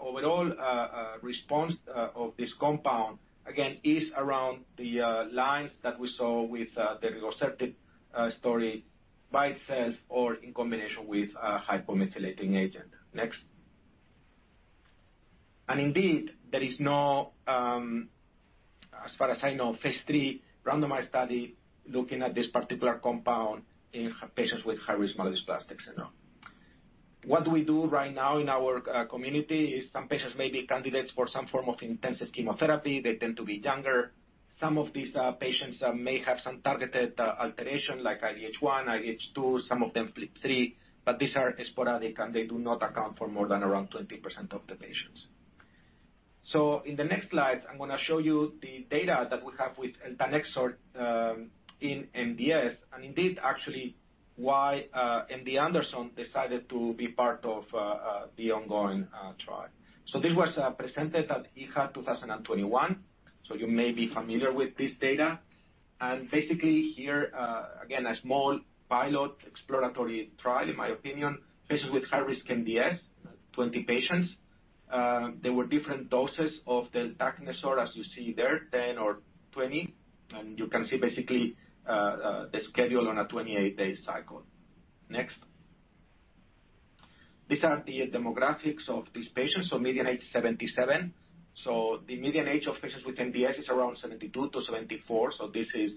overall response of this compound, again, is around the lines that we saw with the rigosertib story by itself or in combination with a hypomethylating agent. Next. Indeed, there is no, as far as I know, phase III randomized study looking at this particular compound in patients with high-risk myelodysplastic syndromes. What we do right now in our community is some patients may be candidates for some form of intensive chemotherapy. They tend to be younger. Some of these patients may have some targeted alteration, like IDH1, IDH2, some of them FLT3, but these are sporadic, and they do not account for more than around 20% of the patients. In the next slide, I'm gonna show you the data that we have with eltanexor in MDS and indeed actually why MD Anderson decided to be part of the ongoing trial. This was presented at EHA 2021, so you may be familiar with this data. Basically here again a small pilot exploratory trial in patients with high-risk MDS, 20 patients. There were different doses of the eltanexor, as you see there, 10 or 20, and you can see basically the schedule on a 28-day cycle. Next. These are the demographics of these patients. Median age 77 years. The median age of patients with MDS is around 72-74 years, so this is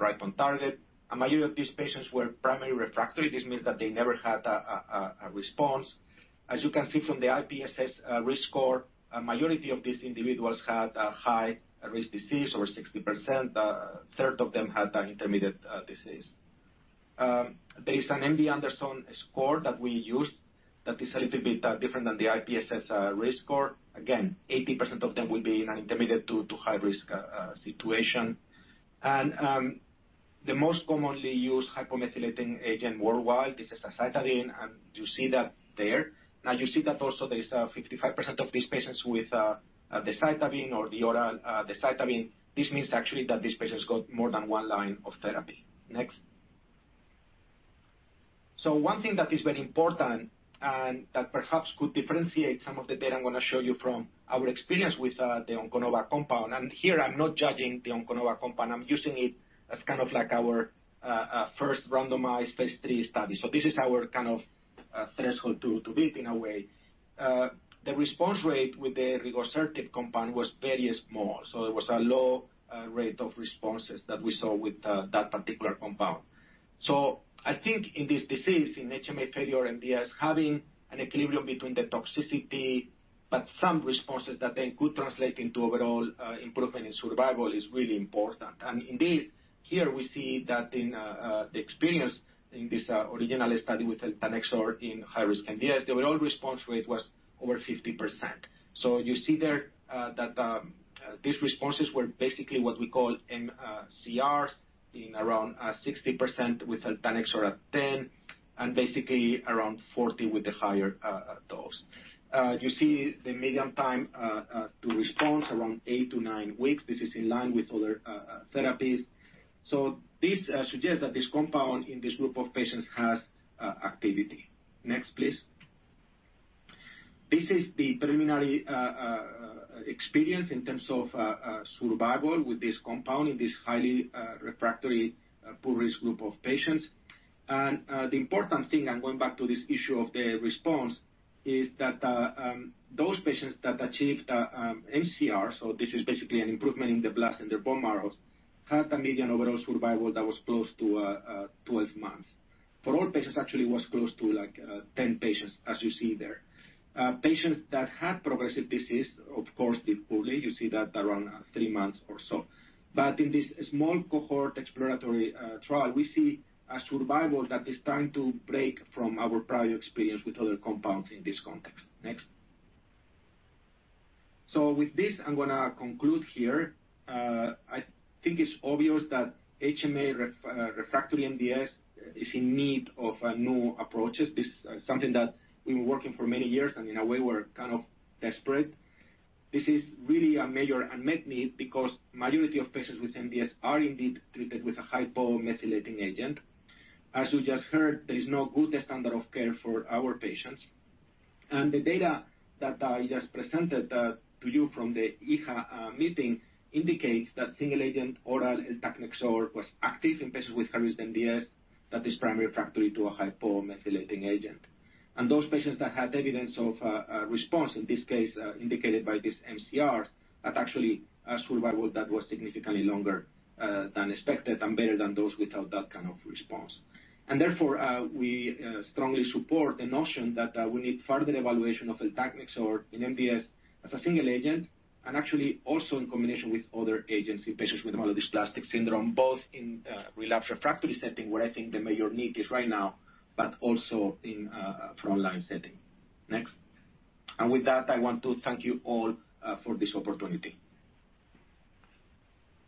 right on target. A majority of these patients were primary refractory. This means that they never had a response. As you can see from the IPSS risk score, a majority of these individuals had a high-risk disease over 60%. A third of them had an intermediate disease. Based on MD Anderson score that we used, that is a little bit different than the IPSS risk score. Again, 80% of them will be in an intermediate to high risk situation. The most commonly used hypomethylating agent worldwide is azacitidine, and you see that there. Now, you see that also there's 55% of these patients with decitabine or the oral decitabine. This means actually that these patients got more than one line of therapy. Next. One thing that is very important and that perhaps could differentiate some of the data I'm gonna show you from our experience with the Onconova compound, and here I'm not judging the Onconova compound, I'm using it as kind of like our first randomized phase III study. This is our kind of threshold to build in a way. The response rate with the rigosertib compound was very small. It was a low rate of responses that we saw with that particular compound. I think in this disease, in HMA failure MDS, having an equilibrium between the toxicity but some responses that then could translate into overall improvement in survival is really important. Indeed, here we see that in the experience in this original study with eltanexor in high-risk MDS, the overall response rate was over 50%. You see there that these responses were basically what we call mCRs being around 60% with eltanexor at 10 and basically around 40% with the higher dose. You see the median time to response around 8-9 weeks. This is in line with other therapies. This suggests that this compound in this group of patients has activity. Next, please. This is the preliminary experience in terms of survival with this compound in this highly refractory poor risk group of patients. The important thing, I'm going back to this issue of the response, is that those patients that achieved MCR, so this is basically an improvement in their blood and their bone marrows, had a median overall survival that was close to 12 months. For all patients, actually, it was close to, like, 10 months as you see there. Patients that had progressive disease, of course, did poorly. You see that around three months or so. In this small cohort exploratory trial, we see a survival that is starting to break from our prior experience with other compounds in this context. Next. With this, I'm gonna conclude here. I think it's obvious that HMA-refractory MDS is in need of new approaches. This is something that we've been working for many years, and in a way we're kind of desperate. This is really a major unmet need because majority of patients with MDS are indeed treated with a hypomethylating agent. As you just heard, there is no good standard of care for our patients. The data that I just presented to you from the EHA meeting indicates that single-agent oral eltanexor was active in patients with high-risk MDS that is primary refractory to a hypomethylating agent. Those patients that had evidence of a response, in this case indicated by this MCR, had actually a survival that was significantly longer than expected and better than those without that kind of response. Therefore, we strongly support the notion that we need further evaluation of eltanexor in MDS as a single agent, and actually also in combination with other agents in patients with myelodysplastic syndrome, both in relapse refractory setting, where I think the major need is right now, but also in a frontline setting. Next. With that, I want to thank you all for this opportunity.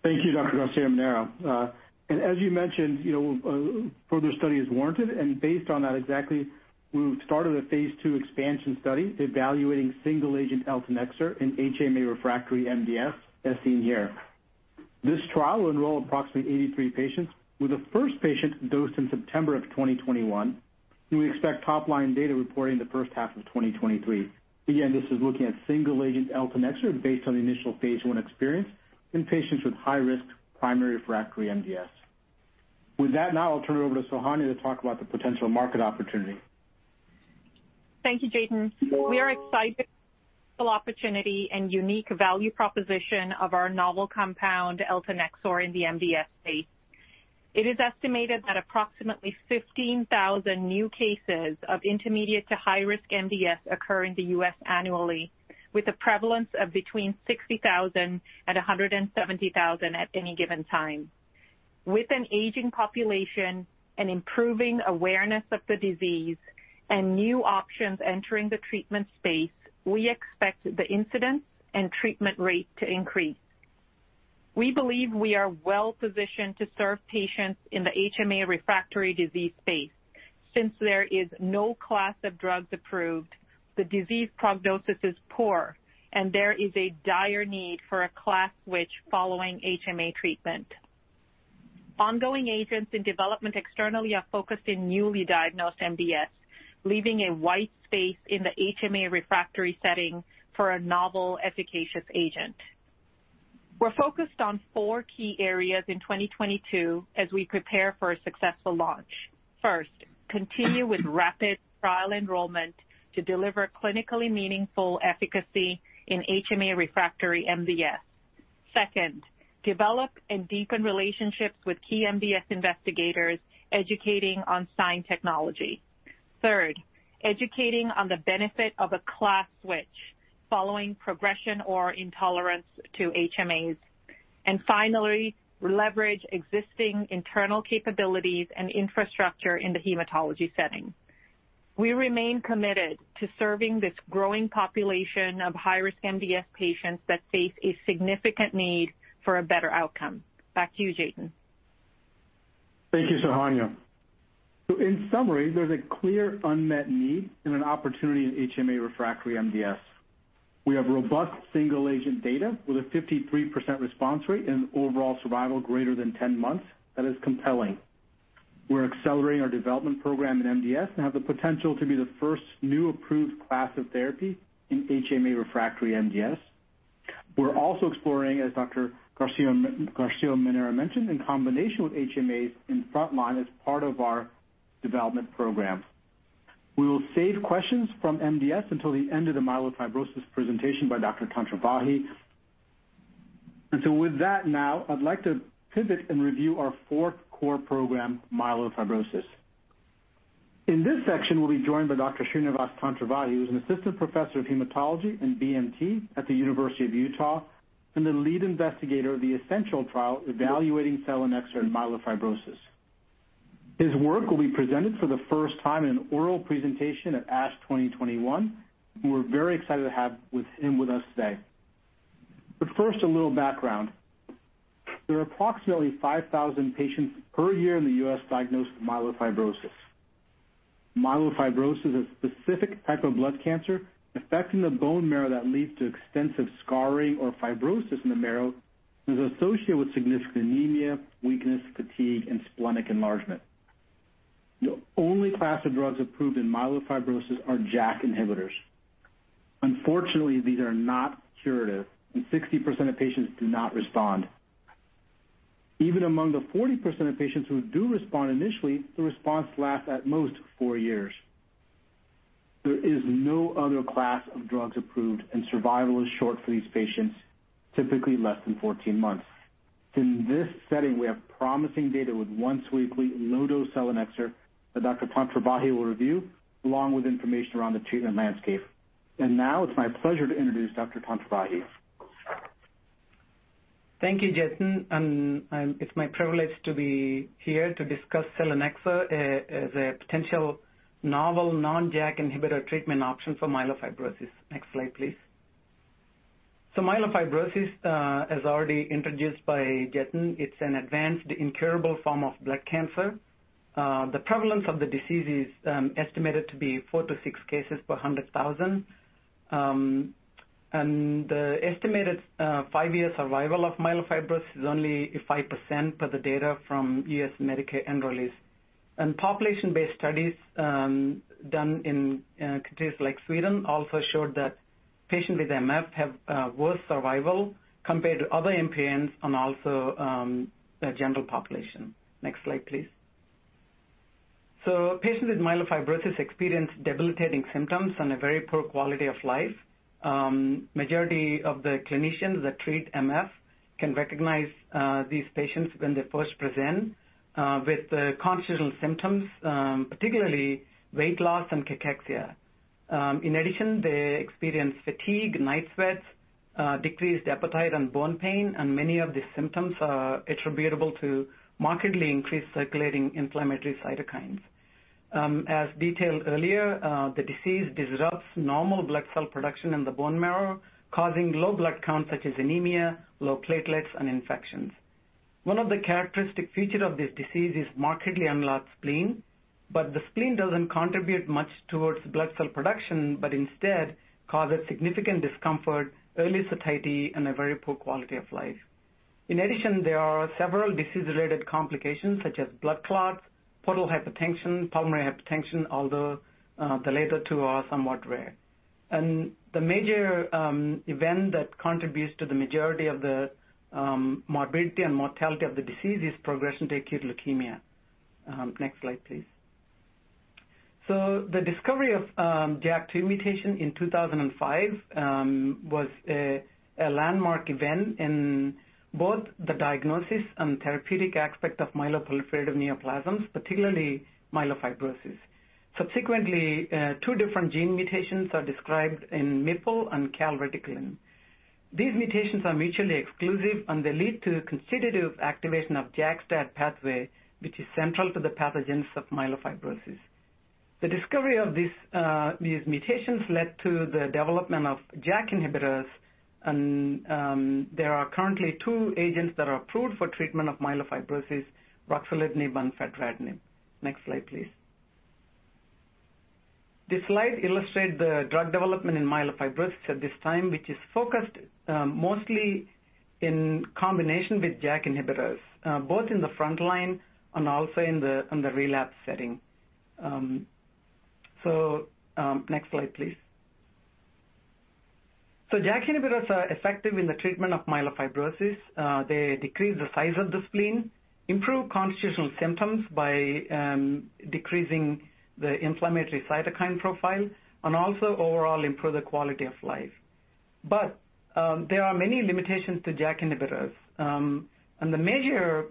Thank you, Dr. Garcia-Manero. As you mentioned, you know, further study is warranted. Based on that exactly, we've started a phase II expansion study evaluating single-agent eltanexor in HMA-refractory MDS, as seen here. This trial enrolled approximately 83 patients, with the first patient dosed in September of 2021, and we expect top-line data reporting in the first half of 2023. Again, this is looking at single-agent eltanexor based on the initial phase I experience in patients with high-risk primary refractory MDS. With that, now I'll turn it over to Sohanya to talk about the potential market opportunity. Thank you, Jatin. We are excited for opportunity and unique value proposition of our novel compound, eltanexor, in the MDS space. It is estimated that approximately 15,000 new cases of intermediate to high-risk MDS occur in the U.S. annually, with a prevalence of between 60,000 and 170,000 at any given time. With an aging population and improving awareness of the disease and new options entering the treatment space, we expect the incidence and treatment rate to increase. We believe we are well-positioned to serve patients in the HMA refractory disease space. Since there is no class of drugs approved, the disease prognosis is poor, and there is a dire need for a class switch following HMA treatment. Ongoing agents in development externally are focused in newly diagnosed MDS, leaving a wide space in the HMA refractory setting for a novel efficacious agent. We're focused on four key areas in 2022 as we prepare for a successful launch. First, continue with rapid trial enrollment to deliver clinically meaningful efficacy in HMA refractory MDS. Second, develop and deepen relationships with key MDS investigators educating on SINE technology. Third, educating on the benefit of a class switch following progression or intolerance to HMAs. Finally, leverage existing internal capabilities and infrastructure in the hematology setting. We remain committed to serving this growing population of high-risk MDS patients that face a significant need for a better outcome. Back to you, Jatin. Thank you, Sohanya. In summary, there's a clear unmet need and an opportunity in HMA refractory MDS. We have robust single-agent data with a 53% response rate and overall survival greater than 10 months that is compelling. We're accelerating our development program in MDS and have the potential to be the first new approved class of therapy in HMA refractory MDS. We're also exploring, as Dr. Garcia-Manero mentioned, in combination with HMAs in frontline as part of our development program. We will save questions from MDS until the end of the myelofibrosis presentation by Dr. Tantravahi. With that now I'd like to pivot and review our fourth core program, myelofibrosis. In this section, we'll be joined by Dr. Srinivas Tantravahi, who's an assistant professor of Hematology and BMT at the University of Utah and the lead investigator of the Essential trial evaluating selinexor in myelofibrosis. His work will be presented for the first time in an oral presentation at ASH 2021, and we're very excited to have him with us today. First, a little background. There are approximately 5,000 patients per year in the U.S. diagnosed with myelofibrosis. Myelofibrosis is a specific type of blood cancer affecting the bone marrow that leads to extensive scarring or fibrosis in the marrow and is associated with significant anemia, weakness, fatigue, and splenic enlargement. The only class of drugs approved in myelofibrosis are JAK inhibitors. Unfortunately, these are not curative, and 60% of patients do not respond. Even among the 40% of patients who do respond initially, the response lasts at most four years. There is no other class of drugs approved, and survival is short for these patients, typically less than 14 months. In this setting, we have promising data with once-weekly low-dose selinexor that Dr. Tantravahi will review, along with information around the treatment landscape. Now it's my pleasure to introduce Dr. Tantravahi. Thank you, Jatin. It's my privilege to be here to discuss selinexor as a potential novel non-JAK inhibitor treatment option for myelofibrosis. Next slide, please. Myelofibrosis, as already introduced by Jatin, is an advanced incurable form of blood cancer. The prevalence of the disease is estimated to be 4-6 cases per 100,000. The estimated five-year survival of myelofibrosis is only 5% per the data from U.S. Medicaid enrollees. Population-based studies done in countries like Sweden also showed that patients with MF have worse survival compared to other MPNs and also the general population. Next slide, please. Patients with myelofibrosis experience debilitating symptoms and a very poor quality of life. Majority of the clinicians that treat MF can recognize these patients when they first present with constitutional symptoms, particularly weight loss and cachexia. In addition, they experience fatigue, night sweats, decreased appetite, and bone pain, and many of these symptoms are attributable to markedly increased circulating inflammatory cytokines. As detailed earlier, the disease disrupts normal blood cell production in the bone marrow, causing low blood count, such as anemia, low platelets, and infections. One of the characteristic features of this disease is markedly enlarged spleen, but the spleen doesn't contribute much towards blood cell production, but instead causes significant discomfort, early satiety, and a very poor quality of life. In addition, there are several disease-related complications such as blood clots, portal hypertension, pulmonary hypertension, although the latter two are somewhat rare. The major event that contributes to the majority of the morbidity and mortality of the disease is progression to acute leukemia. Next slide, please. The discovery of JAK2 mutation in 2005 was a landmark event in both the diagnosis and therapeutic aspect of myeloproliferative neoplasms, particularly myelofibrosis. Subsequently, two different gene mutations are described in MPL and calreticulin. These mutations are mutually exclusive, and they lead to constitutive activation of JAK-STAT pathway, which is central to the pathogenesis of myelofibrosis. The discovery of these mutations led to the development of JAK inhibitors. There are currently two agents that are approved for treatment of myelofibrosis, ruxolitinib and fedratinib. Next slide, please. This slide illustrates the drug development in myelofibrosis at this time, which is focused mostly in combination with JAK inhibitors both in the frontline and also in the relapse setting. Next slide, please. JAK inhibitors are effective in the treatment of myelofibrosis. They decrease the size of the spleen, improve constitutional symptoms by decreasing the inflammatory cytokine profile, and also overall improve the quality of life. There are many limitations to JAK inhibitors. The major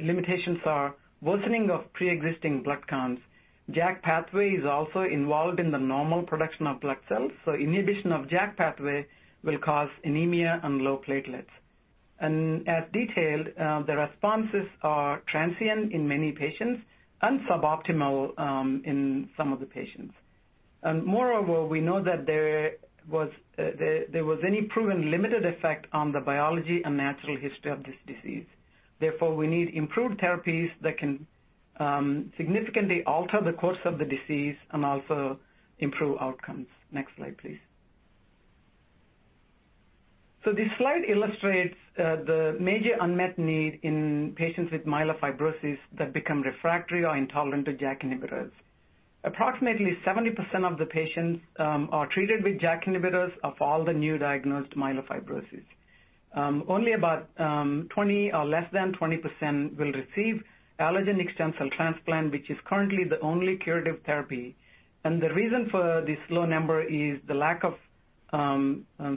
limitations are worsening of preexisting blood counts. JAK pathway is also involved in the normal production of blood cells, so inhibition of JAK pathway will cause anemia and low platelets. As detailed, the responses are transient in many patients and suboptimal in some of the patients. Moreover, we know that there was limited effect on the biology and natural history of this disease. Therefore, we need improved therapies that can significantly alter the course of the disease and also improve outcomes. Next slide, please. This slide illustrates the major unmet need in patients with myelofibrosis that become refractory or intolerant to JAK inhibitors. Approximately 70% of patients with newly diagnosed myelofibrosis are treated with JAK inhibitors. Only about 20% or less than 20% will receive allogeneic stem cell transplant, which is currently the only curative therapy. The reason for this low number is the lack of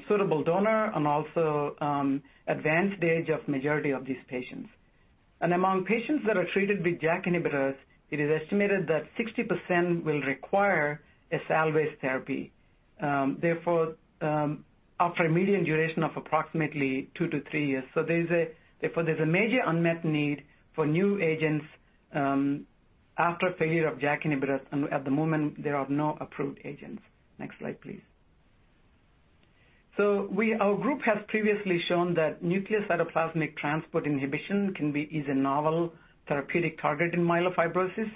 suitable donor and also advanced age of the majority of these patients. Among patients that are treated with JAK inhibitors, it is estimated that 60% will require a salvage therapy, therefore, after a median duration of approximately 2-3 years. Therefore, there's a major unmet need for new agents after failure of JAK inhibitors, and at the moment there are no approved agents. Next slide, please. Our group has previously shown that nucleocytoplasmic transport inhibition is a novel therapeutic target in myelofibrosis.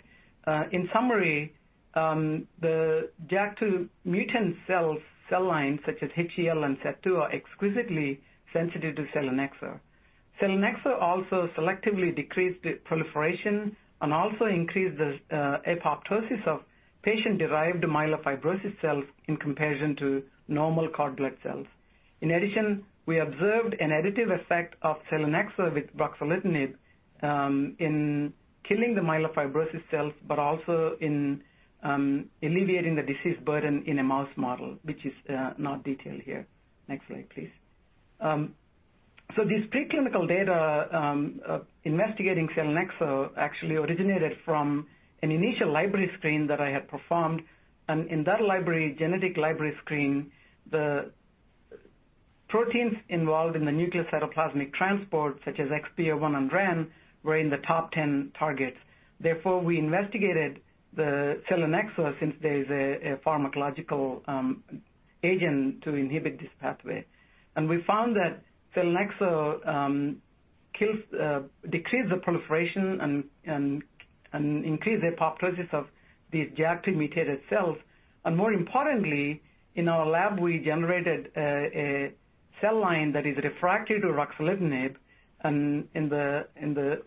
In summary, the JAK2 mutant cell lines such as HEL and SET-2 are exquisitely sensitive to selinexor. Selinexor also selectively decreased the proliferation and increased the apoptosis of patient-derived myelofibrosis cells in comparison to normal cord blood cells. In addition, we observed an additive effect of selinexor with ruxolitinib in killing the myelofibrosis cells, but also in alleviating the disease burden in a mouse model, which is not detailed here. Next slide, please. This preclinical data investigating selinexor actually originated from an initial library screen that I had performed. In that genetic library screen, the proteins involved in the nucleocytoplasmic transport, such as XPO1 and Ran, were in the top 10 targets. Therefore, we investigated selinexor since there is a pharmacological agent to inhibit this pathway. We found that selinexor decreases the proliferation and increases apoptosis of these JAK2 mutated cells. More importantly, in our lab, we generated a cell line that is refractory to ruxolitinib. In the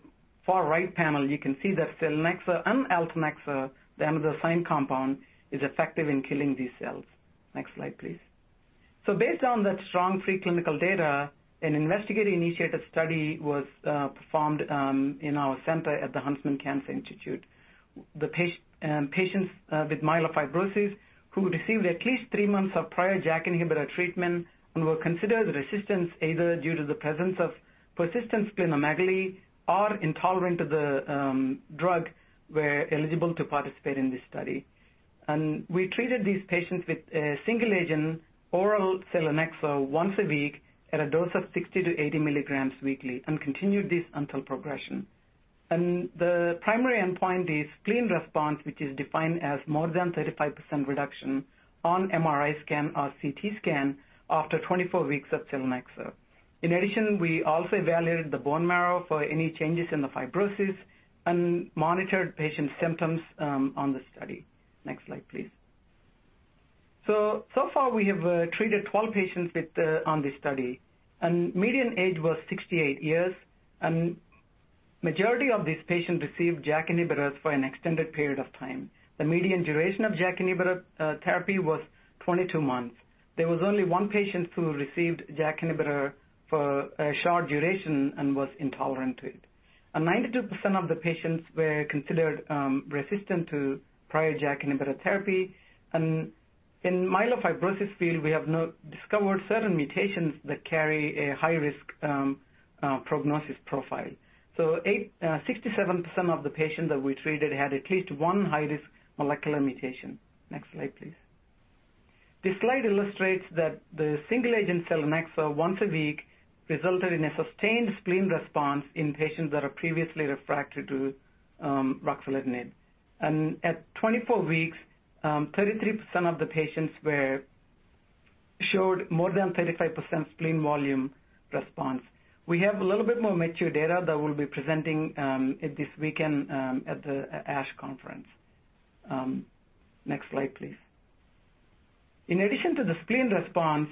far right panel, you can see that selinexor and eltanexor, the SINE compound, is effective in killing these cells. Next slide, please. Based on that strong preclinical data, an investigator-initiated study was performed in our center at the Huntsman Cancer Institute. Patients with myelofibrosis who received at least three months of prior JAK inhibitor treatment and were considered resistant either due to the presence of persistent splenomegaly or intolerant to the drug were eligible to participate in this study. We treated these patients with a single-agent oral selinexor once a week at a dose of 60 mg-80 mg weekly and continued this until progression. The primary endpoint is spleen response, which is defined as more than 35% reduction on MRI scan or CT scan after 24 weeks of selinexor. In addition, we also evaluated the bone marrow for any changes in the fibrosis and monitored patient symptoms on the study. Next slide, please. So far we have treated 12 patients with on this study, and median age was 68 years, and majority of these patients received JAK inhibitors for an extended period of time. The median duration of JAK inhibitor therapy was 22 months. There was only one patient who received JAK inhibitor for a short duration and was intolerant to it. 92% of the patients were considered resistant to prior JAK inhibitor therapy. In myelofibrosis field, we have now discovered certain mutations that carry a high risk prognosis profile. 87% of the patients that we treated had at least one high-risk molecular mutation. Next slide, please. This slide illustrates that the single-agent selinexor once a week resulted in a sustained spleen response in patients that are previously refractory to ruxolitinib. At 24 weeks, 33% of the patients showed more than 35% spleen volume response. We have a little bit more mature data that we'll be presenting at this weekend at the ASH conference. Next slide, please. In addition to the spleen response,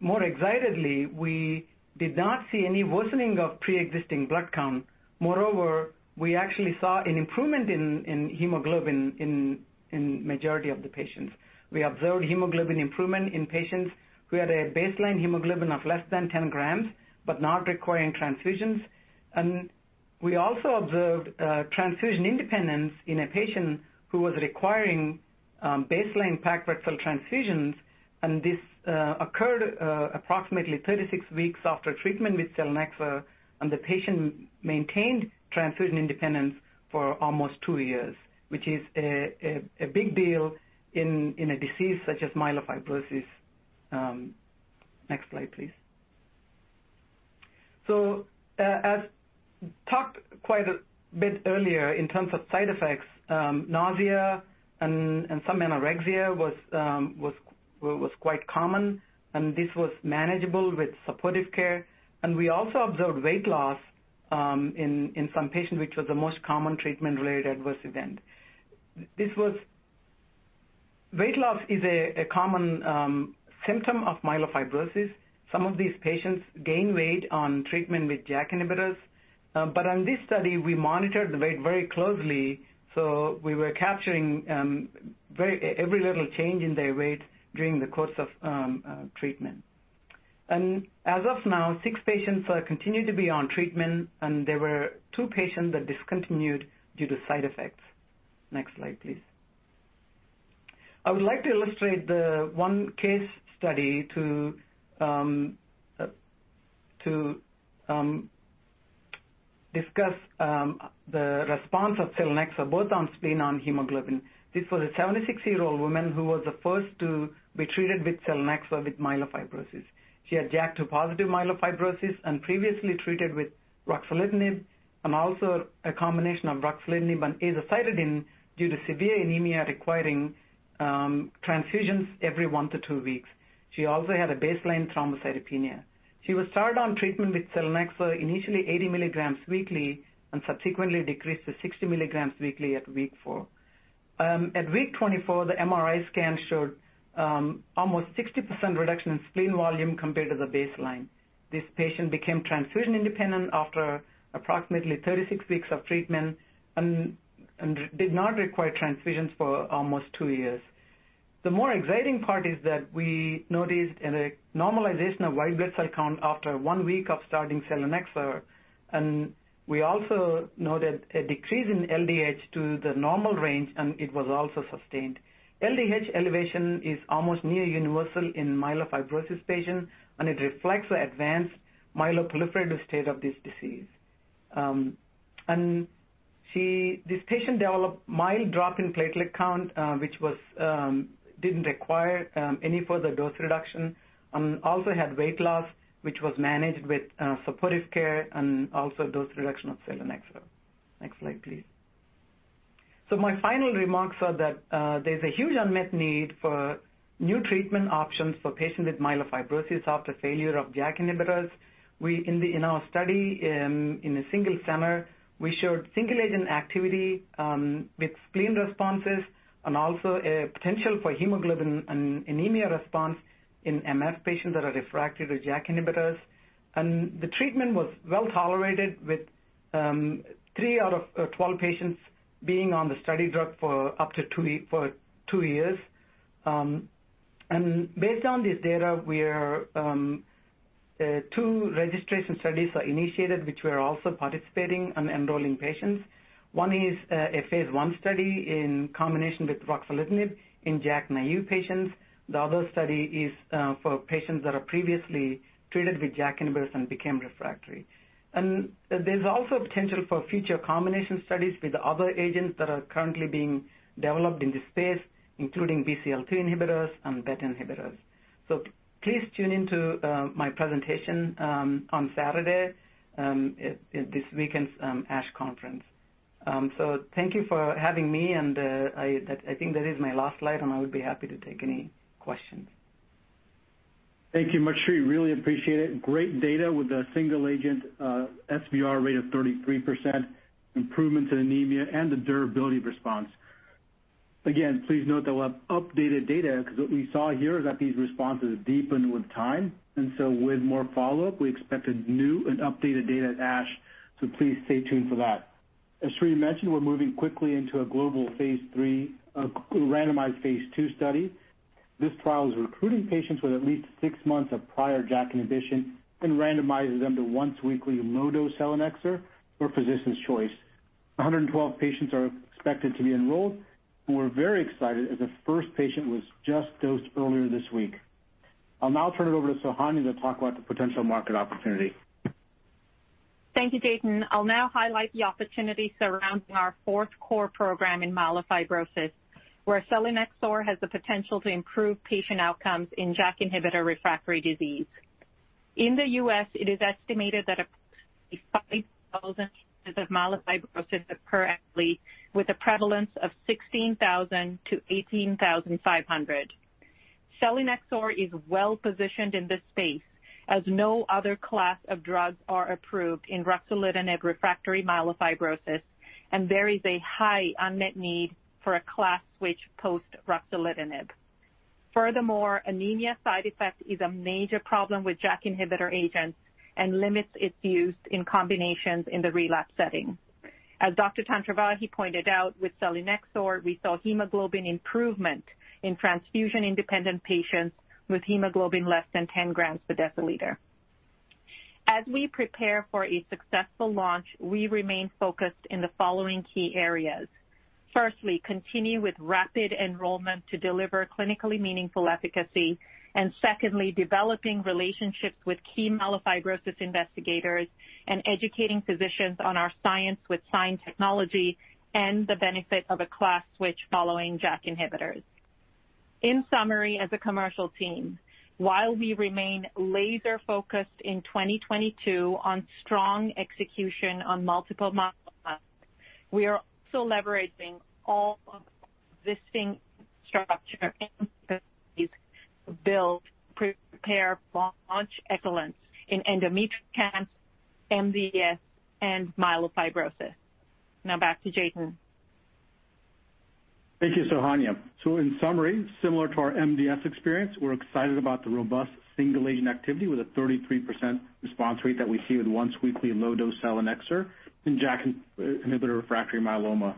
more excitedly, we did not see any worsening of preexisting blood count. Moreover, we actually saw an improvement in hemoglobin in majority of the patients. We observed hemoglobin improvement in patients who had a baseline hemoglobin of less than 10 g, but not requiring transfusions. We also observed transfusion independence in a patient who was requiring baseline packed red cell transfusions, and this occurred approximately 36 weeks after treatment with selinexor. The patient maintained transfusion independence for almost two years, which is a big deal in a disease such as myelofibrosis. Next slide, please. As talked quite a bit earlier in terms of side effects, nausea and some anorexia was quite common, and this was manageable with supportive care. We also observed weight loss in some patients, which was the most common treatment-related adverse event. Weight loss is a common symptom of myelofibrosis. Some of these patients gain weight on treatment with JAK inhibitors. On this study we monitored the weight very closely, so we were capturing very every little change in their weight during the course of treatment. As of now, six patients are continued to be on treatment, and there were two patients that discontinued due to side effects. Next slide, please. I would like to illustrate the one case study to discuss the response of selinexor both on spleen and hemoglobin. This was a 76-year-old woman who was the first to be treated with selinexor with myelofibrosis. She had JAK2 positive myelofibrosis and previously treated with ruxolitinib and also a combination of ruxolitinib and azacitidine due to severe anemia requiring transfusions every 1-2 weeks. She also had a baseline thrombocytopenia. She was started on treatment with selinexor, initially 80 mg weekly and subsequently decreased to 60 mg weekly at week four. At week 24, the MRI scan showed almost 60% reduction in spleen volume compared to the baseline. This patient became transfusion independent after approximately 36 weeks of treatment and did not require transfusions for almost two years. The more exciting part is that we noticed a normalization of white blood cell count after 1 week of starting selinexor, and we also noted a decrease in LDH to the normal range, and it was also sustained. LDH elevation is almost near universal in myelofibrosis patients, and it reflects the advanced myeloproliferative state of this disease. This patient developed mild drop in platelet count, which didn't require any further dose reduction. Also had weight loss, which was managed with supportive care and also dose reduction of selinexor. Next slide, please. My final remarks are that there's a huge unmet need for new treatment options for patients with myelofibrosis after failure of JAK inhibitors. In our study, in a single center, we showed single agent activity with spleen responses and also a potential for hemoglobin and anemia response in MF patients that are refractory to JAK inhibitors. The treatment was well tolerated with three out of 12 patients being on the study drug for up to two years. Based on this data, two registration studies are initiated, which we are also participating and enrolling patients. One is a phase I study in combination with ruxolitinib in JAK-naïve patients. The other study is for patients that are previously treated with JAK inhibitors and became refractory. There's also potential for future combination studies with other agents that are currently being developed in this space, including BCL-2 inhibitors and BET inhibitors. Please tune in to my presentation on Saturday at this weekend's ASH conference. Thank you for having me. I think that is my last slide, and I would be happy to take any questions. Thank you, Sri. Really appreciate it. Great data with a single-agent SVR rate of 33%, improvements in anemia, and the durability of response. Again, please note they'll have updated data because what we saw here is that these responses deepened with time, and so with more follow-up, we expect a new and updated data at ASH, so please stay tuned for that. As Sri mentioned, we're moving quickly into a global randomized phase II study. This trial is recruiting patients with at least six months of prior JAK inhibition and randomizes them to once-weekly low-dose selinexor or physician's choice. 112 patients are expected to be enrolled, and we're very excited as the first patient was just dosed earlier this week. I'll now turn it over to Sohanya to talk about the potential market opportunity. Thank you, Jatin. I'll now highlight the opportunity surrounding our fourth core program in myelofibrosis, where selinexor has the potential to improve patient outcomes in JAK inhibitor-refractory disease. In the U.S., it is estimated that approximately 5,000 cases of myelofibrosis occur annually with a prevalence of 16,000-18,500. Selinexor is well-positioned in this space as no other class of drugs are approved in ruxolitinib-refractory myelofibrosis, and there is a high unmet need for a class switch post-ruxolitinib. Furthermore, anemia side effect is a major problem with JAK inhibitor agents and limits its use in combinations in the relapse setting. As Dr. Tantravahi pointed out, with selinexor, we saw hemoglobin improvement in transfusion-independent patients with hemoglobin less than 10 g per deciliter. As we prepare for a successful launch, we remain focused in the following key areas. Firstly, continue with rapid enrollment to deliver clinically meaningful efficacy. Secondly, developing relationships with key myelofibrosis investigators and educating physicians on our science with SINE technology and the benefit of a class switch following JAK inhibitors. In summary, as a commercial team, while we remain laser-focused in 2022 on strong execution on multiple milestones, we are also leveraging all of our existing structure and capabilities to build, prepare for launch excellence in endometrial cancer, MDS, and myelofibrosis. Now back to Jatin. Thank you, Sohanya. In summary, similar to our MDS experience, we're excited about the robust single agent activity with a 33% response rate that we see with once-weekly low-dose selinexor in JAK inhibitor-refractory myeloma.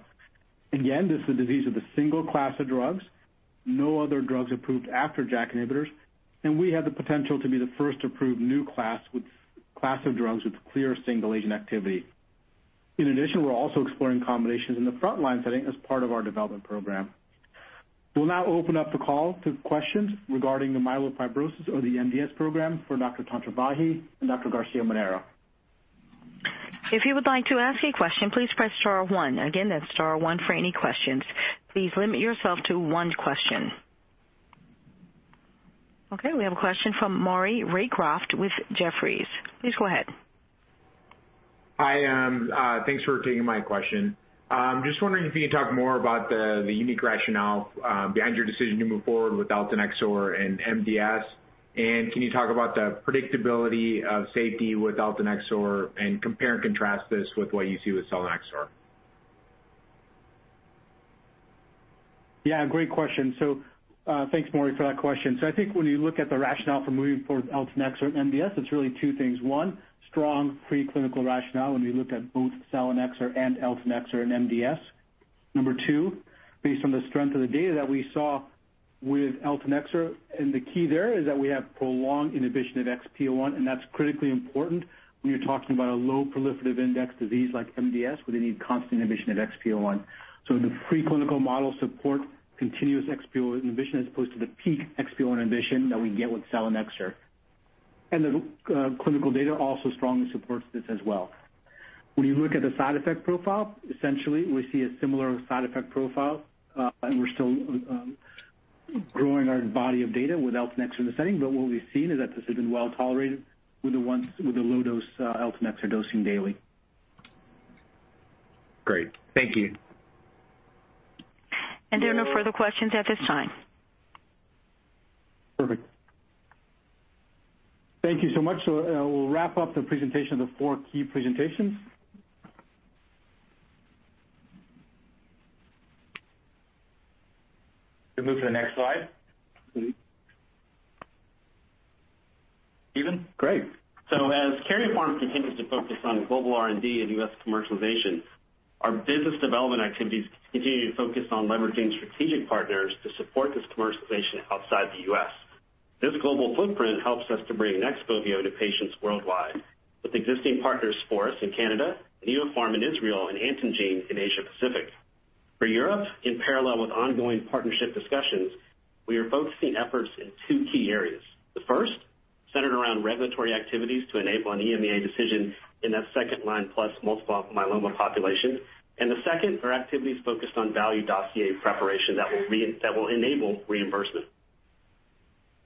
Again, this is a disease with a single class of drugs. No other drugs approved after JAK inhibitors. We have the potential to be the first approved new class with class of drugs with clear single agent activity. In addition, we're also exploring combinations in the frontline setting as part of our development program. We'll now open up the call to questions regarding the myelofibrosis or the MDS program for Dr. Tantravahi and Dr. Garcia-Manero. Okay, we have a question from Maury Raycroft with Jefferies. Please go ahead. Hi, thanks for taking my question. Just wondering if you could talk more about the unique rationale behind your decision to move forward with elotuzumab and MDS. Can you talk about the predictability of safety with elotuzumab and compare and contrast this with what you see with selinexor? Yeah, great question. Thanks Maury for that question. I think when you look at the rationale for moving forward with elotuzumab in MDS, it's really two things. One, strong pre-clinical rationale when you look at both selinexor and elotuzumab in MDS. Number two, based on the strength of the data that we saw with elotuzumab, and the key there is that we have prolonged inhibition of XPO1, and that's critically important when you're talking about a low proliferative index disease like MDS, where they need constant inhibition of XPO1. The pre-clinical model support continuous XPO1 inhibition, as opposed to the peak XPO1 inhibition that we get with selinexor. The clinical data also strongly supports this as well. When you look at the side effect profile, essentially we see a similar side effect profile, and we're still growing our body of data with elotuzumab in the setting, but what we've seen is that this has been well tolerated with the low dose elotuzumab dosing daily. Great. Thank you. There are no further questions at this time. Perfect. Thank you so much. We'll wrap up the presentation of the four key presentations. Can you move to the next slide? Mm-hmm. Stephen. Great. Karyopharm continues to focus on global R&D and U.S. commercialization, our business development activities continue to focus on leveraging strategic partners to support this commercialization outside the U.S. This global footprint helps us to bring XPOVIO to patients worldwide with existing partners Spore in Canada, Neopharm in Israel, and AntenGene in Asia Pacific. For Europe, in parallel with ongoing partnership discussions, we are focusing efforts in two key areas. The first, centered around regulatory activities to enable an EMA decision in that second line plus multiple myeloma population. The second are activities focused on value dossier preparation that will enable reimbursement.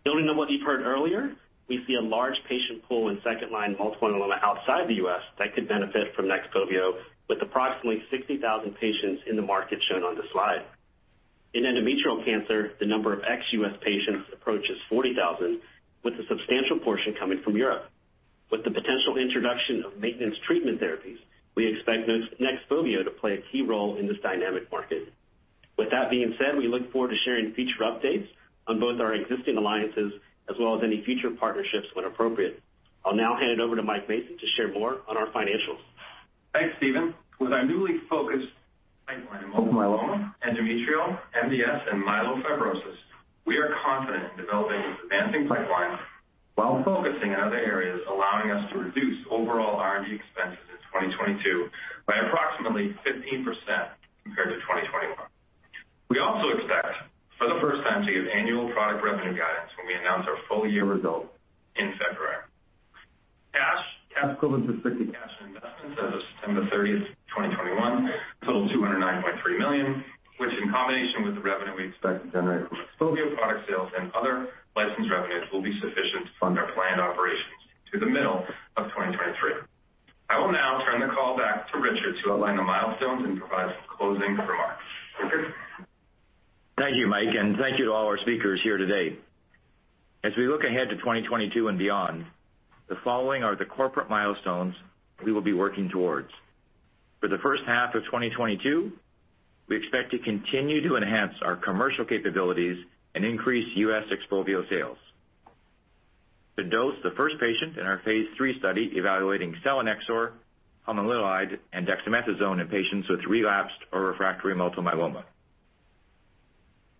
Building on what you've heard earlier, we see a large patient pool in second line multiple myeloma outside the US that could benefit from XPOVIO, with approximately 60,000 patients in the market shown on the slide. In endometrial cancer, the number of ex-U.S. patients approaches 40,000, with a substantial portion coming from Europe. With the potential introduction of maintenance treatment therapies, we expect those XPOVIO to play a key role in this dynamic market. With that being said, we look forward to sharing future updates on both our existing alliances as well as any future partnerships when appropriate. I'll now hand it over to Mike Mason to share more on our financials. Thanks, Stephen. With our newly focused pipeline in multiple myeloma, endometrial, MDS, and myelofibrosis, we are confident in developing this advancing pipeline while focusing in other areas, allowing us to reduce overall R&D expenses in 2022 by approximately 15% compared to 2021. We also expect for the first time to give annual product revenue guidance when we announce our full year results in February. Cash, cash equivalents, and restricted cash and investments as of September 30th, 2021, total $209.3 million, which in combination with the revenue we expect to generate from XPOVIO product sales and other licensed revenues will be sufficient to fund our planned operations through the middle of 2023. I will now turn the call back to Richard to outline the milestones and provide some closing remarks. Thank you. Thank you, Mike, and thank you to all our speakers here today. As we look ahead to 2022 and beyond, the following are the corporate milestones we will be working towards. For the first half of 2022, we expect to continue to enhance our commercial capabilities and increase U.S. XPOVIO sales. To dose the first patient in our phase III study evaluating selinexor, pomalidomide, and dexamethasone in patients with relapsed or refractory multiple myeloma.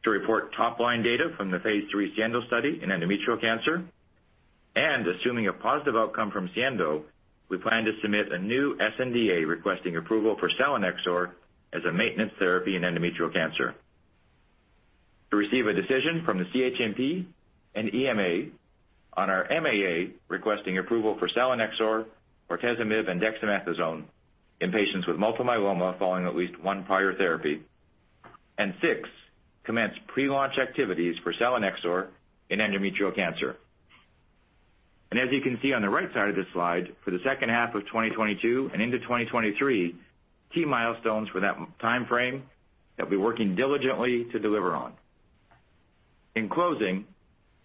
To report top-line data from the phase III SIENDO study in endometrial cancer. Assuming a positive outcome from SIENDO, we plan to submit a new sNDA requesting approval for selinexor as a maintenance therapy in endometrial cancer. To receive a decision from the CHMP and EMA on our MAA requesting approval for selinexor, bortezomib, and dexamethasone in patients with multiple myeloma following at least one prior therapy. Six, commence pre-launch activities for selinexor in endometrial cancer. As you can see on the right side of this slide, for the second half of 2022 and into 2023, key milestones for that timeframe that we're working diligently to deliver on. In closing,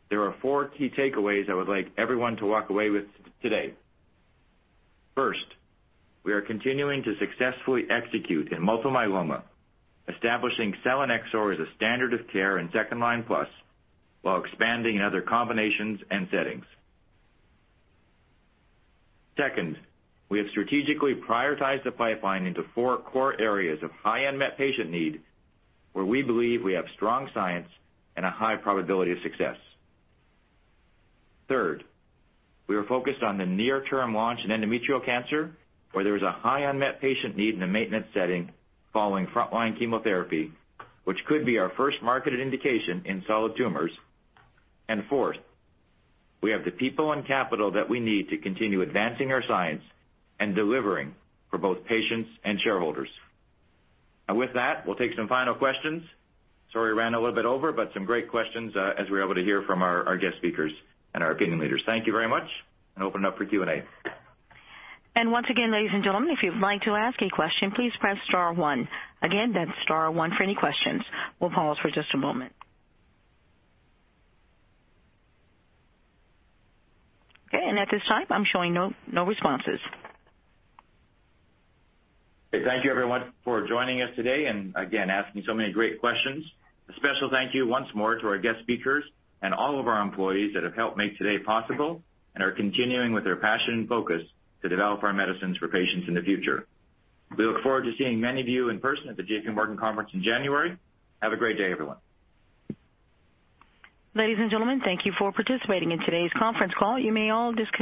there are four key takeaways I would like everyone to walk away with today. First, we are continuing to successfully execute in multiple myeloma, establishing selinexor as a standard of care in second-line plus, while expanding in other combinations and settings. Second, we have strategically prioritized the pipeline into four core areas of high unmet patient need, where we believe we have strong science and a high probability of success. Third, we are focused on the near-term launch in endometrial cancer, where there is a high unmet patient need in the maintenance setting following frontline chemotherapy, which could be our first marketed indication in solid tumors. Fourth, we have the people and capital that we need to continue advancing our science and delivering for both patients and shareholders. With that, we'll take some final questions. Sorry, we ran a little bit over, but some great questions, as we were able to hear from our guest speakers and our opinion leaders. Thank you very much, and open it up for Q&A. Once again, ladies and gentlemen, if you'd like to ask a question, please press star one. Again, that's star one for any questions. We'll pause for just a moment. Okay, and at this time, I'm showing no responses. Thank you everyone for joining us today and again, asking so many great questions. A special thank you once more to our guest speakers and all of our employees that have helped make today possible and are continuing with their passion and focus to develop our medicines for patients in the future. We look forward to seeing many of you in person at the J.P. Morgan conference in January. Have a great day, everyone. Ladies and gentlemen, thank you for participating in today's conference call. You may all disconnect.